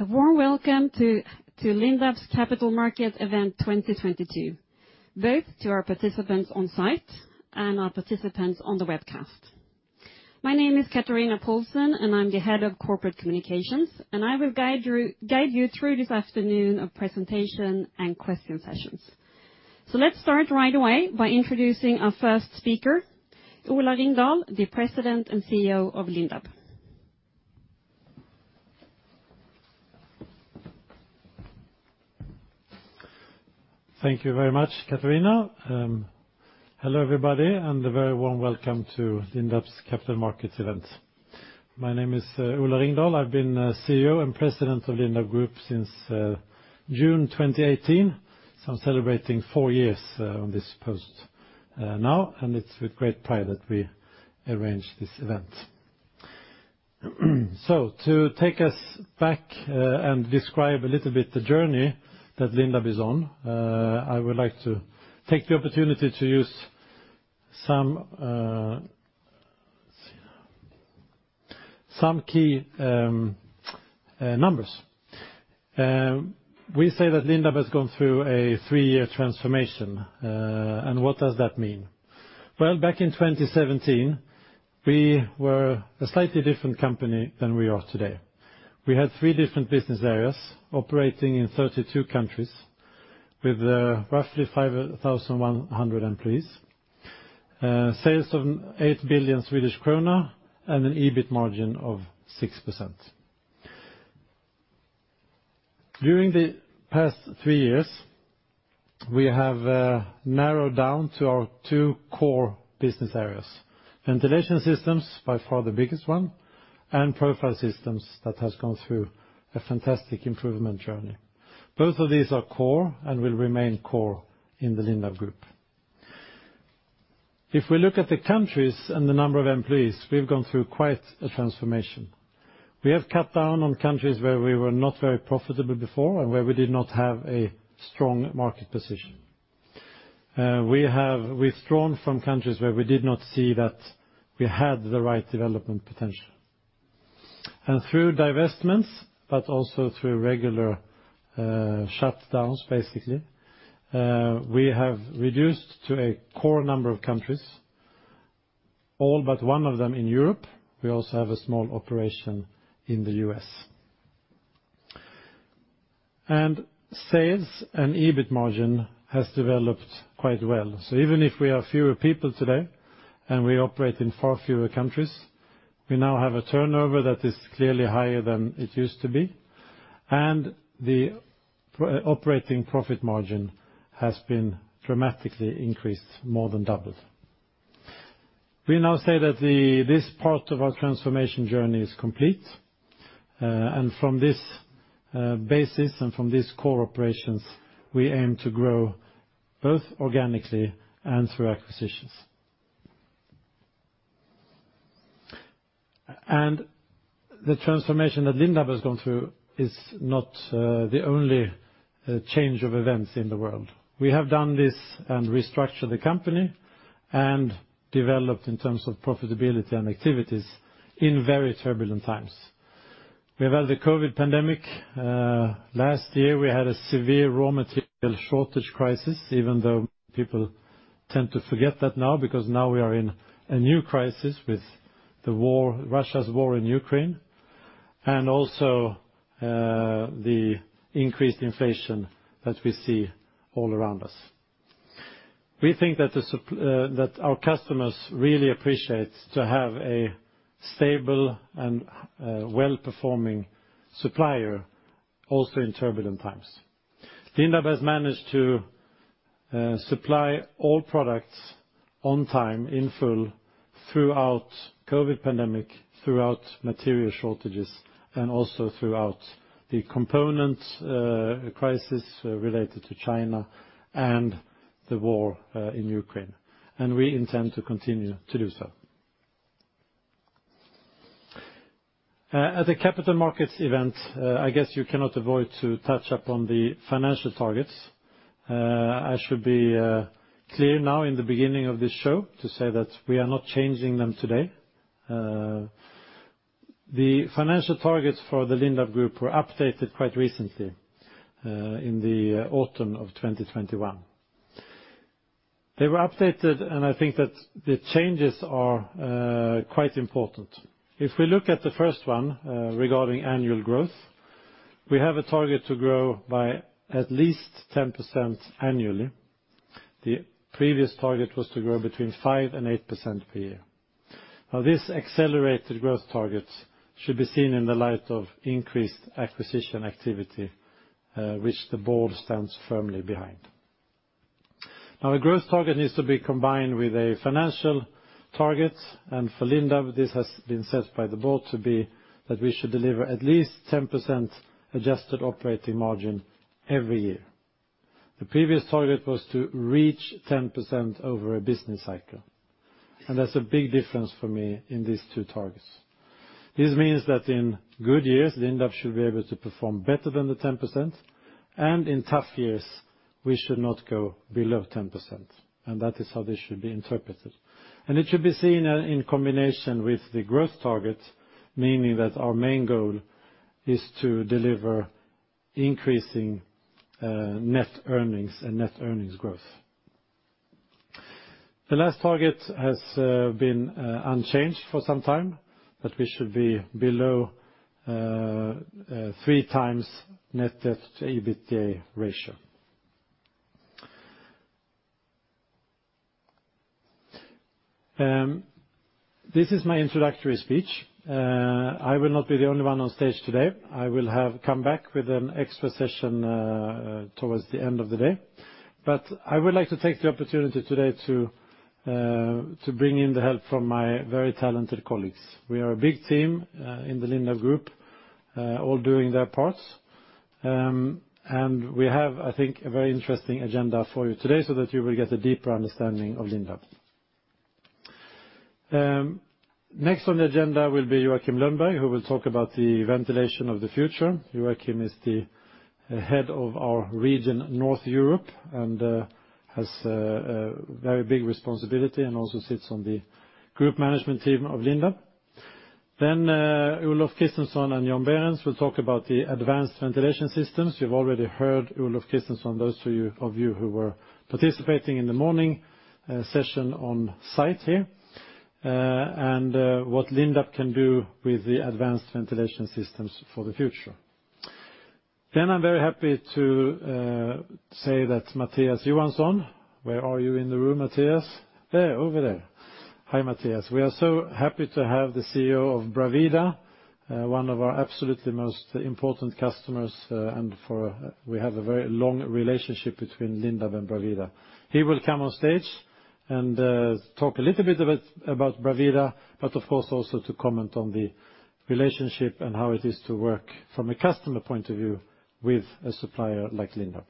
A warm welcome to Lindab's Capital Market Event 2022, both to our participants on site and our participants on the webcast. My name is Catharina Paulcén, and I'm the head of corporate communications, and I will guide you through this afternoon of presentation and question sessions. Let's start right away by introducing our first speaker, Ola Ringdahl, the President and CEO of Lindab. Thank you very much, Catharina. Hello, everybody, and a very warm welcome to Lindab's Capital Markets Event. My name is Ola Ringdahl. I've been CEO and President of Lindab Group since June 2018, so I'm celebrating four years on this post now, and it's with great pride that we arrange this event. To take us back and describe a little bit the journey that Lindab is on, I would like to take the opportunity to use some key numbers. We say that Lindab has gone through a three-year transformation. What does that mean? Well, back in 2017, we were a slightly different company than we are today. We had three different business areas operating in 32 countries with roughly 5,100 employees. Sales of 8 billion Swedish krona and an EBIT margin of 6%. During the past three years, we have narrowed down to our two core business areas, Ventilation Systems, by far the biggest one, and Profile Systems that has gone through a fantastic improvement journey. Both of these are core and will remain core in the Lindab Group. If we look at the countries and the number of employees, we've gone through quite a transformation. We have cut down on countries where we were not very profitable before and where we did not have a strong market position. We have withdrawn from countries where we did not see that we had the right development potential. Through divestments, but also through regular shutdowns, basically, we have reduced to a core number of countries, all but one of them in Europe. We also have a small operation in the U.S. Sales and EBIT margin has developed quite well. Even if we are fewer people today and we operate in far fewer countries, we now have a turnover that is clearly higher than it used to be, and the operating profit margin has been dramatically increased, more than doubled. We now say that this part of our transformation journey is complete. From this basis and from this core operations, we aim to grow both organically and through acquisitions. The transformation that Lindab has gone through is not the only change of events in the world. We have done this and restructured the company and developed in terms of profitability and activities in very turbulent times. We have had the COVID pandemic. Last year, we had a severe raw material shortage crisis, even though people tend to forget that now because now we are in a new crisis with the war, Russia's war in Ukraine, and also the increased inflation that we see all around us. We think that our customers really appreciate to have a stable and well-performing supplier also in turbulent times. Lindab has managed to supply all products on time, in full, throughout COVID pandemic, throughout material shortages, and also throughout the component crisis related to China and the war in Ukraine, and we intend to continue to do so. At the Capital Markets event, I guess you cannot avoid to touch upon the financial targets. I should be clear now in the beginning of this show to say that we are not changing them today. The financial targets for the Lindab Group were updated quite recently, in the autumn of 2021. They were updated, and I think that the changes are quite important. If we look at the first one, regarding annual growth, we have a target to grow by at least 10% annually. The previous target was to grow between 5%-8% per year. Now, this accelerated growth target should be seen in the light of increased acquisition activity, which the board stands firmly behind. Now, a growth target needs to be combined with a financial target, and for Lindab, this has been set by the board to be that we should deliver at least 10% adjusted operating margin every year. The previous target was to reach 10% over a business cycle, and that's a big difference for me in these two targets. This means that in good years, Lindab should be able to perform better than the 10%, and in tough years, we should not go below 10%, and that is how this should be interpreted. It should be seen in combination with the growth target, meaning that our main goal is to deliver increasing net earnings and net earnings growth. The last target has been unchanged for some time, but we should be below 3x net debt to EBITDA ratio. This is my introductory speech. I will not be the only one on stage today. I will have come back with an expo session towards the end of the day. I would like to take the opportunity today to bring in the help from my very talented colleagues. We are a big team in the Lindab Group, all doing their parts. We have, I think, a very interesting agenda for you today so that you will get a deeper understanding of Lindab. Next on the agenda will be Joakim Lönnberg, who will talk about the ventilation of the future. Joakim is the head of our Region North Europe and has a very big responsibility and also sits on the group management team of Lindab. Olof Christensson and Jan Behrens will talk about the advanced ventilation systems. You've already heard Olof Christensson, those of you who were participating in the morning session on site here, and what Lindab can do with the advanced ventilation systems for the future. I'm very happy to say that Mattias Johansson. Where are you in the room, Mattias? There, over there. Hi, Mattias. We are so happy to have the CEO of Bravida, one of our absolutely most important customers, and we have a very long relationship between Lindab and Bravida. He will come on stage and talk a little bit about Bravida, but of course, also to comment on the relationship and how it is to work from a customer point of view with a supplier like Lindab.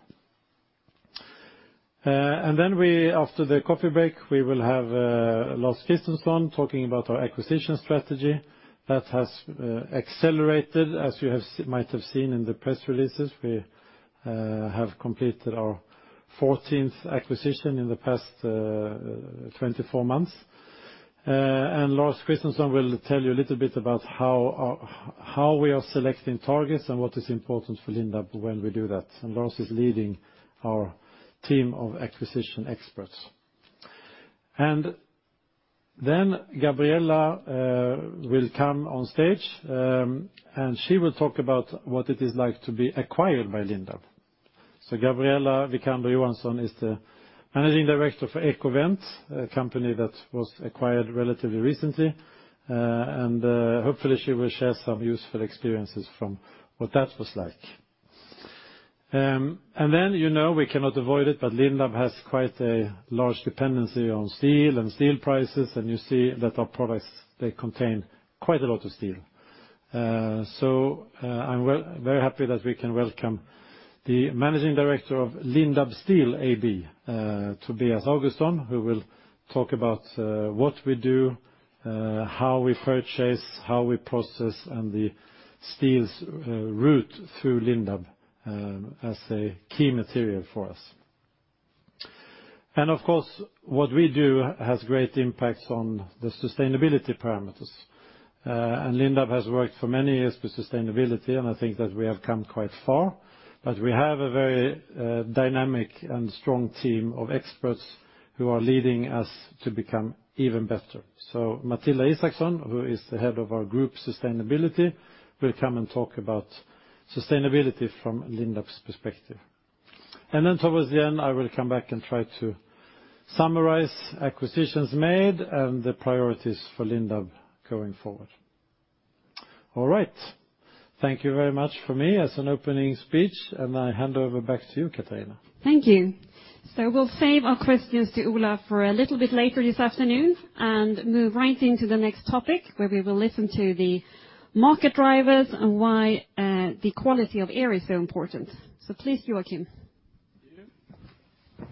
After the coffee break, we will have Lars Christensson talking about our acquisition strategy. That has accelerated, as you might have seen in the press releases. We have completed our 14th acquisition in the past 24 months. Lars Christensson will tell you a little bit about how we are selecting targets and what is important for Lindab when we do that. Lars is leading our team of acquisition experts. Gabriella will come on stage, and she will talk about what it is like to be acquired by Lindab. Gabriella Wikander Johansson is the Managing Director for Ekovent, a company that was acquired relatively recently. Hopefully she will share some useful experiences from what that was like. We cannot avoid it, but Lindab has quite a large dependency on steel and steel prices, and you see that our products, they contain quite a lot of steel. I'm very happy that we can welcome the Managing Director of Lindab Steel AB, Tobias Augustsson, who will talk about what we do, how we purchase, how we process, and the steel's route through Lindab as a key material for us. Of course, what we do has great impacts on the sustainability parameters. Lindab has worked for many years with sustainability, and I think that we have come quite far. We have a very dynamic and strong team of experts who are leading us to become even better. Matilda Isaksson, who is the head of our group sustainability, will come and talk about sustainability from Lindab's perspective. Then towards the end, I will come back and try to summarize acquisitions made and the priorities for Lindab going forward. All right. Thank you very much from me as an opening speech, and I hand over back to you, Catharina. Thank you. We'll save our questions to Ola for a little bit later this afternoon and move right into the next topic, where we will listen to the market drivers and why, the quality of air is so important. Please, Joakim. Thank you.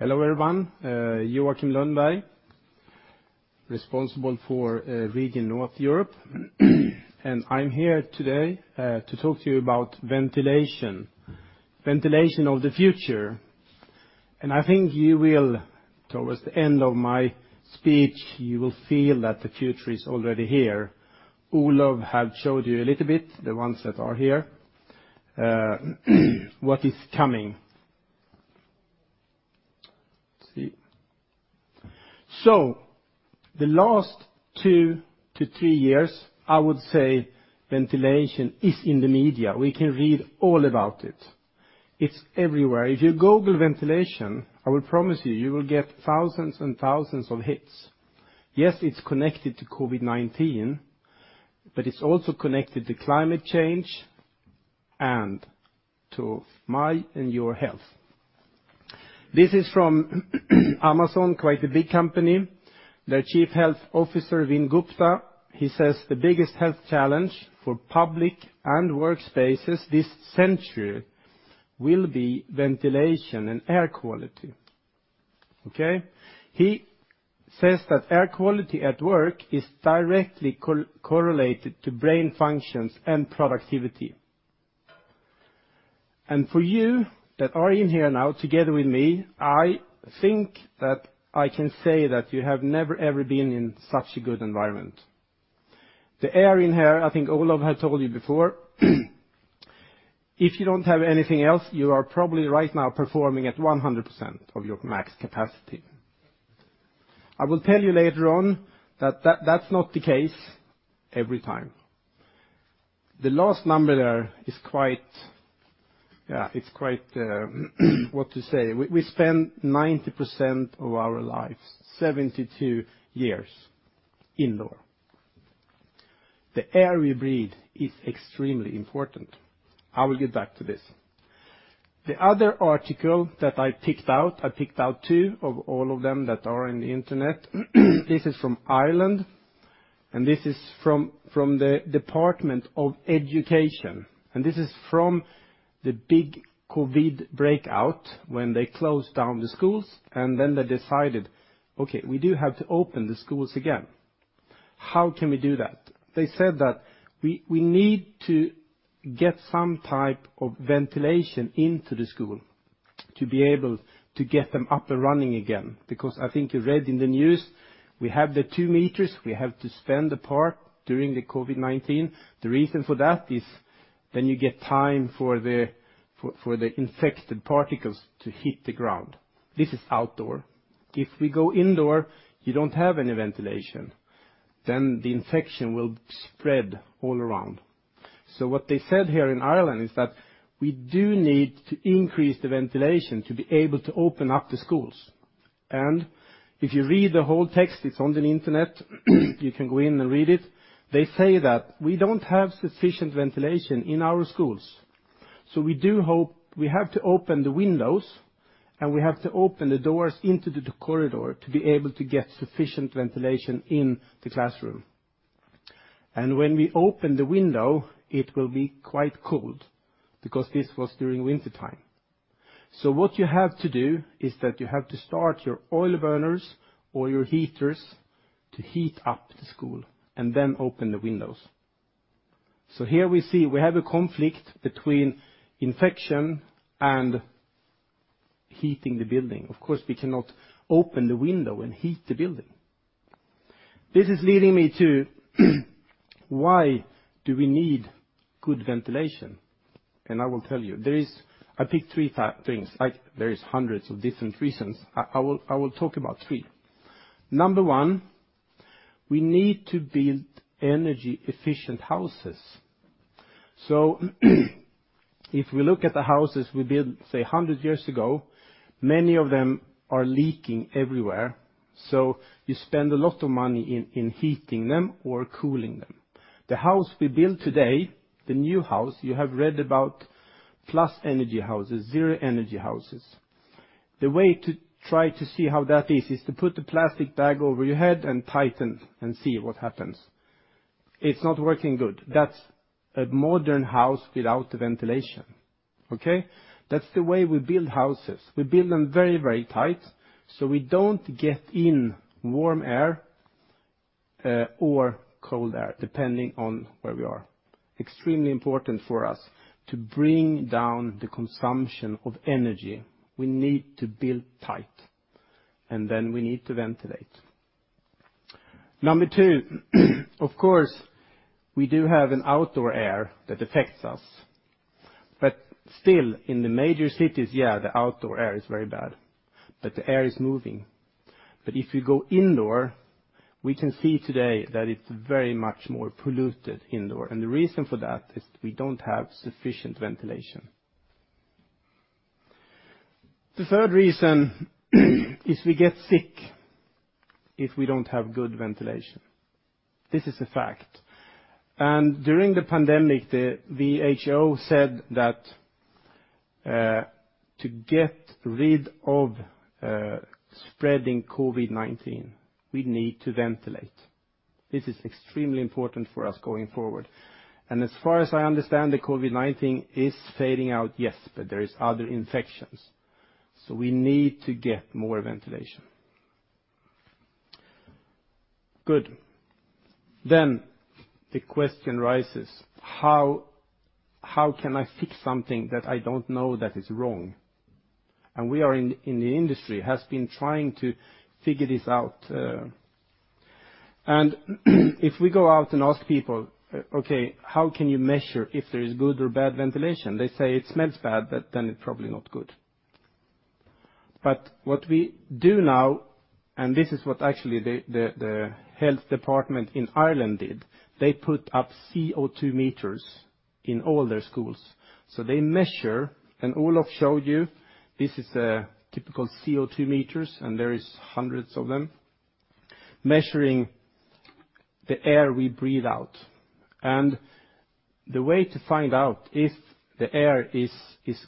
Hello, everyone. Joakim Lönnberg, responsible for region North Europe. I'm here today to talk to you about ventilation of the future. I think you will, towards the end of my speech, you will feel that the future is already here. Olof have showed you a little bit, the ones that are here, what is coming. The last two-three years, I would say ventilation is in the media. We can read all about it. It's everywhere. If you google ventilation, I will promise you will get thousands and thousands of hits. Yes, it's connected to COVID-19, but it's also connected to climate change and to my and your health. This is from Amazon, quite a big company. Their Chief Medical Officer, Vin Gupta, he says the biggest health challenge for public and workspaces this century will be ventilation and air quality. Okay? He says that air quality at work is directly correlated to brain functions and productivity. For you that are in here now together with me, I think that I can say that you have never, ever been in such a good environment. The air in here, I think Olof has told you before, if you don't have anything else, you are probably right now performing at 100% of your max capacity. I will tell you later on that that's not the case every time. The last number there is quite, it's quite, what to say. We spend 90% of our lives, 72 years indoor. The air we breathe is extremely important. I will get back to this. The other article that I picked out, I picked out two of all of them that are on the internet. This is from Ireland, and this is from the Department of Education, and this is from the big COVID breakout when they closed down the schools, and then they decided, "Okay, we do have to open the schools again. How can we do that?" They said that, "We need to get some type of ventilation into the school to be able to get them up and running again." Because I think you read in the news, we have the two meters we have to stand apart during the COVID-19. The reason for that is then you get time for the infected particles to hit the ground. This is outdoor. If we go indoor, you don't have any ventilation, then the infection will spread all around. What they said here in Ireland is that we do need to increase the ventilation to be able to open up the schools. If you read the whole text, it's on the internet. You can go in and read it. They say that we don't have sufficient ventilation in our schools. We have to open the windows, and we have to open the doors into the corridor to be able to get sufficient ventilation in the classroom. When we open the window, it will be quite cold because this was during wintertime. What you have to do is that you have to start your oil burners or your heaters to heat up the school and then open the windows. Here we see we have a conflict between infection and heating the building. Of course, we cannot open the window and heat the building. This is leading me to why do we need good ventilation? I will tell you. There is hundreds of different reasons. Like, I will talk about three. Number one, we need to build energy-efficient houses. If we look at the houses we built, say, 100 years ago, many of them are leaking everywhere, so you spend a lot of money in heating them or cooling them. The house we build today, the new house, you have read about plus energy houses, zero energy houses. The way to try to see how that is is to put the plastic bag over your head and tighten and see what happens. It's not working good. That's a modern house without ventilation. Okay? That's the way we build houses. We build them very, very tight, so we don't get in warm air or cold air, depending on where we are. Extremely important for us to bring down the consumption of energy. We need to build tight, and then we need to ventilate. Number two, of course, we do have an outdoor air that affects us. But still, in the major cities, yeah, the outdoor air is very bad, but the air is moving. But if you go indoors, we can see today that it's very much more polluted indoors, and the reason for that is we don't have sufficient ventilation. The third reason is we get sick if we don't have good ventilation. This is a fact. During the pandemic, the WHO said that to get rid of spreading COVID-19, we need to ventilate. This is extremely important for us going forward. As far as I understand, the COVID-19 is fading out, yes, but there is other infections, so we need to get more ventilation. Good. The question arises, how can I fix something that I don't know that is wrong? The industry has been trying to figure this out. If we go out and ask people, "Okay, how can you measure if there is good or bad ventilation?" They say, "It smells bad, but then it's probably not good." What we do now, and this is what actually the health department in Ireland did, they put up CO₂meters in all their schools. They measure, and Olof showed you this is a typical CO₂ meters, and there is hundreds of them measuring the air we breathe out. The way to find out if the air is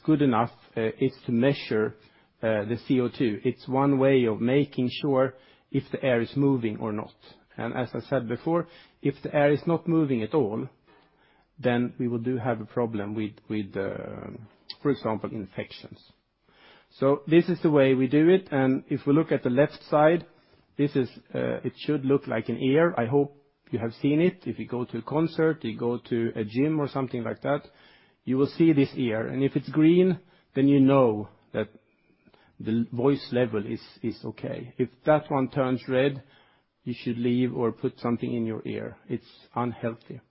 good enough is to measure the CO₂. It's one way of making sure if the air is moving or not. As I said before, if the air is not moving at all, then we do have a problem with, for example, infections. This is the way we do it, and if we look at the left side, this is it should look like an ear. I hope you have seen it. If you go to a concert, you go to a gym or something like that, you will see this ear. If it's green, then you know that the voice level is okay. If that one turns red, you should leave or put something in your ear. It's unhealthy.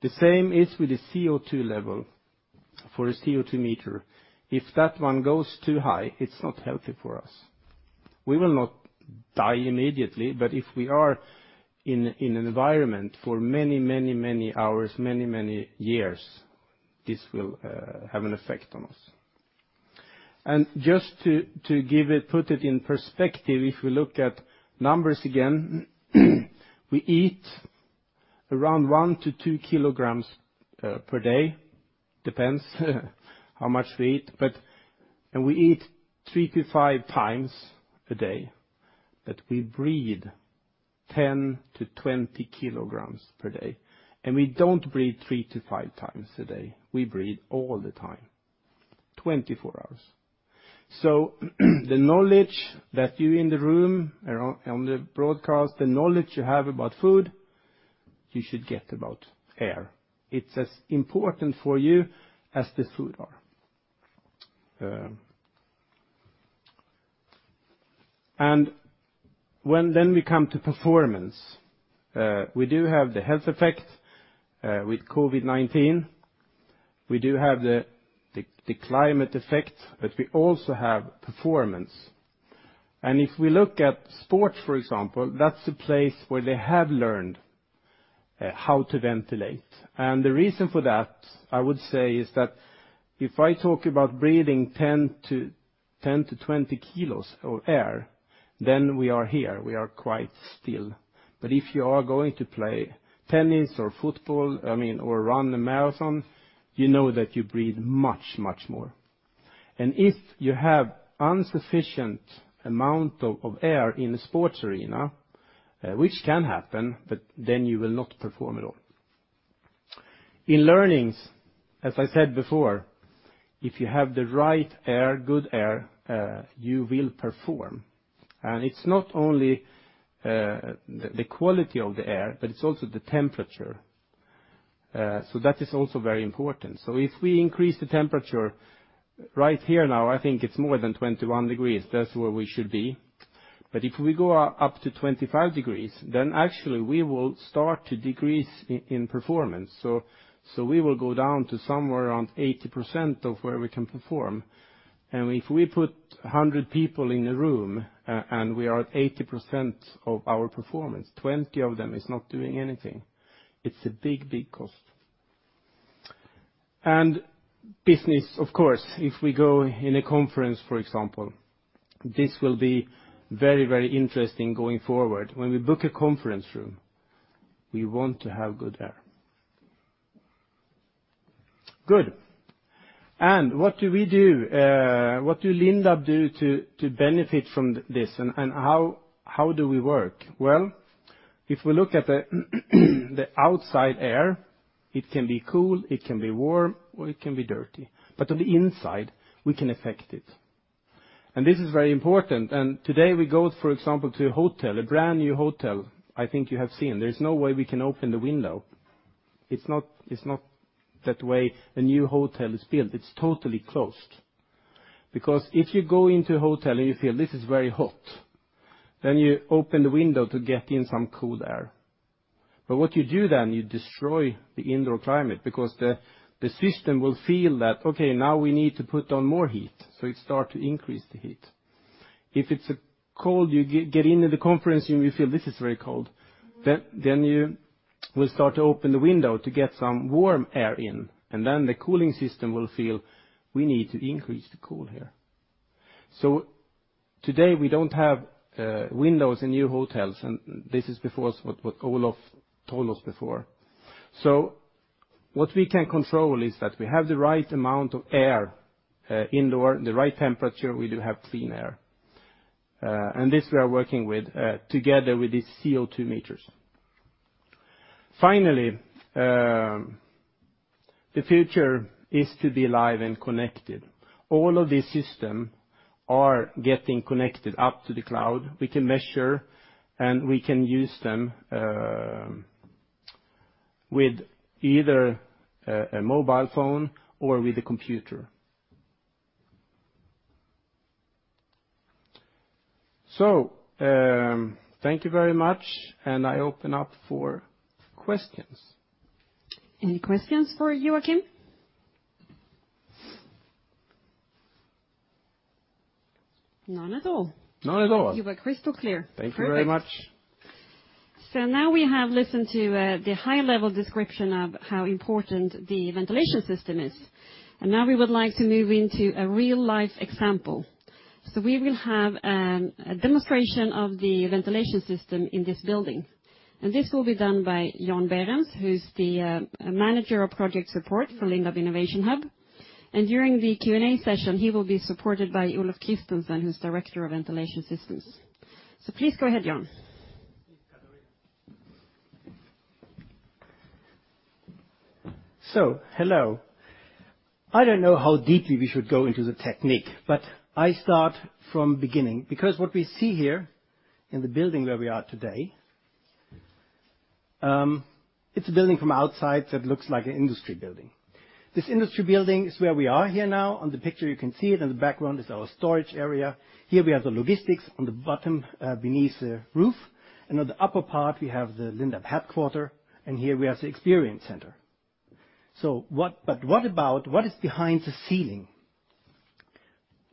The same is with the CO₂ level. For a CO₂ meter, if that one goes too high, it's not healthy for us. We will not die immediately, but if we are in an environment for many hours, many years, this will have an effect on us. Put it in perspective, if we look at numbers again, we eat around 1-2 kg per day. Depends how much we eat. We eat three-five times a day, but we breathe 10-20 kg per day. We don't breathe three-five times a day. We breathe all the time, 24 hours. The knowledge that you in the room or on the broadcast, the knowledge you have about food, you should get about air. It's as important for you as this food are. When we come to performance, we do have the health effect with COVID-19. We do have the climate effect, but we also have performance. If we look at sports, for example, that's a place where they have learned how to ventilate. The reason for that, I would say, is that if I talk about breathing 10-20 kilos of air, then we are here, we are quite still. If you are going to play tennis or football, I mean, or run a marathon, you know that you breathe much more. If you have insufficient amount of air in a sports arena, which can happen, but then you will not perform at all. In learnings, as I said before, if you have the right air, good air, you will perform. It's not only the quality of the air, but it's also the temperature. That is also very important. If we increase the temperature right here now, I think it's more than 21 degrees. That's where we should be. If we go up to 25 degrees, then actually we will start to decrease in performance. We will go down to somewhere around 80% of where we can perform. If we put 100 people in a room and we are at 80% of our performance, 20 of them is not doing anything. It's a big cost. Business, of course, if we go in a conference, for example, this will be very interesting going forward. When we book a conference room, we want to have good air. Good. What do we do? What do Lindab do to benefit from this, and how do we work? Well, if we look at the outside air, it can be cool, it can be warm, or it can be dirty. On the inside, we can affect it. This is very important. Today we go, for example, to a hotel, a brand-new hotel. I think you have seen. There is no way we can open the window. It's not that way a new hotel is built. It's totally closed. Because if you go into a hotel and you feel this is very hot, then you open the window to get in some cool air. What you do then, you destroy the indoor climate because the system will feel that, okay, now we need to put on more heat, so it start to increase the heat. If it's cold, you get into the conference room, you feel this is very cold, then you will start to open the window to get some warm air in, and then the cooling system will feel we need to increase the cool here. Today, we don't have windows in new hotels, and this is before what Olof told us before. What we can control is that we have the right amount of air indoor, the right temperature, we do have clean air. This we are working with together with these CO₂meters. Finally, the future is to be live and connected. All of these systems are getting connected up to the cloud. We can measure, and we can use them with either a mobile phone or with a computer. Thank you very much, and I open up for questions. Any questions for Joakim? None at all. None at all. You were crystal clear. Perfect. Thank you very much. Now we have listened to the high-level description of how important the ventilation system is. Now we would like to move into a real-life example. We will have a demonstration of the ventilation system in this building. This will be done by Jan Behrens, who's the Manager of Project Support for Lindab Innovation Hub. During the Q&A session, he will be supported by Olof Christensson, who's Director of Ventilation Systems. Please go ahead, Jan. Hello. I don't know how deeply we should go into the technique, but I start from beginning, because what we see here in the building where we are today, it's a building from outside that looks like an industry building. This industry building is where we are here now. On the picture, you can see it in the background is our storage area. Here we have the logistics on the bottom, beneath the roof, and on the upper part we have the Lindab headquarters, and here we have the experience center. What is behind the ceiling?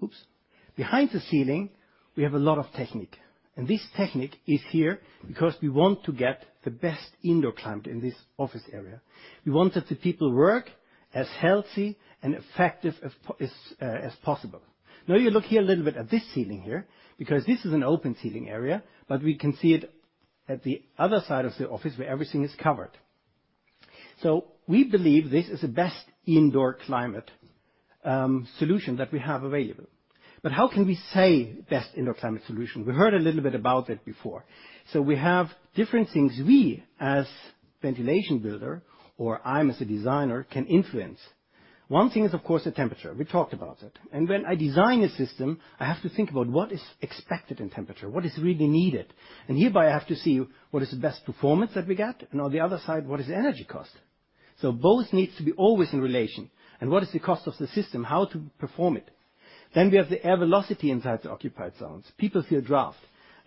Oops. Behind the ceiling, we have a lot of technique. This technique is here because we want to get the best indoor climate in this office area. We want that the people work as healthy and effective as possible. Now, you look here a little bit at this ceiling here, because this is an open ceiling area, but we can see it at the other side of the office where everything is covered. We believe this is the best indoor climate solution that we have available. How can we say best indoor climate solution? We heard a little bit about it before. We have different things, we as ventilation builder or I as a designer, can influence. One thing is of course the temperature. We talked about it. When I design a system, I have to think about what is expected in temperature, what is really needed. Hereby I have to see what is the best performance that we get, and on the other side, what is the energy cost. Both needs to be always in relation. What is the cost of the system, how to perform it? We have the air velocity inside the occupied zones. People feel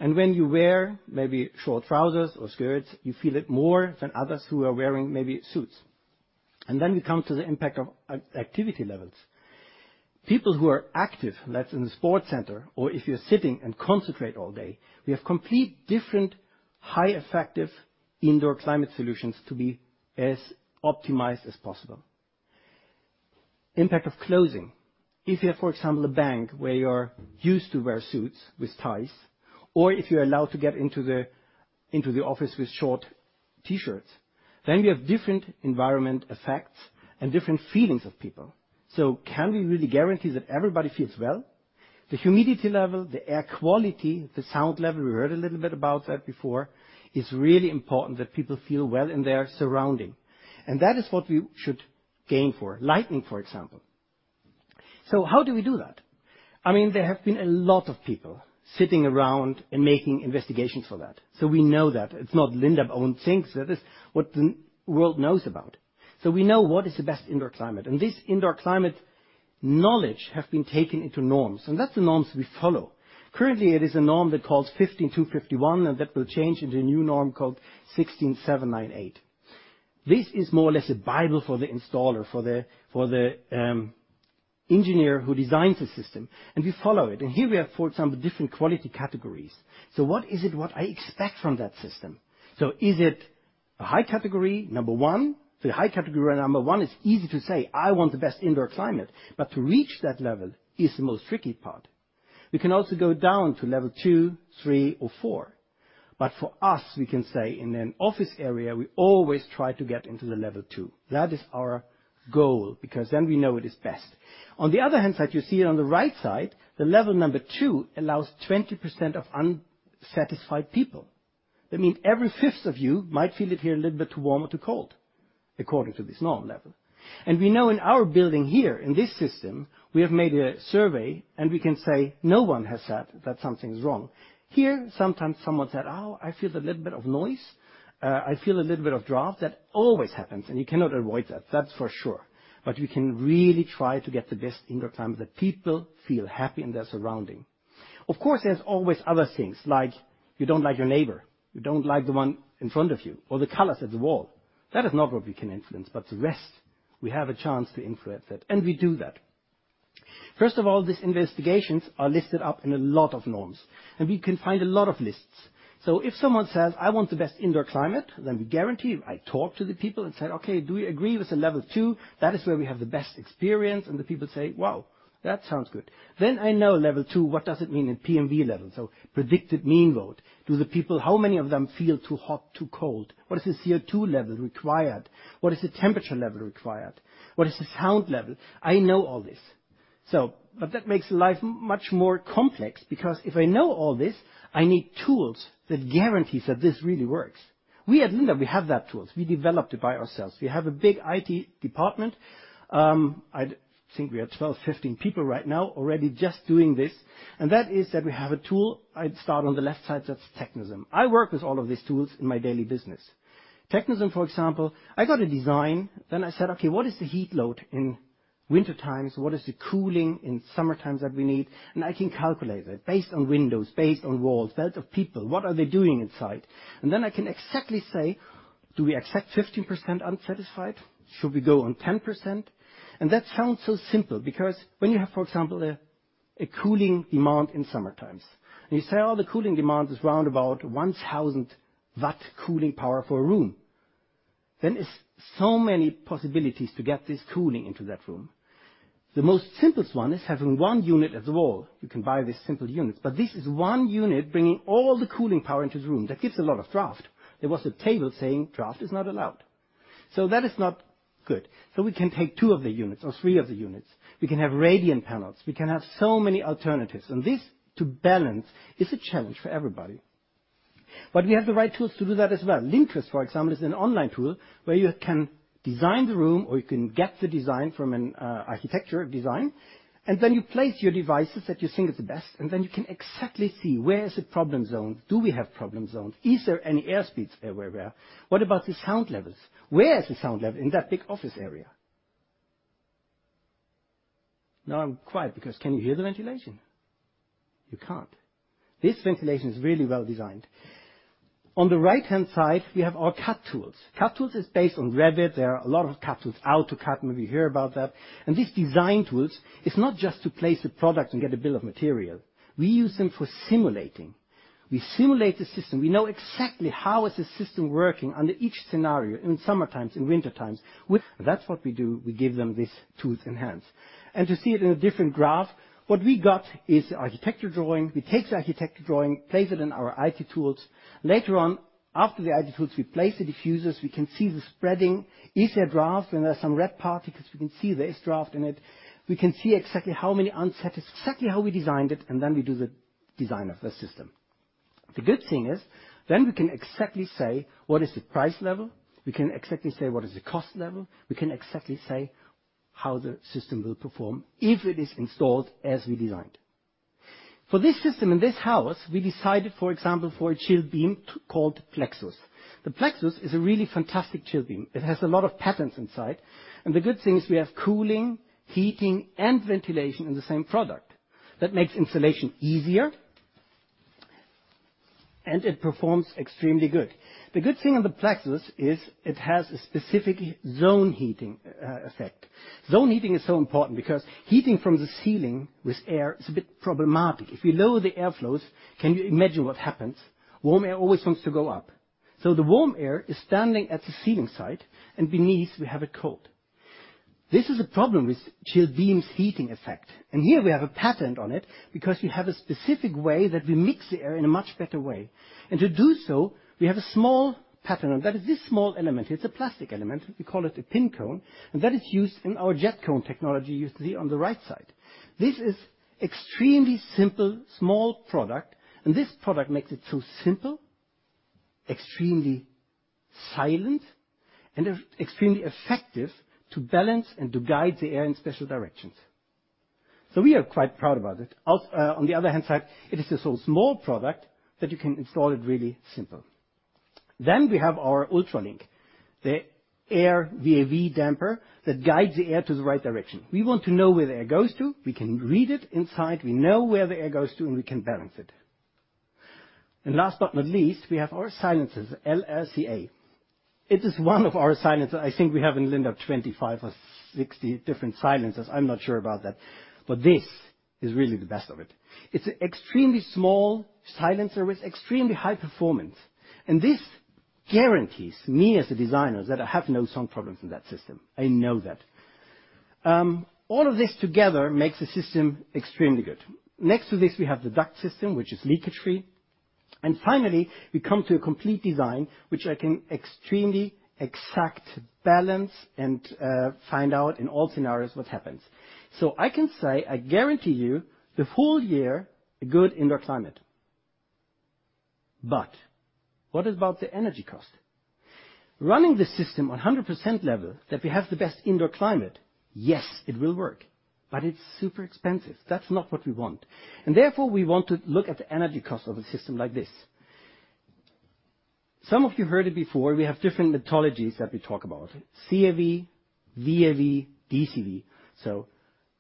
draft. When you wear maybe short trousers or skirts, you feel it more than others who are wearing maybe suits. We come to the impact of activity levels. People who are active, let's say in the sports center, or if you're sitting and concentrating all day, we have completely different highly effective indoor climate solutions to be as optimized as possible. Impact of clothing. If you have, for example, a bank where you're used to wear suits with ties, or if you're allowed to get into the office with short T-shirts, then we have different environmental effects and different feelings of people. Can we really guarantee that everybody feels well? The humidity level, the air quality, the sound level, we heard a little bit about that before, is really important that people feel well in their surrounding. That is what we should gain for. Lighting, for example. How do we do that? I mean, there have been a lot of people sitting around and making investigations for that. We know that it's not Lindab own things. That is what the world knows about. We know what is the best indoor climate. This indoor climate knowledge have been taken into norms, and that's the norms we follow. Currently, it is a norm that calls EN 15251, and that will change into a new norm called EN 16798. This is more or less a Bible for the installer, for the engineer who designs the system, and we follow it. Here we have, for example, different quality categories. What is it what I expect from that system? Is it a high category, number one? The high category number one is easy to say, "I want the best indoor climate." To reach that level is the most tricky part. We can also go down to level 2, 3, or 4. For us, we can say in an office area, we always try to get into the level 2. That is our goal, because then we know it is best. On the other hand side, you see it on the right side, the level number 2 allows 20% of unsatisfied people. That mean every fifth of you might feel it here a little bit too warm or too cold according to this norm level. We know in our building here in this system, we have made a survey, and we can say no one has said that something's wrong. Here, sometimes someone said, "Oh, I feel a little bit of noise. I feel a little bit of draft." That always happens, and you cannot avoid that's for sure. We can really try to get the best indoor climate that people feel happy in their surrounding. Of course, there's always other things like you don't like your neighbor, you don't like the one in front of you, or the colors of the wall. That is not what we can influence, but the rest we have a chance to influence it, and we do that. First of all, these investigations are listed up in a lot of norms, and we can find a lot of lists. If someone says, "I want the best indoor climate," then we guarantee if I talk to the people and say, "Okay, do we agree with the level two? That is where we have the best experience." The people say, "Wow, that sounds good." I know level two, what does it mean in PMV level? Predicted mean vote. Do the people, how many of them feel too hot, too cold? What is the CO₂ level required? What is the temperature level required? What is the sound level? I know all this. But that makes life much more complex because if I know all this, I need tools that guarantees that this really works. We at Lindab, we have that tools. We developed it by ourselves. We have a big IT department. I think we are 12, 15 people right now already just doing this. That is that we have a tool. I'd start on the left side, that's TEKNOsim. I work with all of these tools in my daily business. TEKNOsim, for example, I got a design, then I said, "Okay, what is the heat load in winter times? What is the cooling in summer times that we need?" I can calculate it based on windows, based on walls, based on people, what are they doing inside? Then I can exactly say, "Do we accept 15% unsatisfied? Should we go on 10%?" That sounds so simple because when you have, for example, a cooling demand in summer times, and you say, "Oh, the cooling demand is round about 1,000 W cooling power for a room," then there are so many possibilities to get this cooling into that room. The most simplest one is having one unit at the wall. You can buy these simple units. This is one unit bringing all the cooling power into the room. That gives a lot of draft. There was a table saying draft is not allowed. That is not good. We can take two of the units or three of the units. We can have radiant panels, we can have so many alternatives, and this to balance is a challenge for everybody. We have the right tools to do that as well. LindQST, for example, is an online tool where you can design the room, or you can get the design from an architectural design, and then you place your devices that you think is the best, and then you can exactly see where is the problem zone. Do we have problem zone? Is there any air speeds everywhere? What about the sound levels? Where is the sound level in that big office area? Now I'm quiet because can you hear the ventilation? You can't. This ventilation is really well-designed. On the right-hand side, we have our CAD tools. CAD tools is based on Revit. There are a lot of CAD tools, AutoCAD, maybe you hear about that. These design tools, it's not just to place a product and get a bill of material. We use them for simulating. We simulate the system. We know exactly how is the system working under each scenario in summer times, in winter times. That's what we do. We give them these tools in hands. To see it in a different graph, what we got is the architecture drawing. We take the architecture drawing, place it in our IT tools. Later on, after the IT tools, we place the diffusers. We can see the spreading. Is there a draft? When there are some red particles, we can see there is draft in it. We can see exactly how we designed it, and then we do the design of the system. The good thing is, then we can exactly say what is the price level. We can exactly say what is the cost level. We can exactly say how the system will perform if it is installed as we designed. For this system in this house, we decided, for example, for a chilled beam called Plexus. The Plexus is a really fantastic chilled beam. It has a lot of patents inside, and the good thing is we have cooling, heating, and ventilation in the same product. That makes installation easier, and it performs extremely good. The good thing on the Plexus is it has a specific zone heating effect. Zone heating is so important because heating from the ceiling with air is a bit problematic. If you lower the air flows, can you imagine what happens? Warm air always wants to go up. So the warm air is standing at the ceiling side, and beneath we have it cold. This is a problem with chilled beams' heating effect. Here we have a patent on it because we have a specific way that we mix the air in a much better way. To do so, we have a small pattern. That is this small element. It's a plastic element. We call it a JetCone, and that is used in our JetCone technology you see on the right side. This is extremely simple, small product, and this product makes it so simple, extremely silent, and extremely effective to balance and to guide the air in special directions. We are quite proud about it. Also, on the other hand side, it is a so small product that you can install it really simple. We have our UltraLink, the air VAV damper that guides the air to the right direction. We want to know where the air goes to. We can read it inside. We know where the air goes to, and we can balance it. Last but not least, we have our silencers, LRCA. It is one of our silencers. I think we have in Lindab 25 or 60 different silencers. I'm not sure about that. This is really the best of it. It's extremely small silencer with extremely high performance. This guarantees me as a designer that I have no sound problems in that system. I know that. All of this together makes the system extremely good. Next to this, we have the duct system, which is leakage-free. Finally, we come to a complete design, which I can extremely exact balance and find out in all scenarios what happens. I can say, I guarantee you, the full year, a good indoor climate. What about the energy cost? Running the system 100% level, that we have the best indoor climate, yes, it will work, but it's super expensive. That's not what we want. Therefore, we want to look at the energy cost of a system like this. Some of you heard it before. We have different methodologies that we talk about. CAV, VAV, DCV.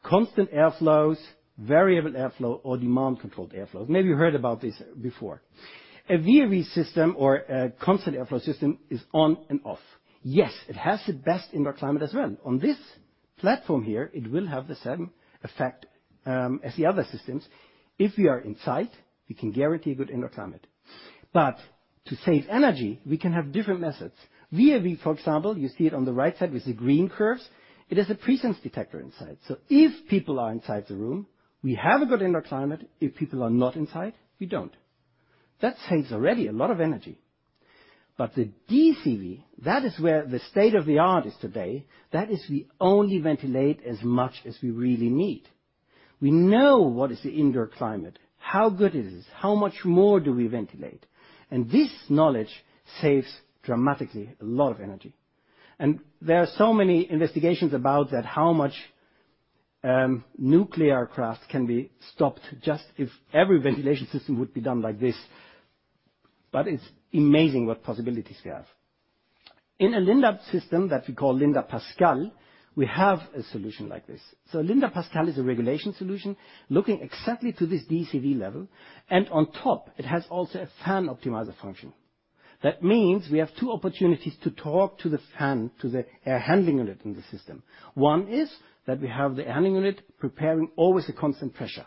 Constant air flows, variable air flow, or demand controlled air flows. Maybe you heard about this before. A VAV system or a constant air flow system is on and off. Yes, it has the best indoor climate as well. On this platform here, it will have the same effect as the other systems. If we are inside, we can guarantee a good indoor climate. To save energy, we can have different methods. VAV, for example, you see it on the right side with the green curves. It has a presence detector inside. If people are inside the room, we have a good indoor climate. If people are not inside, we don't. That saves already a lot of energy. The DCV, that is where the state-of-the-art is today. That is we only ventilate as much as we really need. We know what is the indoor climate, how good is this, how much more do we ventilate? This knowledge saves dramatically a lot of energy. There are so many investigations about that, how much nuclear power can be stopped just if every ventilation system would be done like this. It's amazing what possibilities we have. In a Lindab system that we call Lindab Pascal, we have a solution like this. Lindab Pascal is a regulation solution looking exactly to this DCV level, and on top, it has also a fan optimizer function. That means we have two opportunities to talk to the fan, to the air handling unit in the system. One is that we have the handling unit preparing always a constant pressure.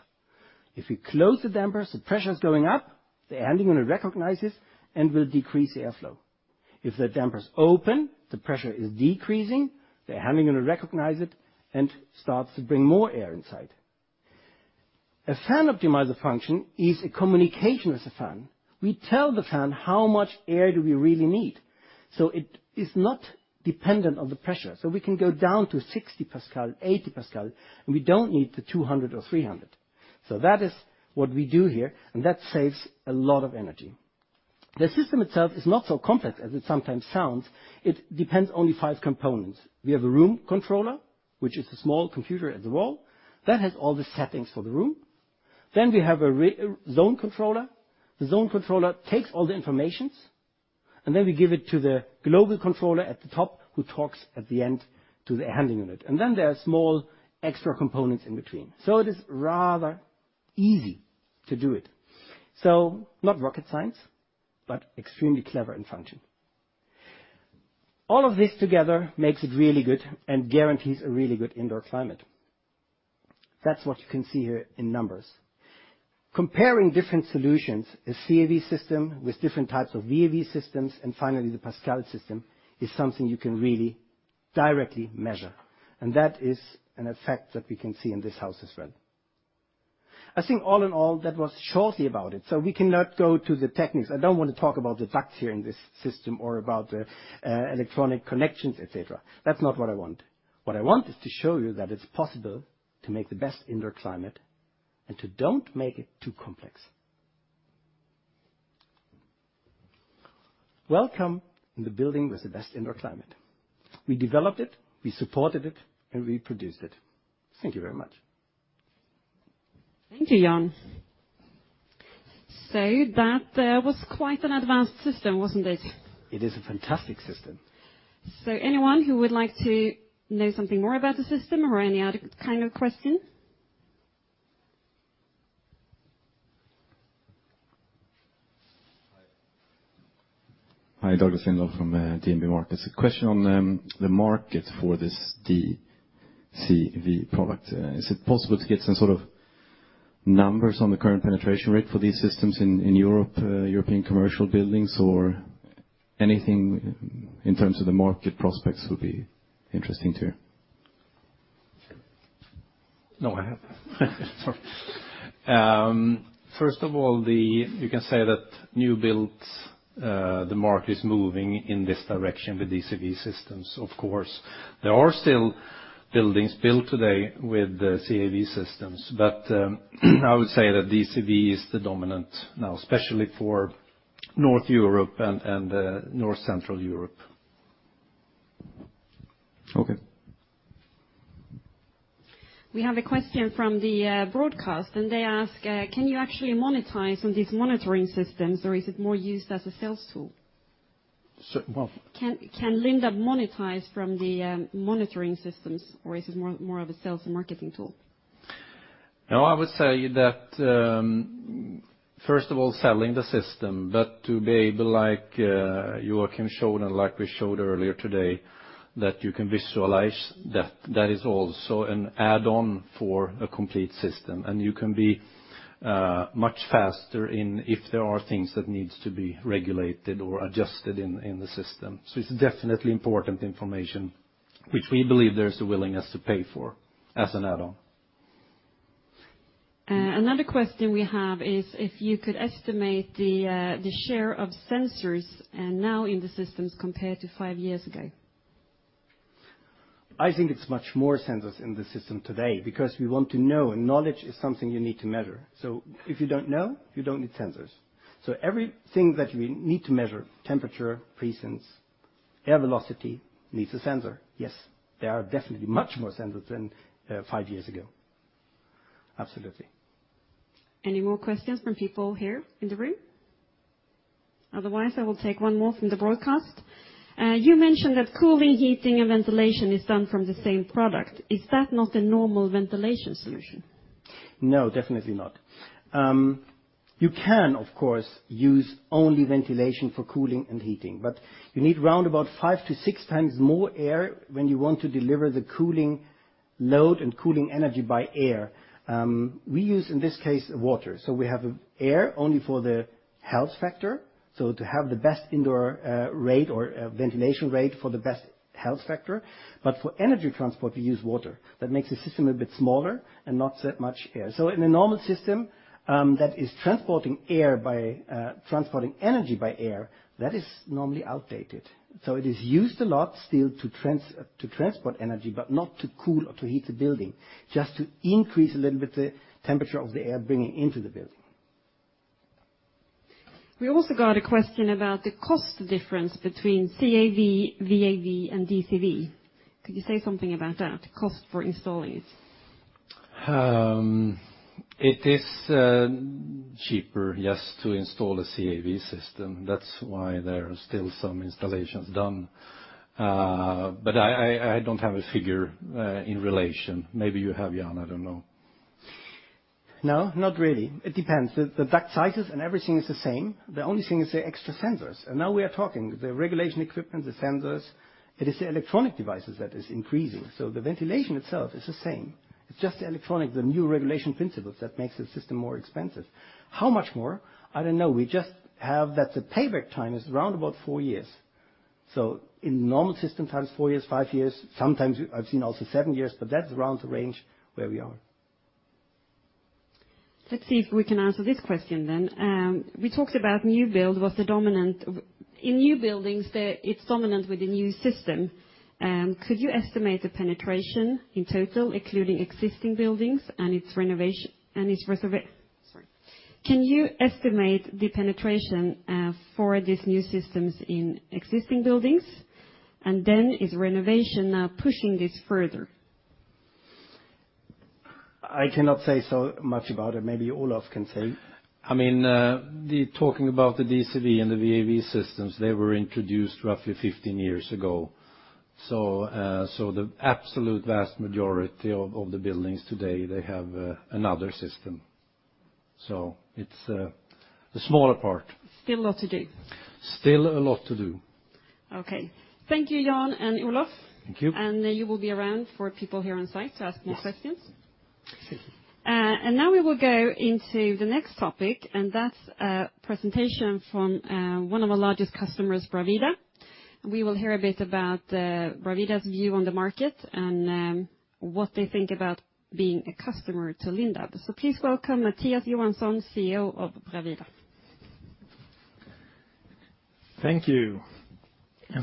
If we close the dampers, the pressure is going up, the handling unit recognizes and will decrease the air flow. If the dampers open, the pressure is decreasing, the handling unit recognize it and starts to bring more air inside. A fan optimized function is a communication with the fan. We tell the fan how much air do we really need, so it is not dependent on the pressure. We can go down to 60 pascal, 80 pascal, and we don't need the 200 or 300. That is what we do here, and that saves a lot of energy. The system itself is not so complex as it sometimes sounds. It depends only five components. We have a room controller, which is a small computer at the wall. That has all the settings for the room. Then we have a zone controller. The zone controller takes all the information, and then we give it to the global controller at the top, who talks at the end to the handling unit. Then there are small extra components in between. It is rather easy to do it. Not rocket science, but extremely clever in function. All of this together makes it really good and guarantees a really good indoor climate. That's what you can see here in numbers. Comparing different solutions, a CAV system with different types of VAV systems, and finally, the Pascal system, is something you can really directly measure. That is an effect that we can see in this house as well. I think all in all, that was shortly about it. We cannot go to the techniques. I don't want to talk about the ducts here in this system or about the, electronic connections, et cetera. That's not what I want. What I want is to show you that it's possible to make the best indoor climate and to don't make it too complex. Welcome in the building with the best indoor climate. We developed it, we supported it, and we produced it. Thank you very much. Thank you, Jan. That was quite an advanced system, wasn't it? It is a fantastic system. Anyone who would like to know something more about the system or any other kind of question? Douglas Lindholm from DNB Markets. A question on the market for this DCV product. Is it possible to get some sort of numbers on the current penetration rate for these systems in European commercial buildings or anything in terms of the market prospects would be interesting too. No, I have. Sorry. First of all, you can say that new builds, the market is moving in this direction with DCV systems, of course. There are still buildings built today with the CAV systems. I would say that DCV is the dominant now, especially for North Europe and North Central Europe. Okay. We have a question from the broadcast, and they ask, "Can you actually monetize on these monitoring systems, or is it more used as a sales tool? Well- Can Lindab monetize from the monitoring systems, or is this more of a sales and marketing tool? No, I would say that, first of all, selling the system. To be able, like, Joakim showed and like we showed earlier today, that you can visualize that is also an add-on for a complete system. You can be much faster if there are things that needs to be regulated or adjusted in the system. It's definitely important information which we believe there's a willingness to pay for as an add-on. Another question we have is if you could estimate the share of sensors now in the systems compared to five years ago? I think it's much more sensors in the system today because we want to know, and knowledge is something you need to measure. If you don't know, you don't need sensors. Everything that we need to measure, temperature, presence, air velocity, needs a sensor. Yes, there are definitely much more sensors than five years ago. Absolutely. Any more questions from people here in the room? Otherwise, I will take one more from the broadcast. You mentioned that cooling, heating, and ventilation is done from the same product. Is that not the normal ventilation solution? No, definitely not. You can, of course, use only ventilation for cooling and heating, but you need around 5-6x more air when you want to deliver the cooling load and cooling energy by air. We use, in this case, water. We have air only for the health factor. To have the best indoor rate or ventilation rate for the best health factor. For energy transport, we use water. That makes the system a bit smaller and not that much air. In a normal system, that is transporting energy by air, that is normally outdated. It is used a lot still to transport energy, but not to cool or to heat the building, just to increase a little bit the temperature of the air bringing into the building. We also got a question about the cost difference between CAV, VAV, and DCV. Could you say something about that, cost for installing it? It is cheaper, yes, to install a CAV system. That's why there are still some installations done. I don't have a figure in relation. Maybe you have, Jan. I don't know. No, not really. It depends. The duct sizes and everything is the same. The only thing is the extra sensors. Now we are talking the regulation equipment, the sensors. It is the electronic devices that is increasing. The ventilation itself is the same. It's just the electronic, the new regulation principles that makes the system more expensive. How much more? I don't know. We just have that the payback time is around about four years. In normal system times four years, five years, sometimes I've seen also seven years, but that's around the range where we are. Let's see if we can answer this question then. In new buildings, it's dominant with the new system. Could you estimate the penetration in total, including existing buildings and its renovation. Can you estimate the penetration for these new systems in existing buildings? Is renovation now pushing this further? I cannot say so much about it. Maybe Olof can say. I mean, talking about the DCV and the VAV systems, they were introduced roughly 15 years ago. The absolute vast majority of the buildings today, they have another system. It's the smaller part. Still a lot to do. Still a lot to do. Okay. Thank you, Jan and Olof. Thank you. You will be around for people here on site to ask more questions. Yes. Now we will go into the next topic, and that's a presentation from one of our largest customers, Bravida. We will hear a bit about Bravida's view on the market and what they think about being a customer to Lindab. Please welcome Mattias Johansson, CEO of Bravida. Thank you.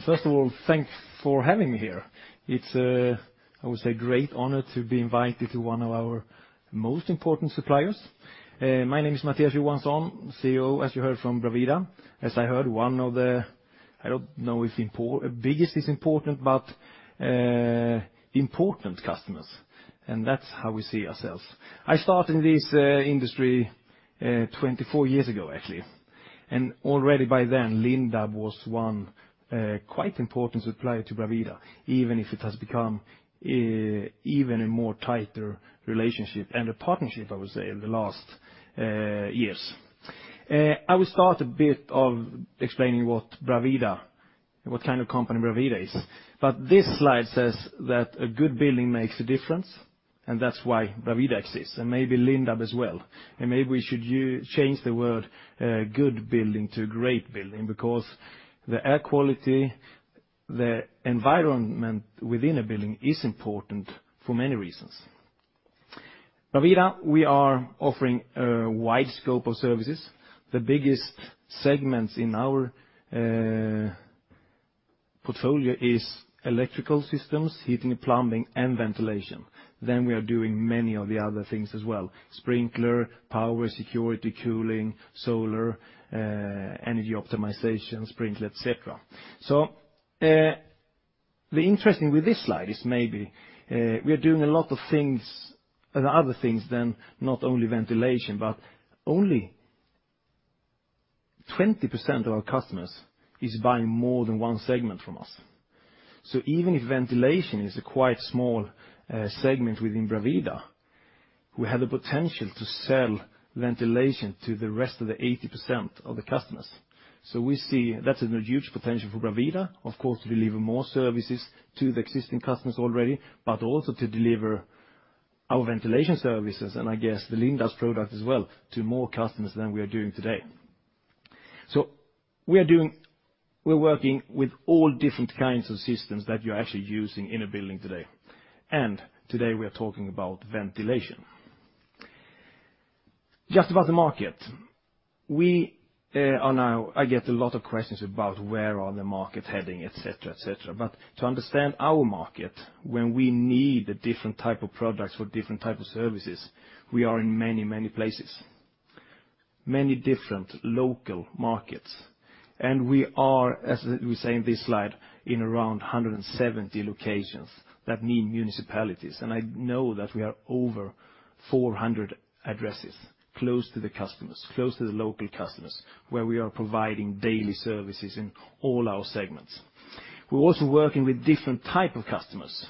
First of all, thanks for having me here. It's, I would say, great honor to be invited to one of our most important suppliers. My name is Mattias Johansson, CEO, as you heard, from Bravida. As I heard, one of the, I don't know if biggest is important, but, important customers, and that's how we see ourselves. I started in this, industry, 24 years ago, actually. Already by then, Lindab was one, quite important supplier to Bravida, even if it has become even a more tighter relationship and a partnership, I would say, in the last, years. I will start a bit of explaining what Bravida, what kind of company Bravida is. This slide says that a good building makes a difference, and that's why Bravida exists, and maybe Lindab as well. Maybe we should change the word good building to great building because the air quality, the environment within a building is important for many reasons. Bravida, we are offering a wide scope of services. The biggest segments in our portfolio is electrical systems, heating, plumbing, and ventilation. We are doing many of the other things as well: sprinkler, power, security, cooling, solar, energy optimization, et cetera. The interesting with this slide is maybe we are doing a lot of things, other things than not only ventilation, but only 20% of our customers is buying more than one segment from us. Even if ventilation is a quite small segment within Bravida, we have the potential to sell ventilation to the rest of the 80% of the customers. We see that's a huge potential for Bravida, of course, to deliver more services to the existing customers already, but also to deliver our ventilation services, and I guess the Lindab's product as well, to more customers than we are doing today. We're working with all different kinds of systems that you're actually using in a building today. Today we are talking about ventilation. Just about the market. We are now. I get a lot of questions about where the market is heading, et cetera, et cetera. To understand our market, when we need a different type of products for different type of services, we are in many, many places, many different local markets. We are, as we say in this slide, in around 170 locations. That means municipalities. I know that we are over 400 addresses close to the customers, close to the local customers, where we are providing daily services in all our segments. We're also working with different type of customers.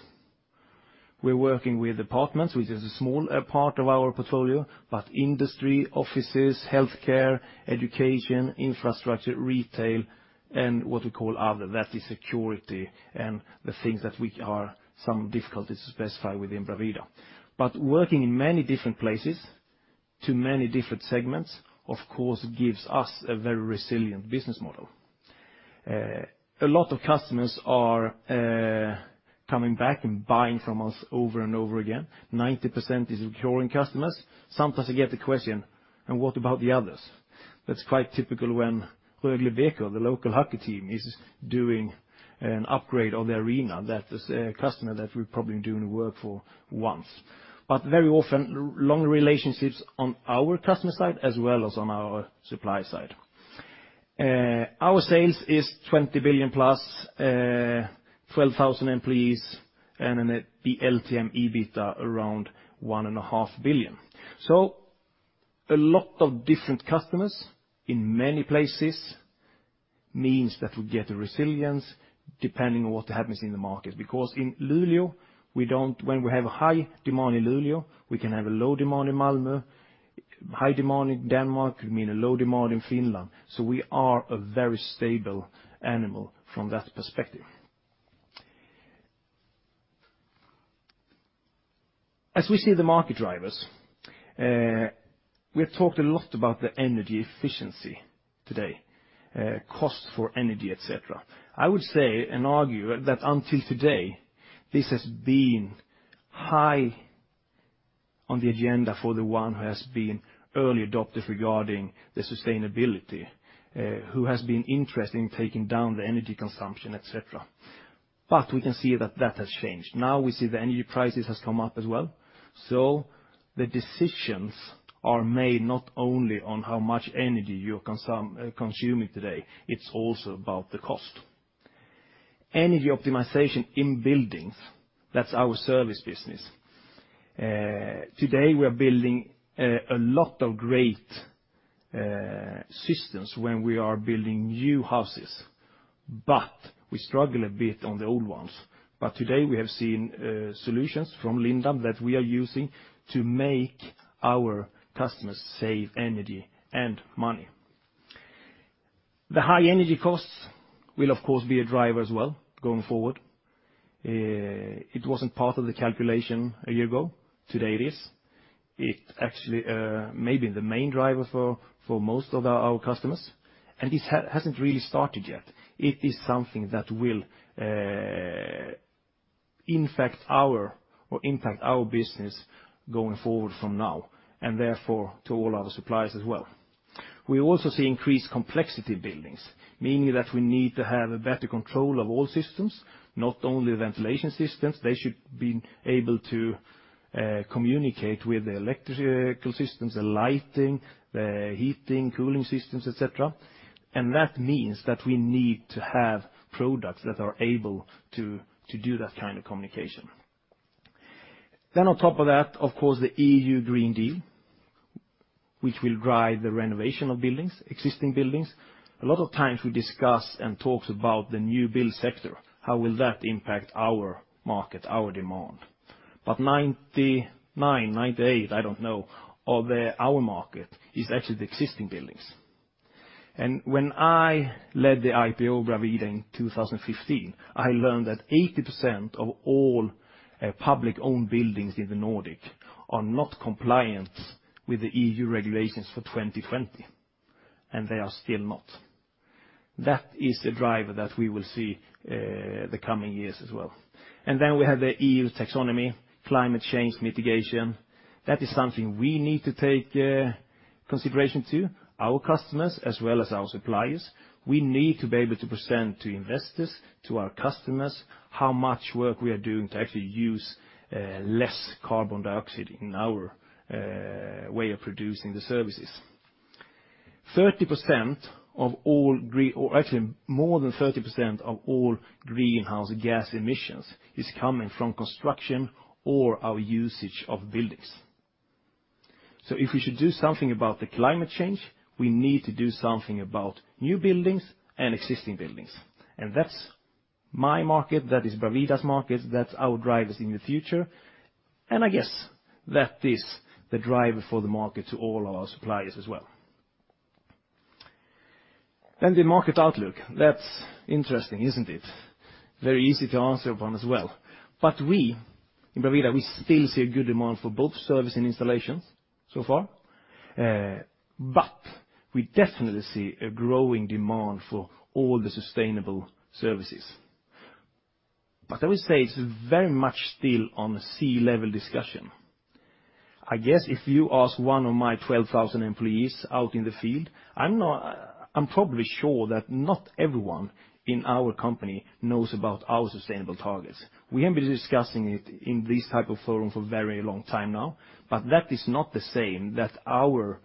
We're working with apartments, which is a small, part of our portfolio, but industry, offices, healthcare, education, infrastructure, retail, and what we call other, that is security and the things that we are some difficulties to specify within Bravida. Working in many different places to many different segments, of course, gives us a very resilient business model. A lot of customers are, coming back and buying from us over and over again. 90% is recurring customers. Sometimes I get the question, "And what about the others?" That's quite typical when Rögle BK, the local hockey team, is doing an upgrade of the arena that is a customer that we're probably doing the work for once. Very often, long relationships on our customer side as well as on our supply side. Our sales is 20 billion+, 12,000 employees and the LTM EBITDA around 1.5 billion. A lot of different customers in many places means that we get a resilience depending on what happens in the market. Because in Luleå, when we have a high demand in Luleå, we can have a low demand in Malmö, high demand in Denmark, meaning a low demand in Finland. We are a very stable animal from that perspective. As we see the market drivers, we have talked a lot about the energy efficiency today, cost for energy, et cetera. I would say and argue that until today, this has been high on the agenda for the one who has been early adopters regarding the sustainability, who has been interested in taking down the energy consumption, et cetera. We can see that that has changed. Now we see the energy prices has come up as well. The decisions are made not only on how much energy you're consuming today, it's also about the cost. Energy optimization in buildings, that's our service business. Today, we're building a lot of great systems when we are building new houses, but we struggle a bit on the old ones. Today, we have seen solutions from Lindab that we are using to make our customers save energy and money. The high energy costs will of course be a driver as well going forward. It wasn't part of the calculation a year ago, today it is. It actually may be the main driver for most of our customers, and this hasn't really started yet. It is something that will impact our business going forward from now and therefore to all our suppliers as well. We also see increased complexity in buildings, meaning that we need to have a better control of all systems, not only ventilation systems. They should be able to communicate with the electrical systems, the lighting, the heating, cooling systems, et cetera. That means that we need to have products that are able to do that kind of communication. On top of that, of course, the European Green Deal, which will drive the renovation of buildings, existing buildings. A lot of times we discuss and talks about the new build sector, how will that impact our market, our demand? 99%, 98%, I don't know, of our market is actually the existing buildings. When I led the IPO Bravida in 2015, I learned that 80% of all public-owned buildings in the Nordic are not compliant with the EU regulations for 2020, and they are still not. That is a driver that we will see the coming years as well. We have the EU Taxonomy, climate change mitigation. That is something we need to take into consideration to our customers, as well as our suppliers. We need to be able to present to investors, to our customers, how much work we are doing to actually use less carbon dioxide in our way of producing the services. 30% of all or actually more than 30% of all greenhouse gas emissions is coming from construction or our usage of buildings. If we should do something about the climate change, we need to do something about new buildings and existing buildings. That's my market, that is Bravida's market, that's our drivers in the future. I guess that is the driver for the market to all our suppliers as well. The market outlook. That's interesting, isn't it? Very easy to answer upon as well. We, in Bravida, we still see a good demand for both service and installations so far. We definitely see a growing demand for all the sustainable services. I would say it's very much still on C-level discussion. I guess if you ask one of my 12,000 employees out in the field, I'm probably sure that not everyone in our company knows about our sustainable targets. We have been discussing it in this type of forum for a very long time now, but that is not the same that all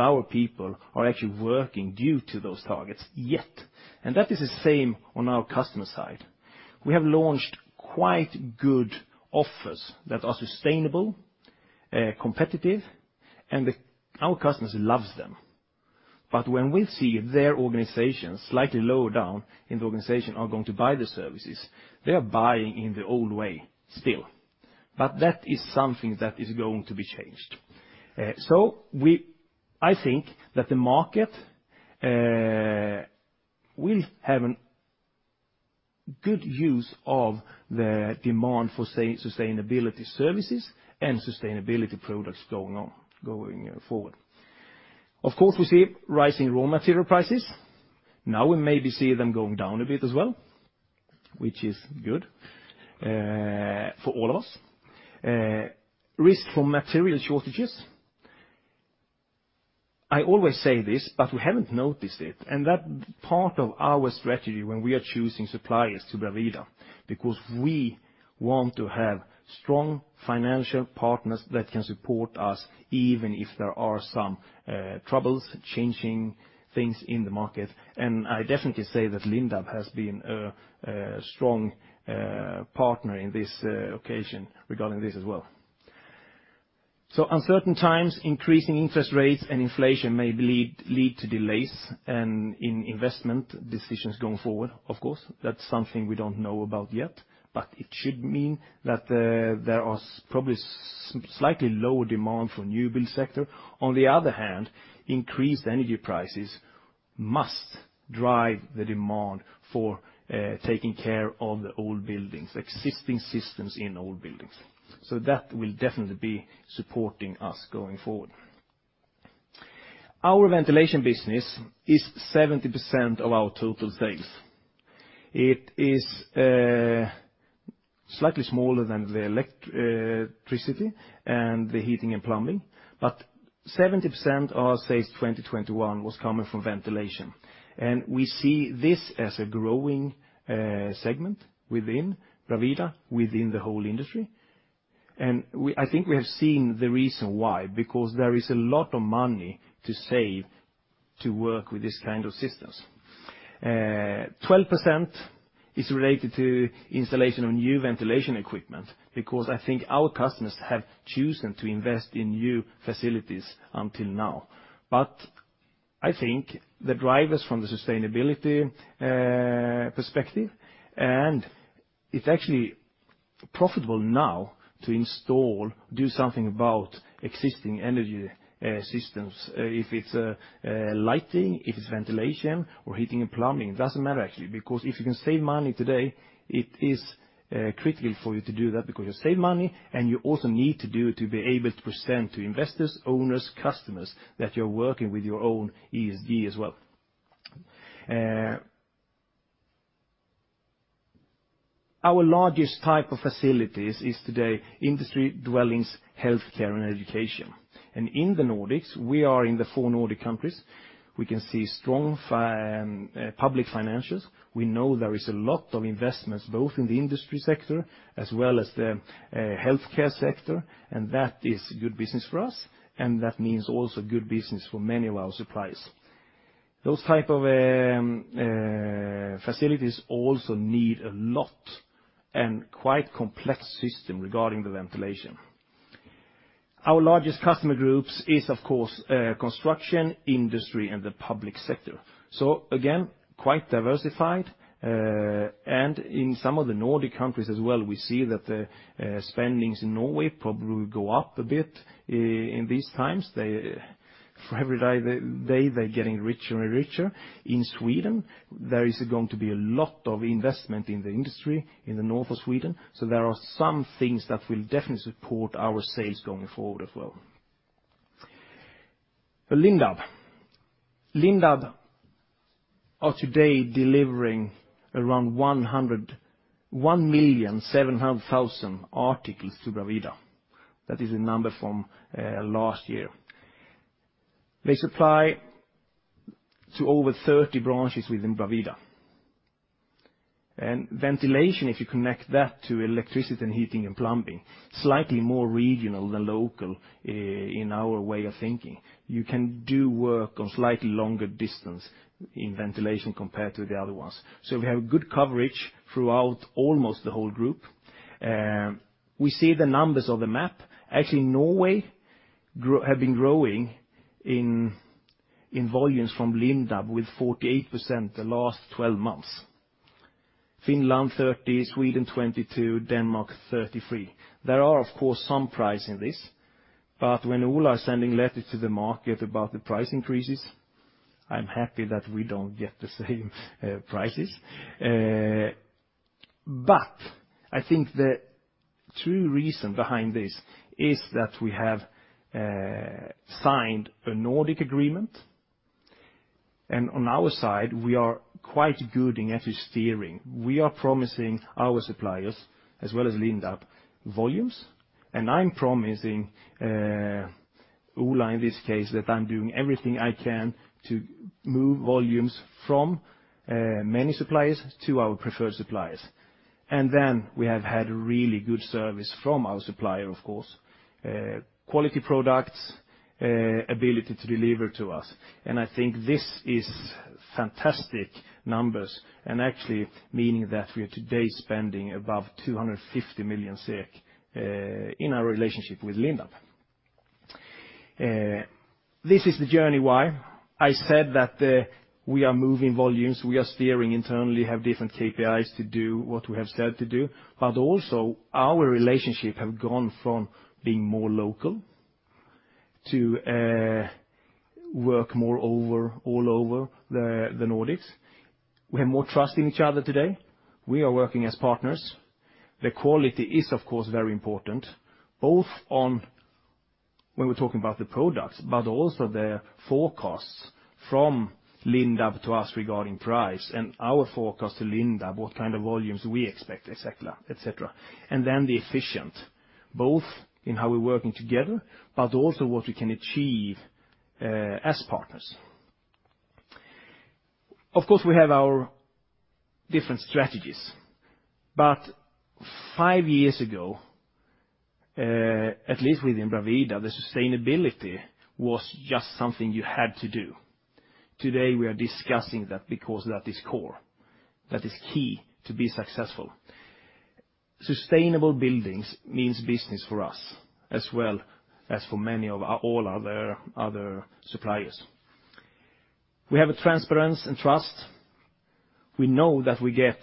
our people are actually working due to those targets yet. That is the same on our customer side. We have launched quite good offers that are sustainable, competitive, and our customers loves them. When we see their organizations slightly lower down in the organization are going to buy the services, they are buying in the old way still. That is something that is going to be changed. I think that the market will have a good use of the demand for sustainability services and sustainability products going forward. Of course, we see rising raw material prices. Now we maybe see them going down a bit as well, which is good for all of us. Risk from material shortages. I always say this, but we haven't noticed it, and that part of our strategy when we are choosing suppliers to Bravida, because we want to have strong financial partners that can support us even if there are some troubles changing things in the market. I definitely say that Lindab has been a strong partner in this occasion regarding this as well. Uncertain times, increasing interest rates and inflation may lead to delays in investment decisions going forward, of course. That's something we don't know about yet, but it should mean that there are probably slightly lower demand for new build sector. On the other hand, increased energy prices must drive the demand for taking care of the old buildings, existing systems in old buildings. That will definitely be supporting us going forward. Our ventilation business is 70% of our total sales. It is slightly smaller than the electricity and the heating and plumbing, but 70% of sales 2021 was coming from ventilation. We see this as a growing segment within Bravida, within the whole industry. I think we have seen the reason why, because there is a lot of money to save to work with these kind of systems. 12% is related to installation of new ventilation equipment, because I think our customers have chosen to invest in new facilities until now. I think the drivers from the sustainability perspective, and it's actually profitable now to install, do something about existing energy systems. If it's lighting, if it's ventilation or heating and plumbing, it doesn't matter actually, because if you can save money today, it is critical for you to do that because you save money and you also need to do to be able to present to investors, owners, customers that you're working with your own ESG as well. Our largest type of facilities is today industry, dwellings, healthcare, and education. In the Nordics, we are in the four Nordic countries. We can see strong public finances. We know there is a lot of investments, both in the industry sector as well as the healthcare sector, and that is good business for us, and that means also good business for many of our suppliers. Those type of facilities also need a lot and quite complex system regarding the ventilation. Our largest customer groups is of course construction, industry, and the public sector. Again, quite diversified, and in some of the Nordic countries as well, we see that the spending in Norway probably will go up a bit in these times. For every day, they're getting richer and richer. In Sweden, there is going to be a lot of investment in the industry in the north of Sweden. There are some things that will definitely support our sales going forward as well. Lindab are today delivering around 1,700,000 articles to Bravida. That is a number from last year. They supply to over 30 branches within Bravida. Ventilation, if you connect that to electricity and heating and plumbing, slightly more regional than local in our way of thinking. You can do work on slightly longer distance in ventilation compared to the other ones. We have good coverage throughout almost the whole group. We see the numbers on the map. Actually, Norway have been growing in volumes from Lindab with 48% the last 12 months. Finland, 30%, Sweden, 22%, Denmark, 33%. There are of course some price in this, but when all are sending letters to the market about the price increases, I'm happy that we don't get the same prices. I think the true reason behind this is that we have signed a Nordic agreement. On our side, we are quite good in active steering. We are promising our suppliers, as well as Lindab, volumes. I'm promising Ola in this case that I'm doing everything I can to move volumes from many suppliers to our preferred suppliers. Then we have had really good service from our supplier, of course, quality products, ability to deliver to us. I think this is fantastic numbers and actually meaning that we are today spending above 250 million SEK in our relationship with Lindab. This is the journey why I said that, we are moving volumes, we are steering internally, have different KPIs to do what we have said to do, but also our relationship have gone from being more local to work more over all over the Nordics. We have more trust in each other today. We are working as partners. The quality is, of course, very important, both on when we're talking about the products, but also the forecasts from Lindab to us regarding price and our forecast to Lindab, what kind of volumes we expect, et cetera. Then the efficiency, both in how we're working together, but also what we can achieve as partners. Of course, we have our different strategies, but five years ago, at least within Bravida, the sustainability was just something you had to do. Today, we are discussing that because that is core. That is key to be successful. Sustainable buildings means business for us, as well as for many of our all other suppliers. We have a transparency and trust. We know that we get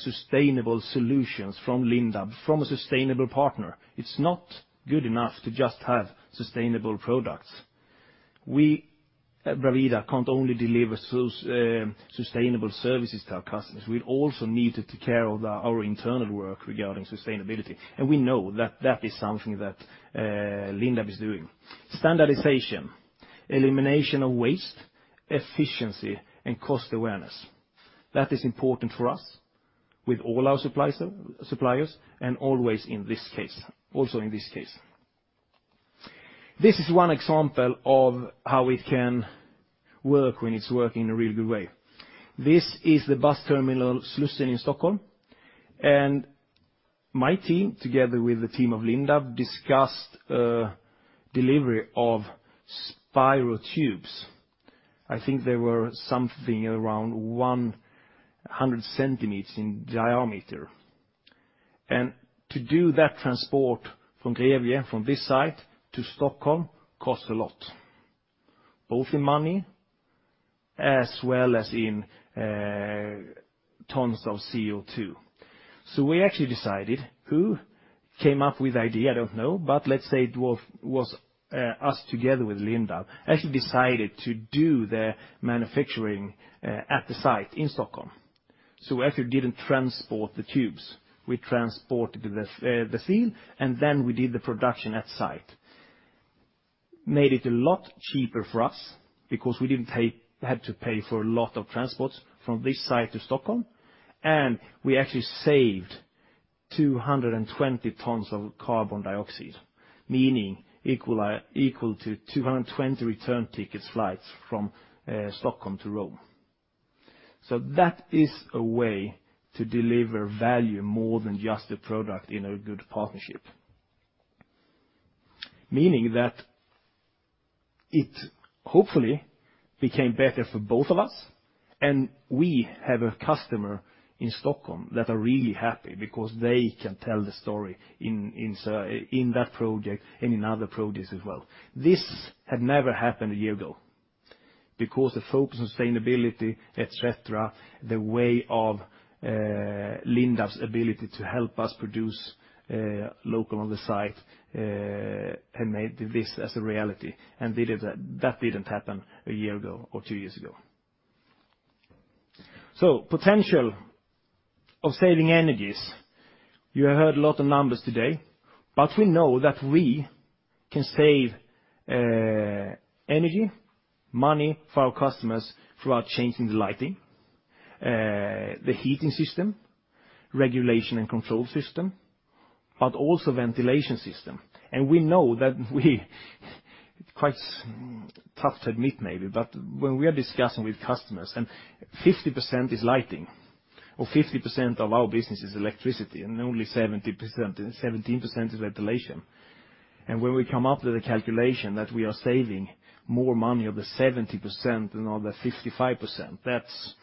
sustainable solutions from Lindab, from a sustainable partner. It's not good enough to just have sustainable products. We at Bravida can't only deliver sustainable services to our customers, we also need to take care of our internal work regarding sustainability, and we know that that is something that Lindab is doing. Standardization, elimination of waste, efficiency and cost awareness. That is important for us with all our suppliers and always in this case also in this case. This is one example of how it can work when it's working in a really good way. This is the bus terminal Slussen in Stockholm and my team, together with the team of Lindab, discussed delivery of spiral tubes. I think they were something around 100 centimeters in diameter. To do that transport from Grevie, from this site to Stockholm costs a lot, both in money as well as in tons of CO₂. We actually decided, who came up with the idea, I don't know, but let's say it was us together with Lindab, actually decided to do the manufacturing at the site in Stockholm. We actually didn't transport the tubes. We transported the steel, and then we did the production at site. Made it a lot cheaper for us because we had to pay for a lot of transports from this site to Stockholm, and we actually saved 220 tons of carbon dioxide, meaning equal to 220 return ticket flights from Stockholm to Rome. That is a way to deliver value more than just a product in a good partnership. Meaning that it hopefully became better for both of us, and we have a customer in Stockholm that are really happy because they can tell the story in that project and in other projects as well. This had never happened a year ago because the focus on sustainability, et cetera, the way of Lindab's ability to help us produce local on the site had made this as a reality, and that didn't happen a year ago or two years ago. Potential of saving energies. You have heard a lot of numbers today, but we know that we can save energy, money for our customers through our changing the lighting, the heating system, regulation and control system, but also ventilation system. We know that it's quite tough to admit maybe, but when we are discussing with customers and 50% is lighting or 50% of our business is electricity and only 17% is ventilation. When we come up with a calculation that we are saving more money on the 70% than on the 55%, that's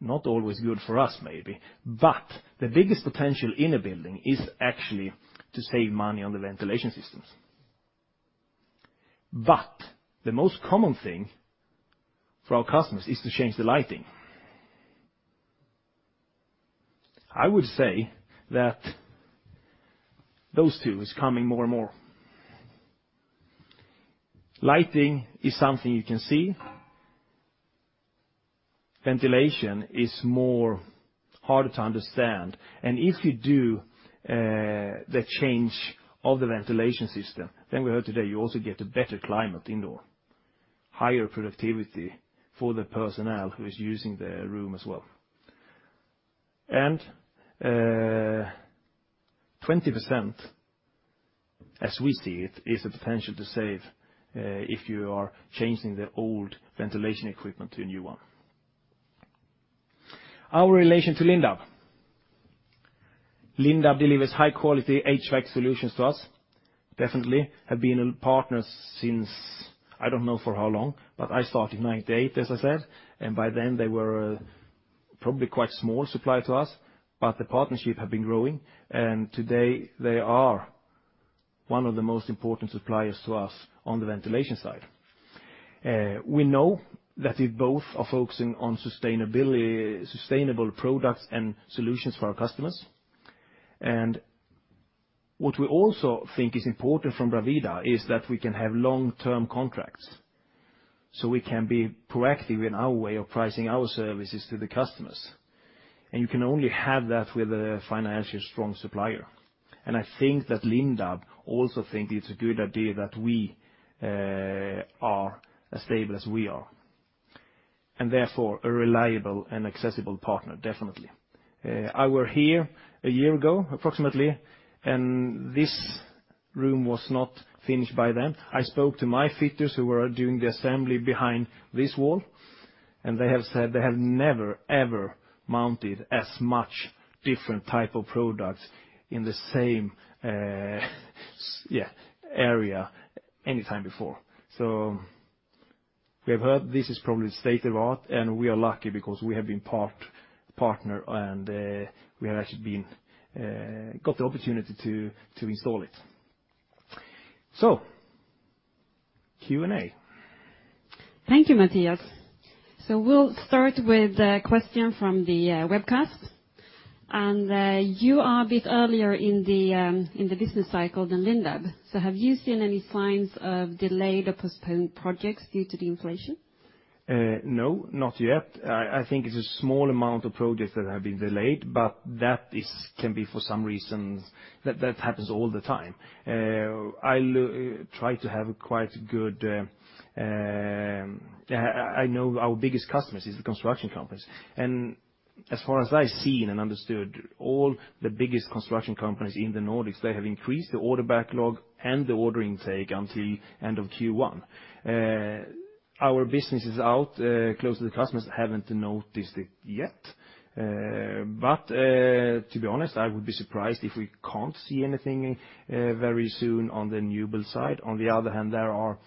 not always good for us maybe. The biggest potential in a building is actually to save money on the ventilation systems. The most common thing for our customers is to change the lighting. I would say that those two is coming more and more. Lighting is something you can see. Ventilation is more harder to understand. If you do the change of the ventilation system, then we heard today you also get a better climate indoor, higher productivity for the personnel who is using the room as well. 20%, as we see it, is the potential to save if you are changing the old ventilation equipment to a new one. Our relation to Lindab. Lindab delivers high quality HVAC solutions to us, definitely. Have been partners since, I don't know for how long, but I started 1998, as I said, and by then they were probably quite small supplier to us, but the partnership have been growing and today they are one of the most important suppliers to us on the ventilation side. We know that we both are focusing on sustainability, sustainable products and solutions for our customers. What we also think is important from Bravida is that we can have long-term contracts, so we can be proactive in our way of pricing our services to the customers. You can only have that with a financially strong supplier. I think that Lindab also think it's a good idea that we are as stable as we are, and therefore a reliable and accessible partner, definitely. I were here a year ago, approximately, and this room was not finished by then. I spoke to my fitters who were doing the assembly behind this wall, and they have said they have never, ever mounted as much different type of products in the same area anytime before. We have heard this is probably state of art, and we are lucky because we have been partner and we have actually got the opportunity to install it. So Q&A Thank you, Mattias. We'll start with a question from the webcast. You are a bit earlier in the business cycle than Lindab. Have you seen any signs of delayed or postponed projects due to the inflation? No, not yet. I think it's a small amount of projects that have been delayed, but that can be for some reasons that happens all the time. I try to have quite good, I know our biggest customers is the construction companies. As far as I've seen and understood, all the biggest construction companies in the Nordics, they have increased the order backlog and the order intake until end of Q1. Our businesses close to the customers haven't noticed it yet. To be honest, I would be surprised if we can't see anything very soon on the new build side. On the other hand, there are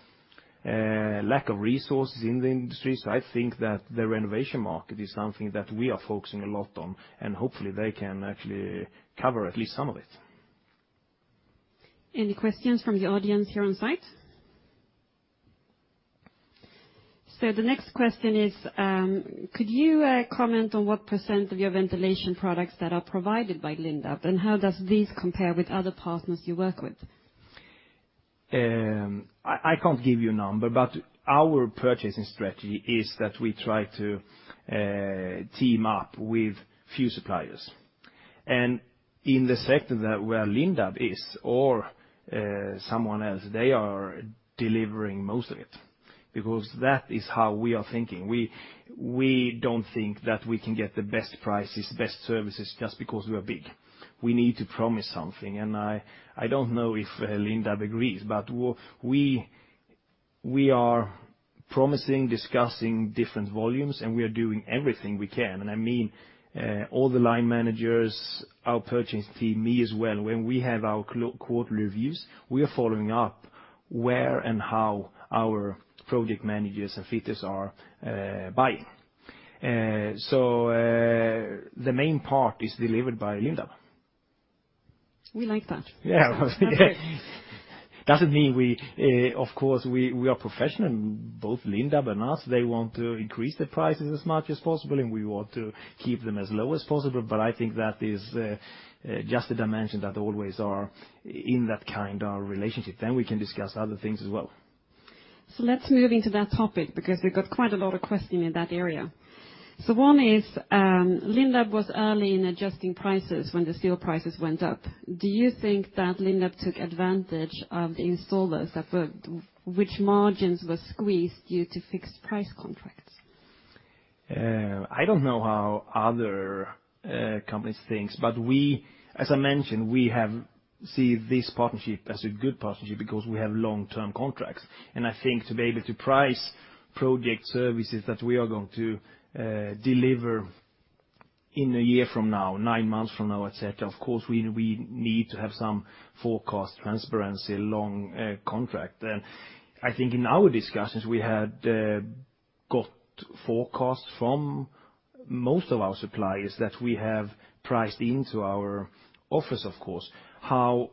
lack of resources in the industry, so I think that the renovation market is something that we are focusing a lot on, and hopefully they can actually cover at least some of it. Any questions from the audience here on site? The next question is, could you comment on what percent of your ventilation products that are provided by Lindab, and how does this compare with other partners you work with? I can't give you a number, but our purchasing strategy is that we try to team up with few suppliers. In the sector that where Lindab is or, someone else, they are delivering most of it because that is how we are thinking. We don't think that we can get the best prices, best services just because we are big. We need to promise something, and I don't know if Lindab agrees, but we are promising, discussing different volumes, and we are doing everything we can. I mean, all the line managers, our purchasing team, me as well, when we have our quarterly reviews, we are following up where and how our project managers and fitters are buying. The main part is delivered by Lindab. We like that. Yeah. Okay. Doesn't mean we. Of course, we are professional, both Lindab and us. They want to increase the prices as much as possible, and we want to keep them as low as possible. I think that is just a dimension that always are in that kind of relationship. We can discuss other things as well. Let's move into that topic because we got quite a lot of questions in that area. One is, Lindab was early in adjusting prices when the steel prices went up. Do you think that Lindab took advantage of the installers whose margins were squeezed due to fixed price contracts? I don't know how other companies think, but we, as I mentioned, have seen this partnership as a good partnership because we have long-term contracts. I think to be able to price project services that we are going to deliver in a year from now, nine months from now, et cetera, of course, we need to have some forecast transparency along contract. I think in our discussions, we had got forecast from most of our suppliers that we have priced into our offers, of course. How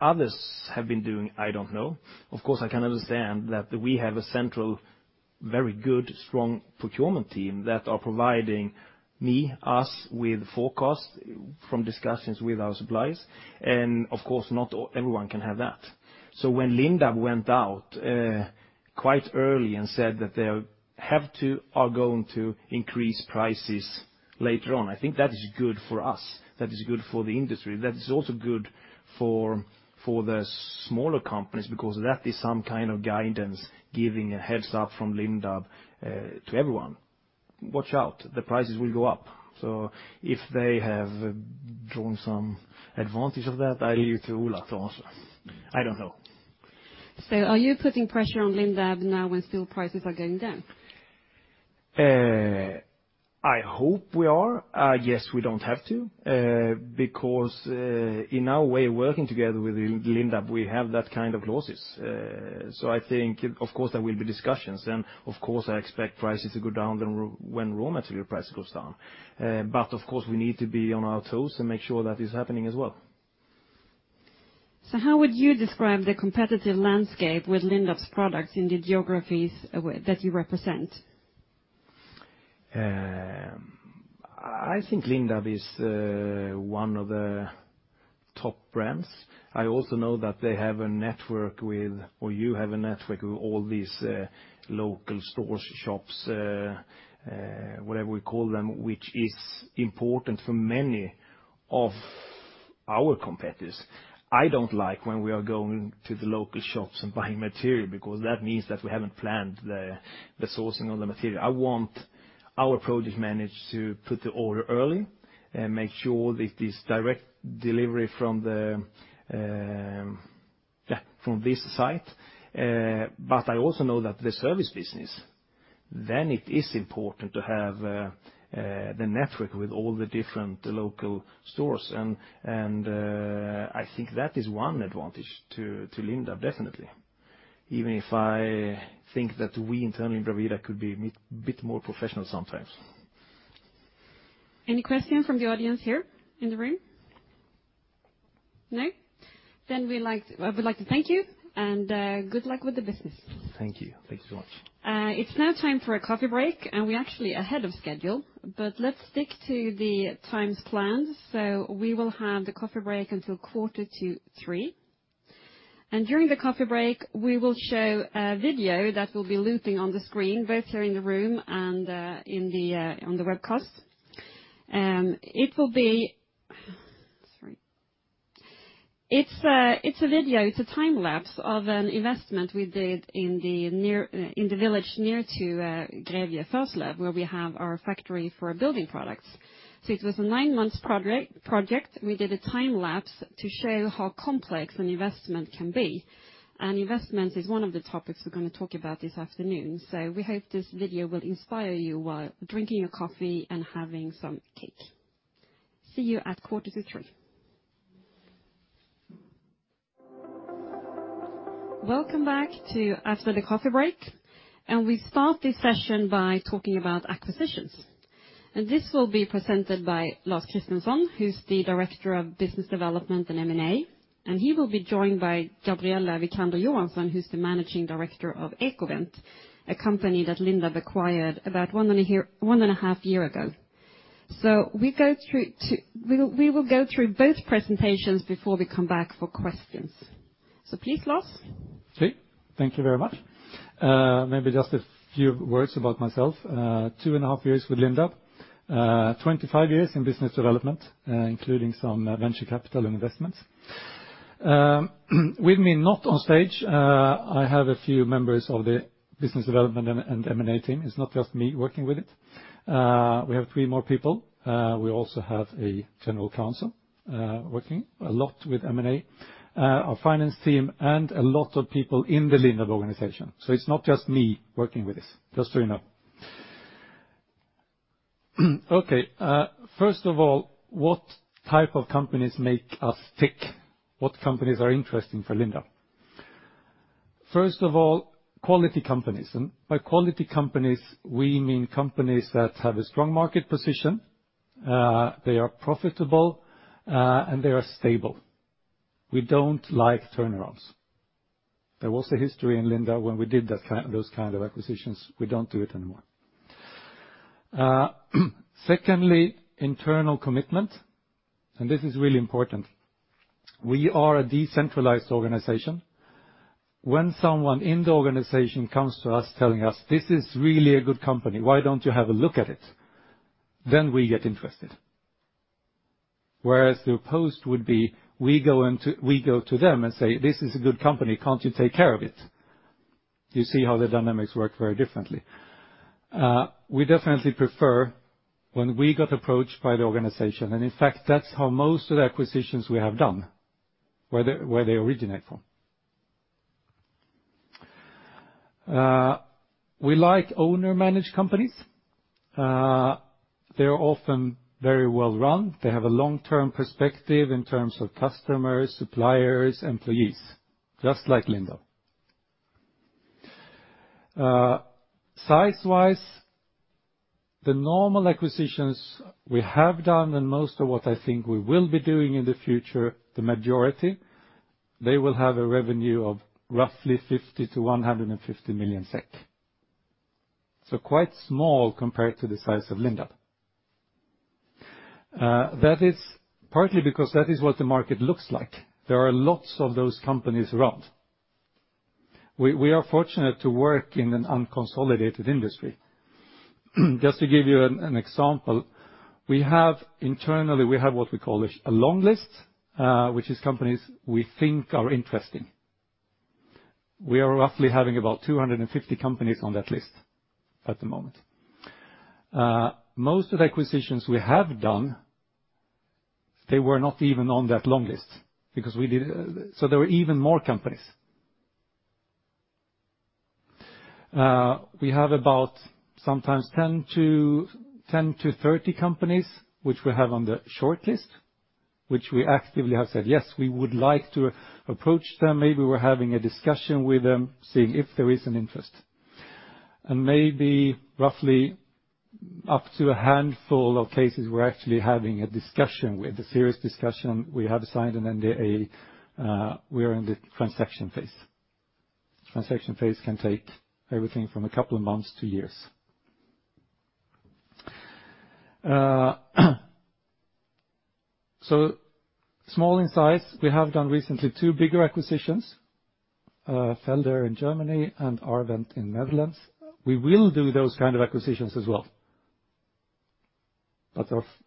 others have been doing, I don't know. Of course, I can understand that we have a central, very good, strong procurement team that is providing us with forecast from discussions with our suppliers. Of course, not everyone can have that. When Lindab went out, quite early and said that they have to or going to increase prices later on, I think that is good for us, that is good for the industry. That is also good for the smaller companies because that is some kind of guidance, giving a heads-up from Lindab, to everyone. Watch out, the prices will go up. If they have drawn some advantage of that, I leave to Ola to answer. I don't know. Are you putting pressure on Lindab now when steel prices are going down? I hope we are. Yes, we don't have to, because in our way of working together with Lindab, we have that kind of clauses. I think, of course, there will be discussions. Of course, I expect prices to go down when raw material price goes down. Of course, we need to be on our toes and make sure that is happening as well. How would you describe the competitive landscape with Lindab's products in the geographies that you represent? I think Lindab is one of the top brands. I also know that you have a network with all these local stores, shops, whatever we call them, which is important for many of our competitors. I don't like when we are going to the local shops and buying material because that means that we haven't planned the sourcing of the material. I want our project managers to put the order early and make sure that it is direct delivery from this site. I also know that the service business, then it is important to have the network with all the different local stores. I think that is one advantage to Lindab, definitely. Even if I think that we internally in Bravida could be a bit more professional sometimes. Any questions from the audience here in the room? No? Then I would like to thank you, and good luck with the business. Thank you. Thank you so much. It's now time for a coffee break, and we're actually ahead of schedule. Let's stick to the times planned, so we will have the coffee break until quarter to three. During the coffee break, we will show a video that will be looping on the screen, both here in the room and on the webcast. It will be a video, it's a time-lapse of an investment we did in the village near to Grevie and Förslöv, where we have our factory for building products. It was a nine-month project. We did a time-lapse to show how complex an investment can be. Investment is one of the topics we're gonna talk about this afternoon. We hope this video will inspire you while drinking your coffee and having some cake. See you at quarter to three. Welcome back after the coffee break, and we start this session by talking about acquisitions. This will be presented by Lars Christensson, who's the Director of Business Development and M&A, and he will be joined by Gabriella Wikander Johansson, who's the Managing Director of Ekovent, a company that Lindab acquired about 1.5 Year ago. We will go through both presentations before we come back for questions. Please, Lars. Okay, thank you very much. Maybe just a few words about myself. Two and a half years with Lindab, 25 years in business development, including some venture capital investments. With me not on stage, I have a few members of the business development and M&A team. It's not just me working with it. We have three more people. We also have a general counsel working a lot with M&A, our finance team and a lot of people in the Lindab organization. It's not just me working with this, just so you know. Okay, first of all, what type of companies make us tick? What companies are interesting for Lindab? First of all, quality companies and by quality companies, we mean companies that have a strong market position, they are profitable, and they are stable. We don't like turnarounds. There was a history in Lindab when we did those kind of acquisitions, we don't do it anymore. Secondly, internal commitment, and this is really important. We are a decentralized organization. When someone in the organization comes to us telling us, "This is really a good company, why don't you have a look at it?" Then we get interested. Whereas the opposite would be, we go to them and say, "This is a good company, can't you take care of it?" You see how the dynamics work very differently. We definitely prefer when we got approached by the organization, and in fact, that's how most of the acquisitions we have done, where they originate from. We like owner-managed companies. They're often very well-run. They have a long-term perspective in terms of customers, suppliers, employees, just like Lindab. Size-wise, the normal acquisitions we have done and most of what I think we will be doing in the future, the majority, they will have a revenue of roughly 50-150 million SEK. Quite small compared to the size of Lindab. That is partly because that is what the market looks like. There are lots of those companies around. We are fortunate to work in an unconsolidated industry. Just to give you an example, we have internally what we call a long list, which is companies we think are interesting. We are roughly having about 250 companies on that list at the moment. Most of the acquisitions we have done, they were not even on that long list because we did. There were even more companies. We have about sometimes 10-30 companies which we have on the short list, which we actively have said: Yes, we would like to approach them. Maybe we're having a discussion with them, seeing if there is an interest. Maybe roughly up to a handful of cases, we're actually having a discussion with, a serious discussion. We have signed an NDA, we are in the transaction phase. Transaction phase can take everything from a couple of months to years. Small in size, we have done recently two bigger acquisitions, Felderer in Germany and R-Vent in the Netherlands. We will do those kind of acquisitions as well.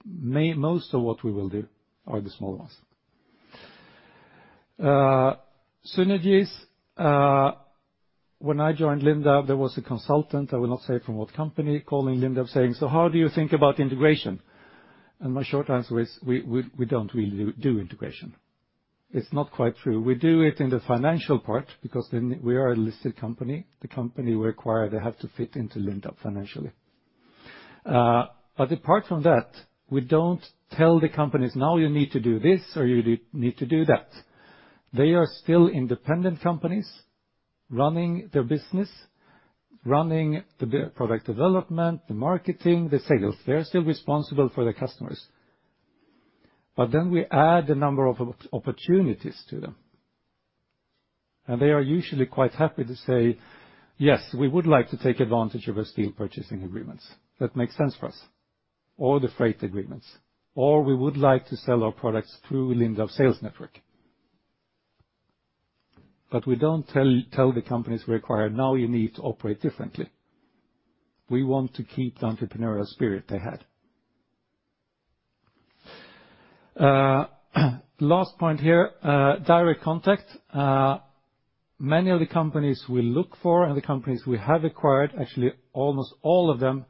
Most of what we will do are the small ones. Synergies, when I joined Lindab, there was a consultant, I will not say from what company, calling Lindab saying, "So how do you think about integration?" My short answer is, "We don't really do integration." It's not quite true. We do it in the financial part because then we are a listed company. The company we acquire, they have to fit into Lindab financially. Apart from that, we don't tell the companies, "Now you need to do this or you need to do that." They are still independent companies running their business, running the product development, the marketing, the sales. They are still responsible for their customers. We add a number of opportunities to them. They are usually quite happy to say, "Yes, we would like to take advantage of a steel purchasing agreements. That makes sense for us, or the freight agreements, or we would like to sell our products through Lindab sales network." We don't tell the companies we acquire, now you need to operate differently. We want to keep the entrepreneurial spirit they had. Last point here, direct contact. Many of the companies we look for and the companies we have acquired, actually almost all of them,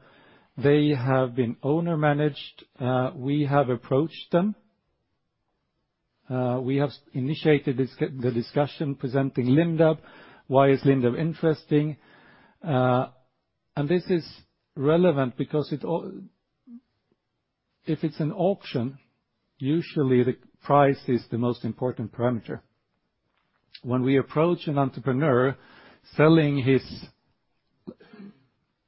they have been owner-managed. We have approached them. We have initiated this discussion presenting Lindab, why is Lindab interesting? This is relevant because it all. If it's an auction, usually the price is the most important parameter. When we approach an entrepreneur selling his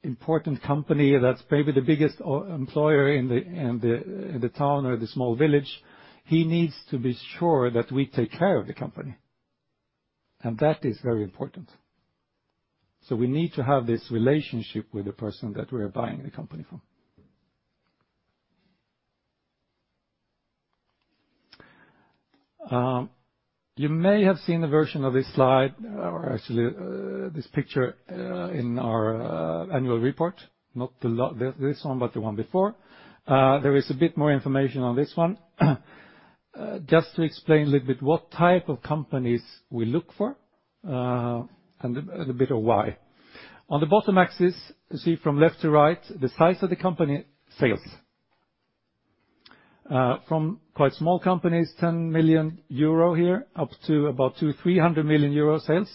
important company that's maybe the biggest employer in the town or the small village, he needs to be sure that we take care of the company, and that is very important. We need to have this relationship with the person that we're buying the company from. You may have seen a version of this slide, or actually, this picture, in our annual report. This one, but the one before. There is a bit more information on this one. Just to explain a little bit what type of companies we look for, and a bit of why. On the bottom axis, you see from left to right, the size of the company sales. From quite small companies, 10 million euro here, up to about 200 million-300 million euro sales.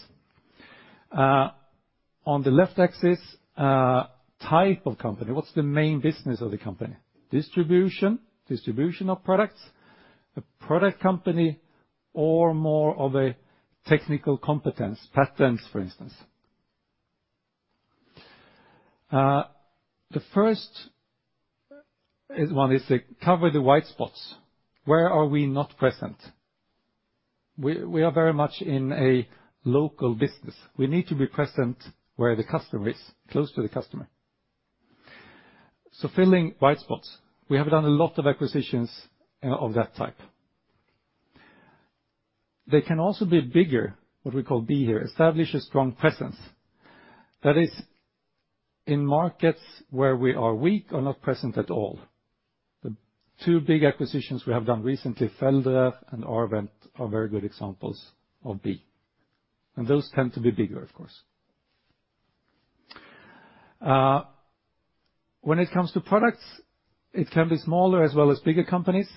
On the left axis, type of company. What's the main business of the company? Distribution. Distribution of products. A product company or more of a technical competence, patents, for instance. One is to cover the white spots. Where are we not present? We are very much in a local business. We need to be present where the customer is, close to the customer. Filling white spots. We have done a lot of acquisitions, of that type. They can also be bigger, what we call B here, establish a strong presence. That is in markets where we are weak or not present at all. The two big acquisitions we have done recently, Felderer and R-Vent, are very good examples of B. Those tend to be bigger, of course. When it comes to products, it can be smaller as well as bigger companies.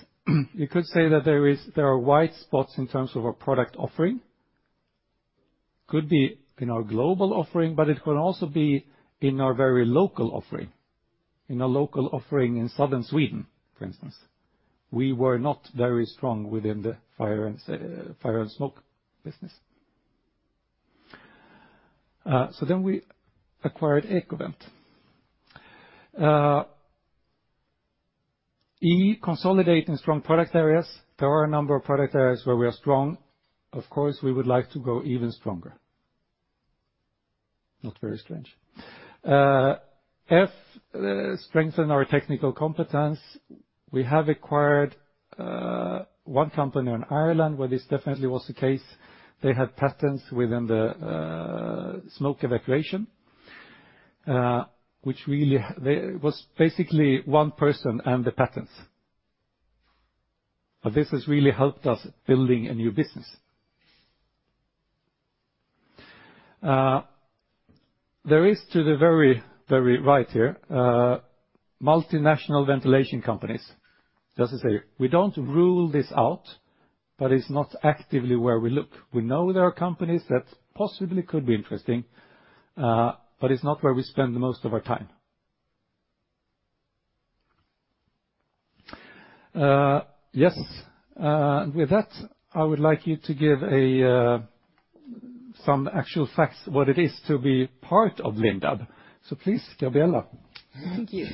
You could say that there are white spots in terms of our product offering. Could be in our global offering, but it could also be in our very local offering. In a local offering in Southern Sweden, for instance. We were not very strong within the fire and smoke business. So then we acquired Ekovent. E, consolidate in strong product areas. There are a number of product areas where we are strong. Of course, we would like to go even stronger. Not very strange. F, strengthen our technical competence. We have acquired one company in Ireland where this definitely was the case. They had patents within the smoke evacuation, which really it was basically one person and the patents. But this has really helped us building a new business. There is to the very, very right here multinational ventilation companies. Just to say, we don't rule this out, but it's not actively where we look. We know there are companies that possibly could be interesting, but it's not where we spend the most of our time. Yes. With that, I would like you to give some actual facts what it is to be part of Lindab. So please, Gabriella. Thank you.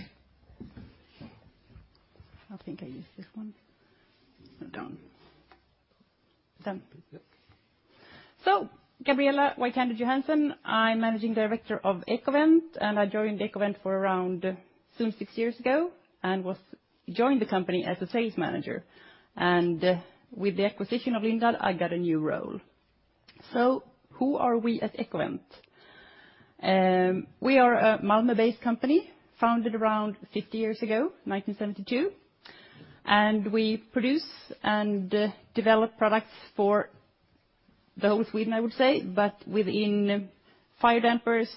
I think I use this one. Done. Yep. Gabriella Wikander Johansson. I'm Managing Director of Ekovent, and I joined Ekovent for around soon six years ago and joined the company as a sales manager. With the acquisition of Lindab, I got a new role. Who are we at Ekovent? We are a Malmö-based company founded around 50 years ago, 1972, and we produce and develop products for the whole Sweden, I would say, but within fire dampers,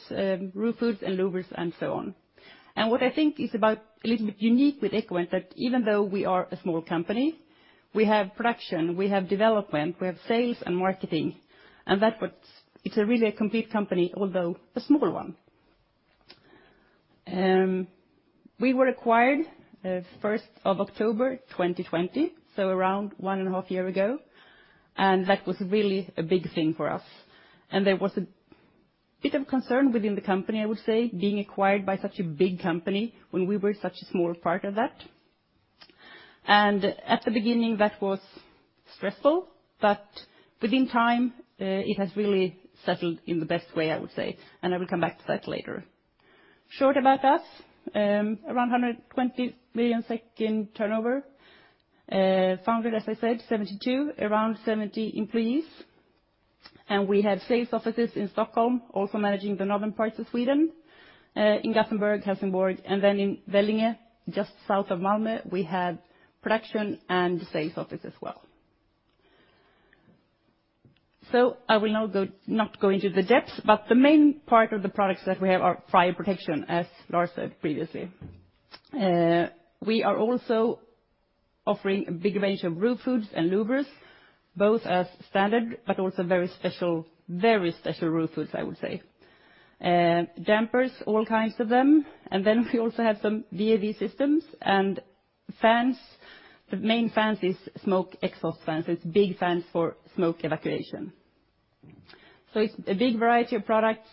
roof hoods and louvers and so on. What I think is about a little bit unique with Ekovent, that even though we are a small company, we have production, we have development, we have sales and marketing. It's a really a complete company, although a small one. We were acquired first of October 2020, so around one 1.5 Year ago, and that was really a big thing for us. There was a bit of concern within the company, I would say, being acquired by such a big company when we were such a small part of that. At the beginning, that was stressful, but within time, it has really settled in the best way, I would say, and I will come back to that later. Short about us, around 120 million SEK in turnover. Founded, as I said, 1972, around 70 employees. We have sales offices in Stockholm, also managing the northern parts of Sweden, in Gothenburg, Helsingborg, and then in Vellinge, just south of Malmö, we have production and sales office as well. I will now not go into the depths, but the main part of the products that we have are fire protection, as Lars said previously. We are also offering a big range of roof hoods and louvers, both as standard but also very special roof hoods, I would say. Dampers, all kinds of them. We also have some VAV systems and fans. The main fans is smoke exhaust fans. It's big fans for smoke evacuation. It's a big variety of products.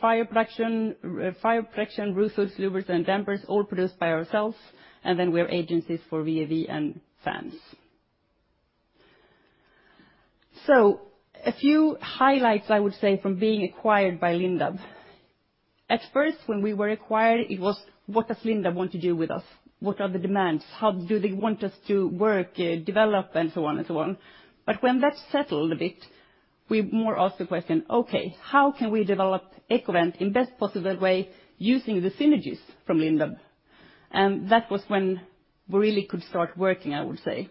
Fire protection, roof hoods, louvers, and dampers, all produced by ourselves. We have agencies for VAV and fans. A few highlights, I would say, from being acquired by Lindab. At first, when we were acquired, it was, "What does Lindab want to do with us? What are the demands? How do they want us to work, develop, and so on and so on?" When that settled a bit, we more asked the question, "Okay, how can we develop Ekovent in best possible way using the synergies from Lindab?" That was when we really could start working, I would say.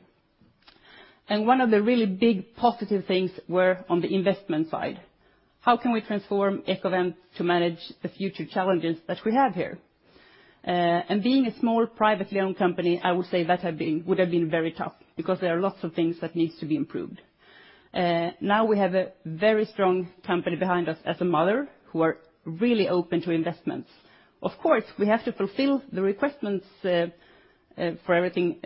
One of the really big positive things were on the investment side. How can we transform Ekovent to manage the future challenges that we have here? Being a small, privately owned company, I would say that would have been very tough because there are lots of things that needs to be improved. Now we have a very strong company behind us as a mother company who are really open to investments. Of course, we have to fulfill the requirements for everything,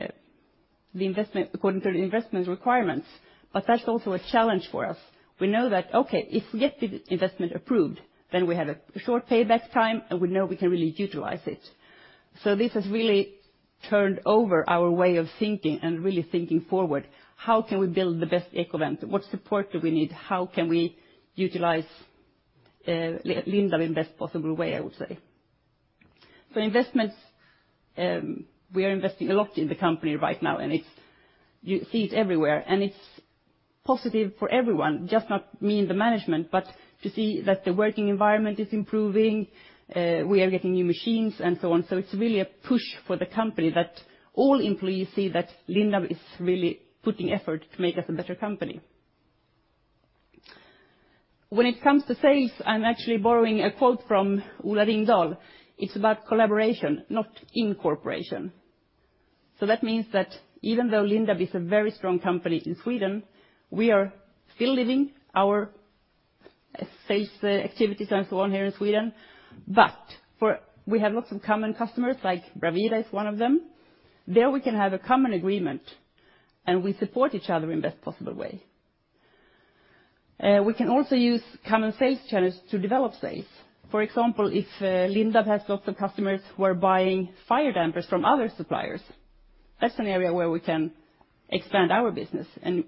the investment according to the investment requirements, but that's also a challenge for us. We know that, okay, if we get the investment approved, then we have a short payback time, and we know we can really utilize it. This has really turned our way of thinking and really thinking forward, how can we build the best Ekovent? What support do we need? How can we utilize Lindab in best possible way, I would say. Investments, we are investing a lot in the company right now, and it's you see it everywhere, and it's positive for everyone, just not me and the management, but to see that the working environment is improving, we are getting new machines, and so on. It's really a push for the company that all employees see that Lindab is really putting effort to make us a better company. When it comes to sales, I'm actually borrowing a quote from Ola Ringdahl. "It's about collaboration, not incorporation." That means that even though Lindab is a very strong company in Sweden, we are still leading our sales activities and so on here in Sweden. But we have lots of common customers, like Bravida is one of them. There, we can have a common agreement, and we support each other in best possible way. We can also use common sales channels to develop sales. For example, if Lindab has lots of customers who are buying fire dampers from other suppliers, that's an area where we can expand our business and